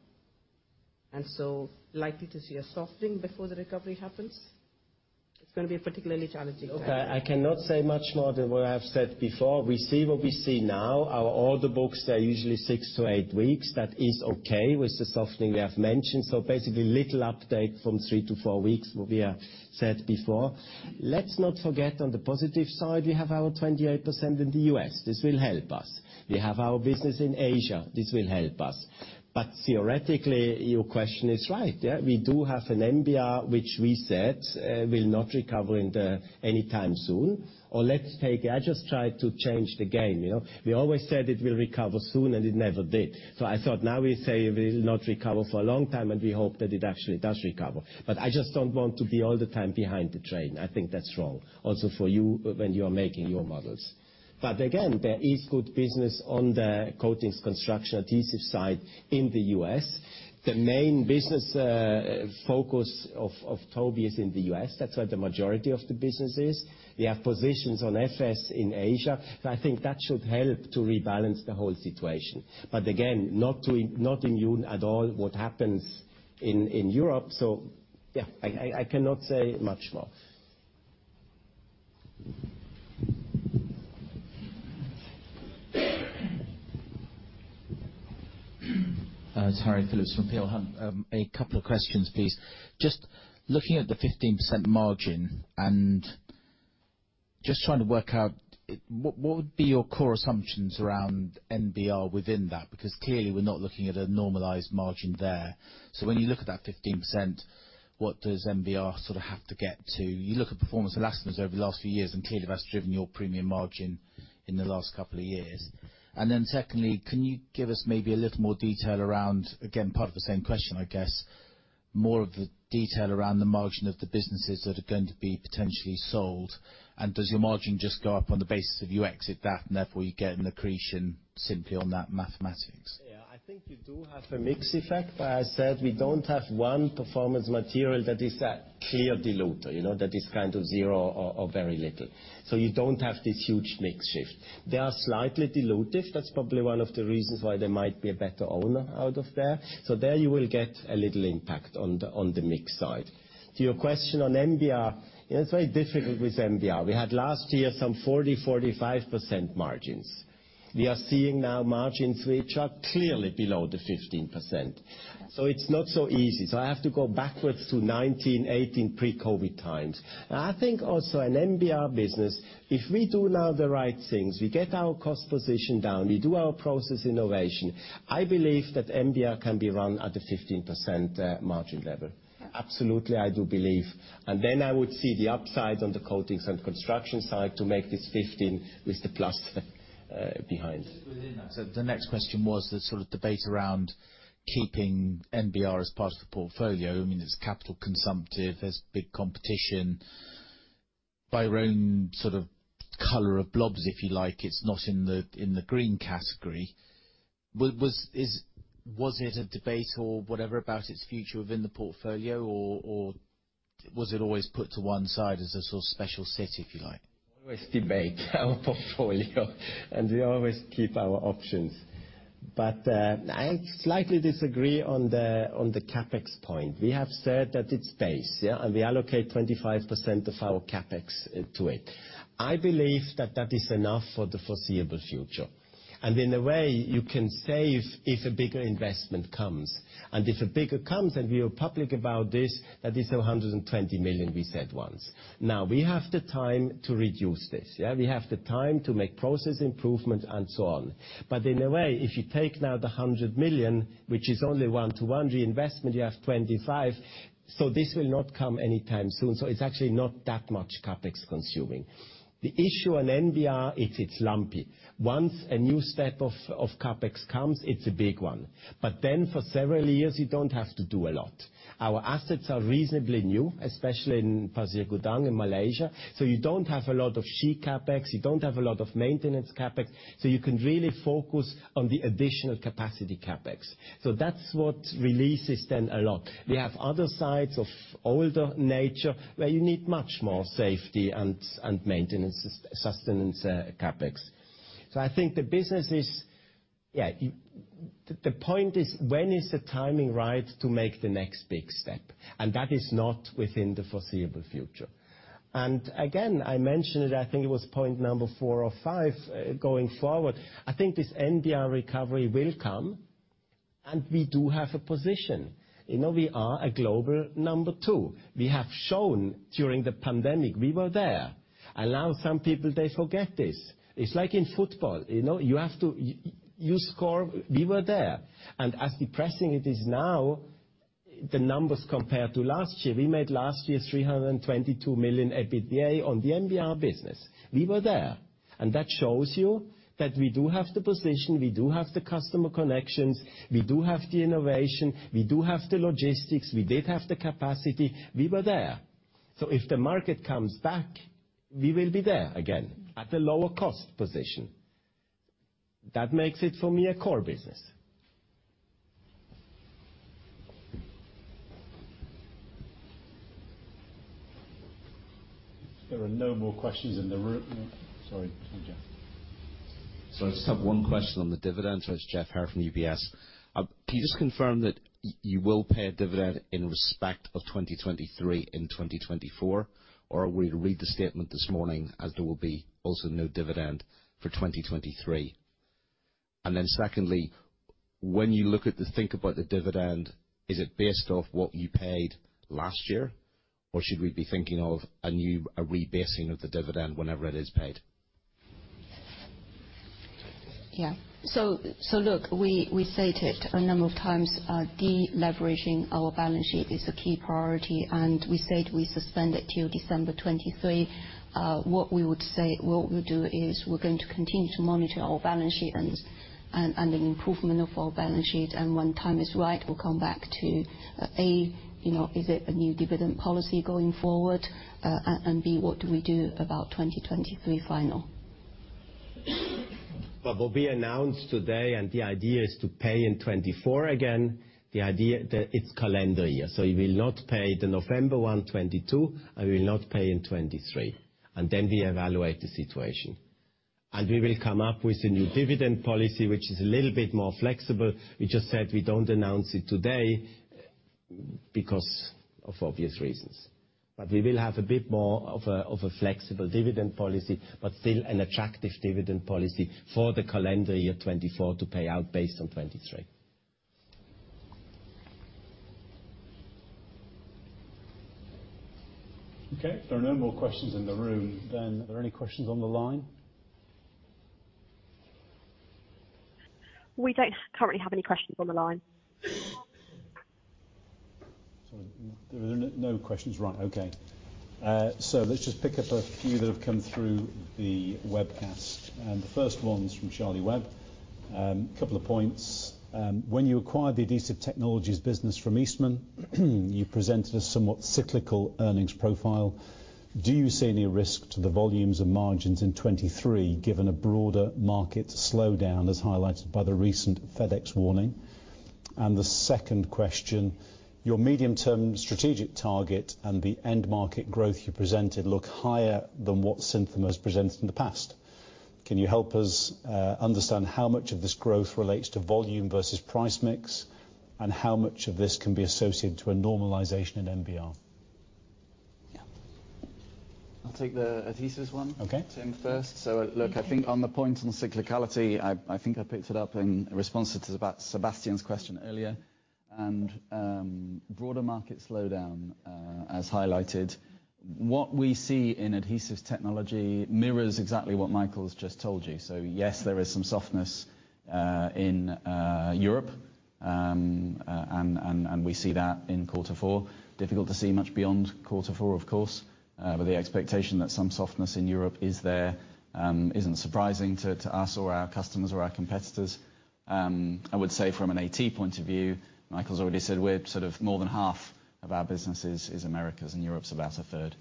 and so likely to see a softening before the recovery happens. It's gonna be a particularly challenging time. Okay. I cannot say much more than what I have said before. We see what we see now. Our order books, they're usually six to eight weeks. That is okay with the softening we have mentioned. Basically, little update from three to four weeks, what we have said before. Let's not forget, on the positive side, we have our 28% in the U.S. This will help us. We have our business in Asia. This will help us. Theoretically, your question is right, yeah. We do have an NBR, which we said, will not recover anytime soon. Or let's take it, I just try to change the game, you know? We always said it will recover soon, and it never did. I thought now we say it will not recover for a long time, and we hope that it actually does recover. I just don't want to be all the time behind the train. I think that's wrong, also for you when you are making your models. Again, there is good business on the coatings, construction, adhesive side in the U.S. The main business focus of Toby is in the U.S. That's where the majority of the business is. We have positions on FS in Asia. I think that should help to rebalance the whole situation. Again, not immune at all to what happens in Europe. Yeah, I cannot say much more. It's Harry Philips from Peel Hunt. A couple of questions, please. Just looking at the 15% margin and just trying to work out what would be your core assumptions around NBR within that? Because clearly, we're not looking at a normalized margin there. When you look at that 15%, what does NBR sort of have to get to? You look at the performance of elastomers over the last few years, and clearly, that's driven your premium margin in the last couple of years. Secondly, can you give us maybe a little more detail around, again, part of the same question, I guess, more of the detail around the margin of the businesses that are going to be potentially sold? Does your margin just go up on the basis of you exit that, and therefore you get an accretion simply on that mathematics? Yeah. I think you do have a mix effect. As I said, we don't have one performance material that is a clear diluter, you know, that is kind of zero or very little. You don't have this huge mix shift. They are slightly dilutive. That's probably one of the reasons why there might be a better owner out of there. There you will get a little impact on the mix side. To your question on NBR, you know, it's very difficult with NBR. We had last year some 45% margins. We are seeing now margins which are clearly below the 15%. It's not so easy. I have to go backwards to 2019, 2018, pre-COVID times. I think also an NBR business, if we do now the right things, we get our cost position down, we do our process innovation, I believe that NBR can be run at a 15% margin level. Absolutely, I do believe. I would see the upside on the Coatings & Construction side to make this 15% with the plus behind. Just within that, the next question was the sort of debate around keeping NBR as part of the portfolio. I mean, it's capital consumptive, there's big competition. By your own sort of color of blobs, if you like, it's not in the green category. Was it a debate or whatever about its future within the portfolio, or was it always put to one side as a sort of specialty, if you like? Always debate our portfolio, and we always keep our options. I slightly disagree on the CapEx point. We have said that it's base, yeah, and we allocate 25% of our CapEx to it. I believe that is enough for the foreseeable future. In a way, you can save if a bigger investment comes. If a bigger comes, and we are public about this, that is 120 million we said once. Now we have the time to reduce this, yeah. We have the time to make process improvements and so on. In a way, if you take now the 100 million, which is only one-to-one reinvestment, you have 25%, so this will not come anytime soon, so it's actually not that much CapEx consuming. The issue on NBR is it's lumpy. Once a new step of CapEx comes, it's a big one. For several years, you don't have to do a lot. Our assets are reasonably new, especially in Pasir Gudang in Malaysia, so you don't have a lot of sustaining CapEx, you don't have a lot of maintenance CapEx, so you can really focus on the additional capacity CapEx. That's what releases then a lot. We have other sites of older nature where you need much more safety and maintenance sustaining CapEx. I think the business is. The point is when is the timing right to make the next big step. That is not within the foreseeable future. Again, I mentioned it, I think it was point number four or five. Going forward, I think this NBR recovery will come, and we do have a position. You know, we are a global number two. We have shown during the pandemic, we were there. Now some people, they forget this. It's like in football, you know? You score, we were there. As depressing it is now, the numbers compared to last year, we made last year 322 million EBITDA on the NBR business. We were there. That shows you that we do have the position, we do have the customer connections, we do have the innovation, we do have the logistics, we did have the capacity. We were there. If the market comes back, we will be there again at a lower cost position. That makes it, for me, a core business. There are no more questions in the room. Sorry, Jeff. Sorry, I just have one question on the dividend. It's Geoff Haire from UBS. Can you just confirm that you will pay a dividend in respect of 2023 and 2024? Or are we to read the statement this morning as there will be also no dividend for 2023? Then secondly, when you think about the dividend, is it based off what you paid last year? Or should we be thinking of a new rebasing of the dividend whenever it is paid? Yeah. Look, we stated a number of times, deleveraging our balance sheet is a key priority, and we said we suspend it till December 2023. What we would say, what we'll do is we're going to continue to monitor our balance sheet and the improvement of our balance sheet. When time is right, we'll come back to, A, you know, is it a new dividend policy going forward? And B, what do we do about 2023 final? What we announced today, the idea is to pay in 2024 again. It's calendar year, so you will not pay the November one, 2022, and we will not pay in 2023. Then we evaluate the situation. We will come up with a new dividend policy, which is a little bit more flexible. We just said we don't announce it today because of obvious reasons. We will have a bit more of a flexible dividend policy, but still an attractive dividend policy for the calendar year 2024 to pay out based on 2023. Okay. If there are no more questions in the room, then are there any questions on the line? We don't currently have any questions on the line. There are no questions. Right. Okay. Let's just pick up a few that have come through the webcast. The first one is from Charlie Webb. A couple of points. When you acquired the Adhesive Technologies business from Eastman, you presented a somewhat cyclical earnings profile. Do you see any risk to the volumes and margins in 2023, given a broader market slowdown as highlighted by the recent FedEx warning? The second question, your medium-term strategic target and the end market growth you presented look higher than what Synthomer has presented in the past. Can you help us understand how much of this growth relates to volume versus price mix, and how much of this can be associated to a normalization in NBR? Yeah. I'll take the adhesives one. Okay. Tim, first. Look, I think on the point on cyclicality, I think I picked it up in response to Sebastian's question earlier. Broader market slowdown, as highlighted, what we see in Adhesive Technologies mirrors exactly what Michael's just told you. Yes, there is some softness in Europe, and we see that in quarter four. Difficult to see much beyond quarter four, of course. But the expectation that some softness in Europe is there, it isn't surprising to us or our customers or our competitors. I would say from an AT point of view, Michael's already said we're sort of more than half of our businesses is Americas, and Europe's about a third.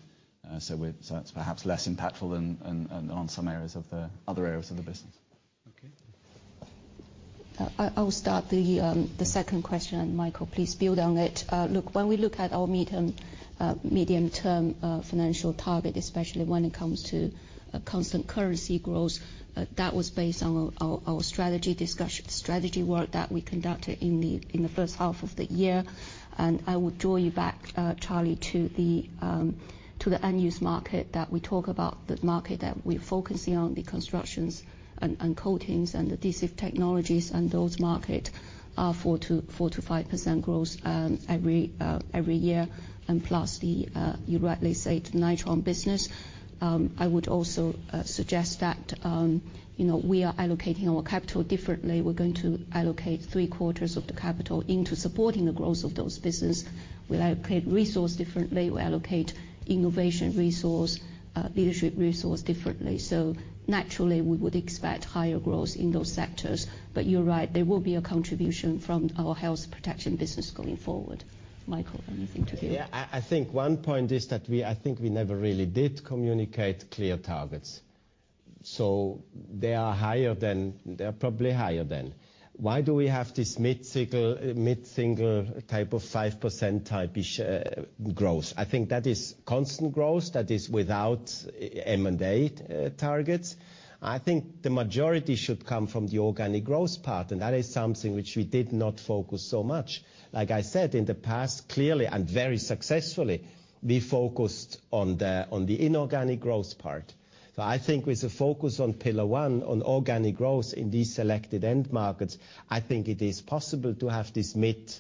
So it's perhaps less impactful than on some areas of the other areas of the business. I'll start the second question, and Michael, please build on it. Look, when we look at our medium-term financial target, especially when it comes to constant currency growth, that was based on our strategy discussion, strategy work that we conducted in the first half of the year. I would draw you back, Charlie, to the end-use market that we talk about, the market that we're focusing on, the construction and coatings and Adhesive Technologies and those markets are 4%-5% growth every year. Plus the, you rightly say, the NBR business. I would also suggest that, you know, we are allocating our capital differently. We're going to allocate three-quarters of the capital into supporting the growth of those businesses. We'll allocate resource differently. We'll allocate innovation resource, leadership resource differently. Naturally, we would expect higher growth in those sectors. You're right, there will be a contribution from our Health & Protection business going forward. Michael, anything to add? Yeah. I think one point is that we never really did communicate clear targets. They are higher than. They're probably higher than. Why do we have this mid-single type of 5% type-ish growth? I think that is constant growth. That is without M&A targets. I think the majority should come from the organic growth part, and that is something which we did not focus so much. Like I said, in the past, clearly and very successfully, we focused on the inorganic growth part. I think with the focus on pillar one, on organic growth in these selected end markets, I think it is possible to have this mid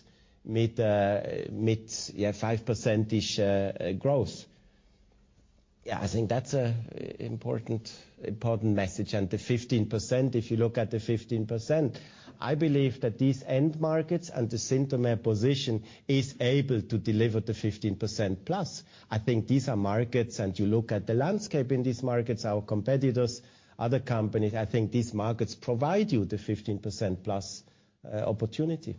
5% growth. Yeah, I think that's an important message. The 15%, if you look at the 15%, I believe that these end markets and the Synthomer position is able to deliver the 15%+. I think these are markets, and you look at the landscape in these markets, our competitors, other companies, I think these markets provide you the 15%+ opportunity.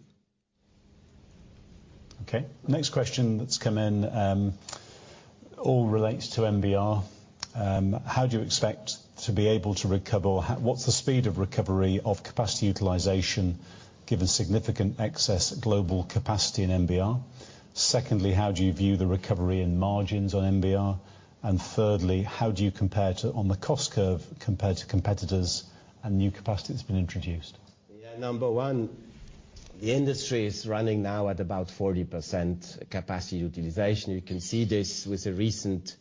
Okay. Next question that's come in, all relates to NBR. How do you expect to be able to recover? What's the speed of recovery of capacity utilization given significant excess global capacity in NBR? Secondly, how do you view the recovery in margins on NBR? And thirdly, how do you compare on the cost curve to competitors and new capacity that's been introduced? Yeah. Number one, the industry is running now at about 40% capacity utilization. You can see this with a recent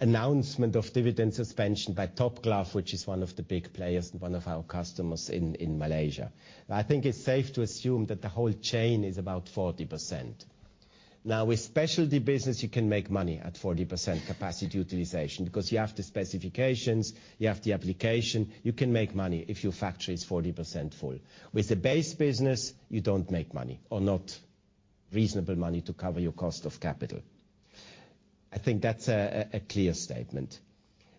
announcement of dividend suspension by Top Glove, which is one of the big players and one of our customers in Malaysia. I think it's safe to assume that the whole chain is about 40%. Now, with specialty business, you can make money at 40% capacity utilization because you have the specifications, you have the application, you can make money if your factory is 40% full. With the base business, you don't make money or not reasonable money to cover your cost of capital. I think that's a clear statement.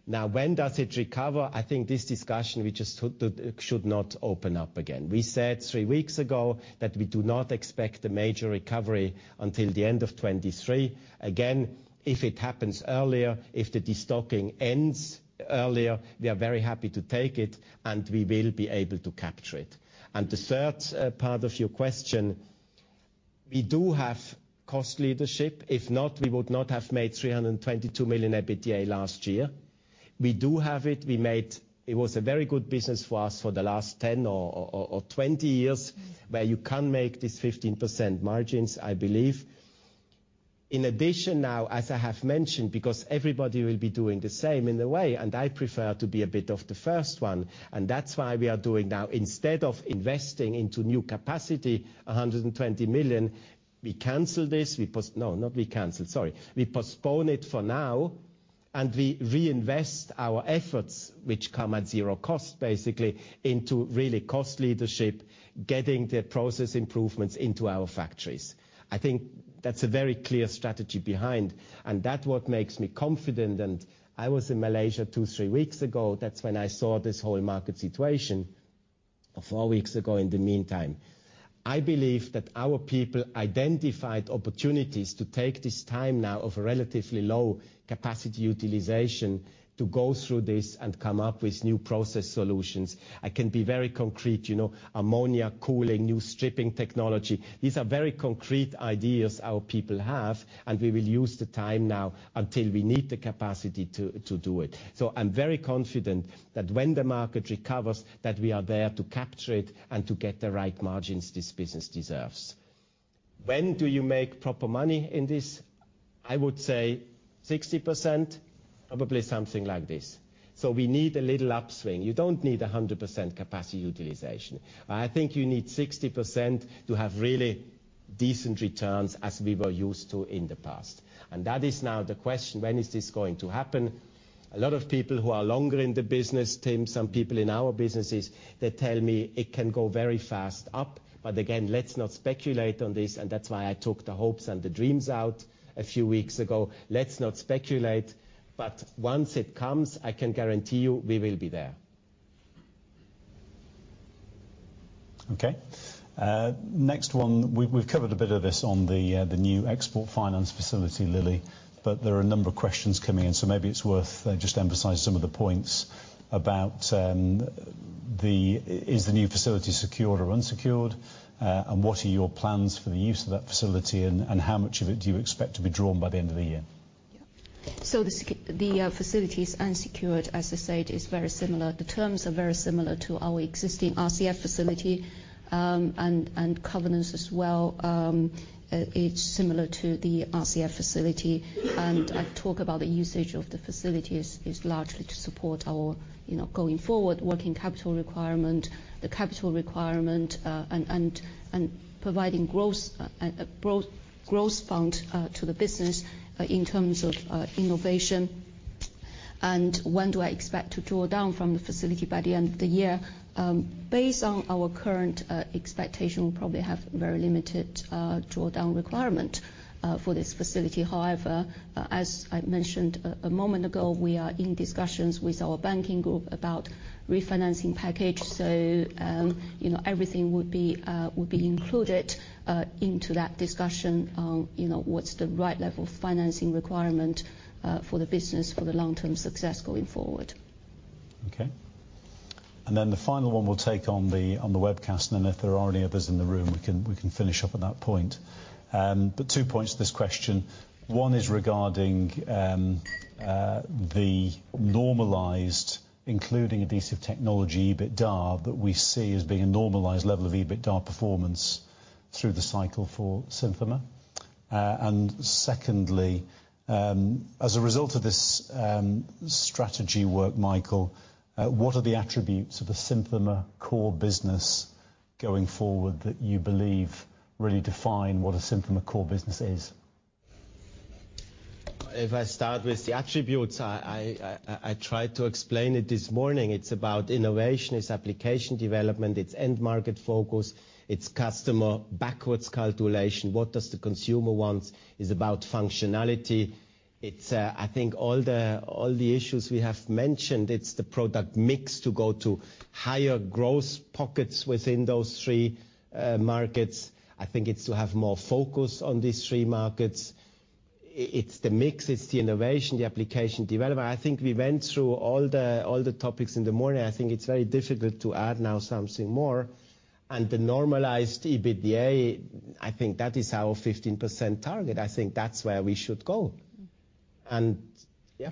Now, when does it recover? I think this discussion we just took, it should not open up again. We said three weeks ago that we do not expect a major recovery until the end of 2023. Again, if it happens earlier, if the destocking ends earlier, we are very happy to take it, and we will be able to capture it. The third part of your question, we do have cost leadership. If not, we would not have made 322 million EBITDA last year. We do have it. It was a very good business for us for the last 10 or 20 years, where you can make these 15% margins, I believe. In addition now, as I have mentioned, because everybody will be doing the same in a way, and I prefer to be a bit of the first one, and that's why we are doing now. Instead of investing into new capacity, 120 million, we postpone it for now, and we reinvest our efforts, which come at zero cost, basically, into really cost leadership, getting the process improvements into our factories. I think that's a very clear strategy behind, and that what makes me confident. I was in Malaysia two or three weeks ago. That's when I saw this whole market situation, or four weeks ago in the meantime. I believe that our people identified opportunities to take this time now of relatively low capacity utilization to go through this and come up with new process solutions. I can be very concrete, you know, ammonia cooling, new stripping technology. These are very concrete ideas our people have, and we will use the time now until we need the capacity to do it. I'm very confident that when the market recovers, that we are there to capture it and to get the right margins this business deserves. When do you make proper money in this? I would say 60%, probably something like this. We need a little upswing. You don't need 100% capacity utilization. I think you need 60% to have really decent returns as we were used to in the past. That is now the question, when is this going to happen? A lot of people who are longer in the business, Tim, some people in our businesses, they tell me it can go very fast up. Again, let's not speculate on this, and that's why I took the hopes and the dreams out a few weeks ago. Let's not speculate, but once it comes, I can guarantee you we will be there. Okay. Next one. We've covered a bit of this on the new export finance facility, Lily, but there are a number of questions coming in, so maybe it's worth just emphasizing some of the points. Is the new facility secured or unsecured? What are your plans for the use of that facility, and how much of it do you expect to be drawn by the end of the year? The facility is unsecured. As I said, it's very similar. The terms are very similar to our existing RCF facility, and covenants as well. It's similar to the RCF facility. I talk about the usage of the facility is largely to support our, you know, going forward, working capital requirement, the capital requirement, and providing gross fund to the business in terms of innovation. When do I expect to draw down from the facility by the end of the year? Based on our current expectation, we probably have very limited drawdown requirement for this facility. However, as I mentioned a moment ago, we are in discussions with our banking group about refinancing package. You know, everything would be included into that discussion on, you know, what's the right level of financing requirement for the business for the long term success going forward. Okay. The final one we'll take on the webcast, and then if there are any others in the room, we can finish up at that point. Two points to this question. One is regarding the normalized, including Adhesive Technologies, EBITDA that we see as being a normalized level of EBITDA performance through the cycle for Synthomer. Secondly, as a result of this strategy work, Michael, what are the attributes of the Synthomer core business going forward that you believe really define what a Synthomer core business is? If I start with the attributes, I tried to explain it this morning. It's about innovation. It's application development. It's end market focus. It's customer backwards calculation. What does the consumer want? It's about functionality. I think all the issues we have mentioned. It's the product mix to go to higher growth pockets within those three markets. I think it's to have more focus on these three markets. It's the mix, it's the innovation, the application development. I think we went through all the topics in the morning. I think it's very difficult to add now something more. The normalized EBITDA, I think that is our 15% target. I think that's where we should go. Yeah,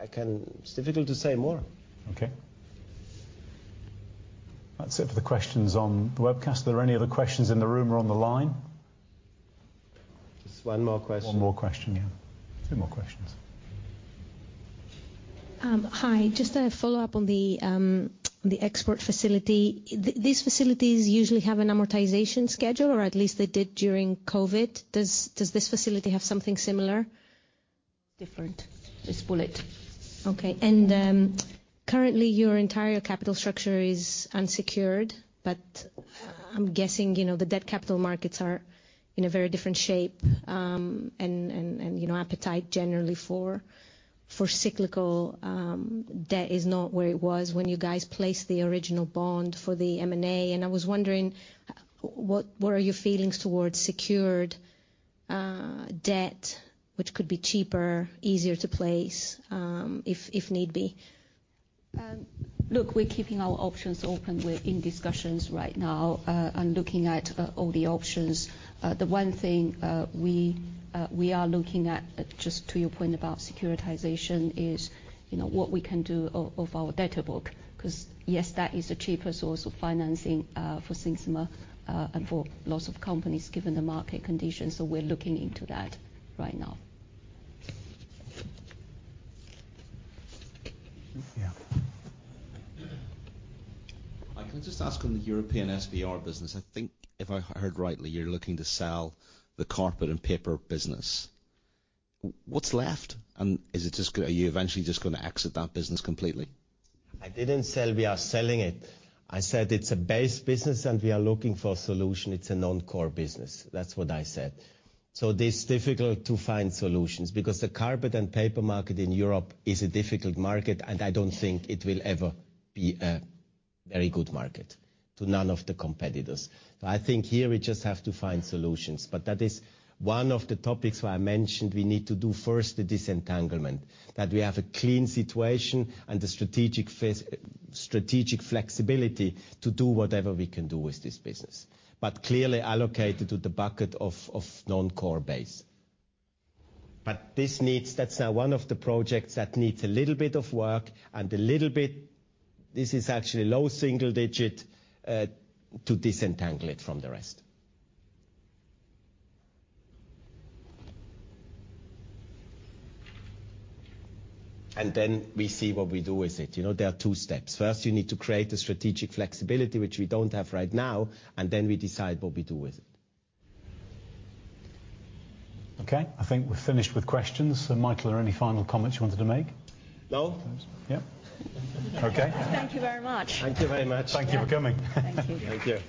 I can. It's difficult to say more. Okay. That's it for the questions on the webcast. Are there any other questions in the room or on the line? Just one more question. One more question, yeah. Two more questions. Hi. Just a follow-up on the export facility. These facilities usually have an amortization schedule, or at least they did during COVID. Does this facility have something similar? Different. This bullet. Okay. Currently your entire capital structure is unsecured, but I'm guessing, you know, the debt capital markets are in a very different shape, and you know, appetite generally for cyclical debt is not where it was when you guys placed the original bond for the M&A. I was wondering, what are your feelings towards secured debt, which could be cheaper, easier to place, if need be? Look, we're keeping our options open. We're in discussions right now and looking at all the options. The one thing we are looking at, just to your point about securitization, is, you know, what we can do of our debt book, 'cause yes, that is a cheaper source of financing for Synthomer and for lots of companies given the market conditions. We're looking into that right now. Yeah. I can just ask on the European SBR business. I think if I heard rightly, you're looking to sell the carpet and paper business. What's left, and are you eventually just gonna exit that business completely? I didn't sell. We are selling it. I said it's a base business, and we are looking for a solution. It's a non-core business. That's what I said. It is difficult to find solutions because the carpet and paper market in Europe is a difficult market, and I don't think it will ever be a very good market for none of the competitors. I think here we just have to find solutions. That is one of the topics where I mentioned we need to do first the disentanglement, that we have a clean situation and the strategic flexibility to do whatever we can do with this business, but clearly allocated to the bucket of non-core base. This needs. That's now one of the projects that needs a little bit of work, this is actually low single digit to disentangle it from the rest. We see what we do with it. You know, there are two steps. First, you need to create the strategic flexibility, which we don't have right now, and then we decide what we do with it. Okay. I think we're finished with questions. Michael, are there any final comments you wanted to make? No. Yeah. Okay. Thank you very much. Thank you very much. Thank you for coming. Thank you. Thank you.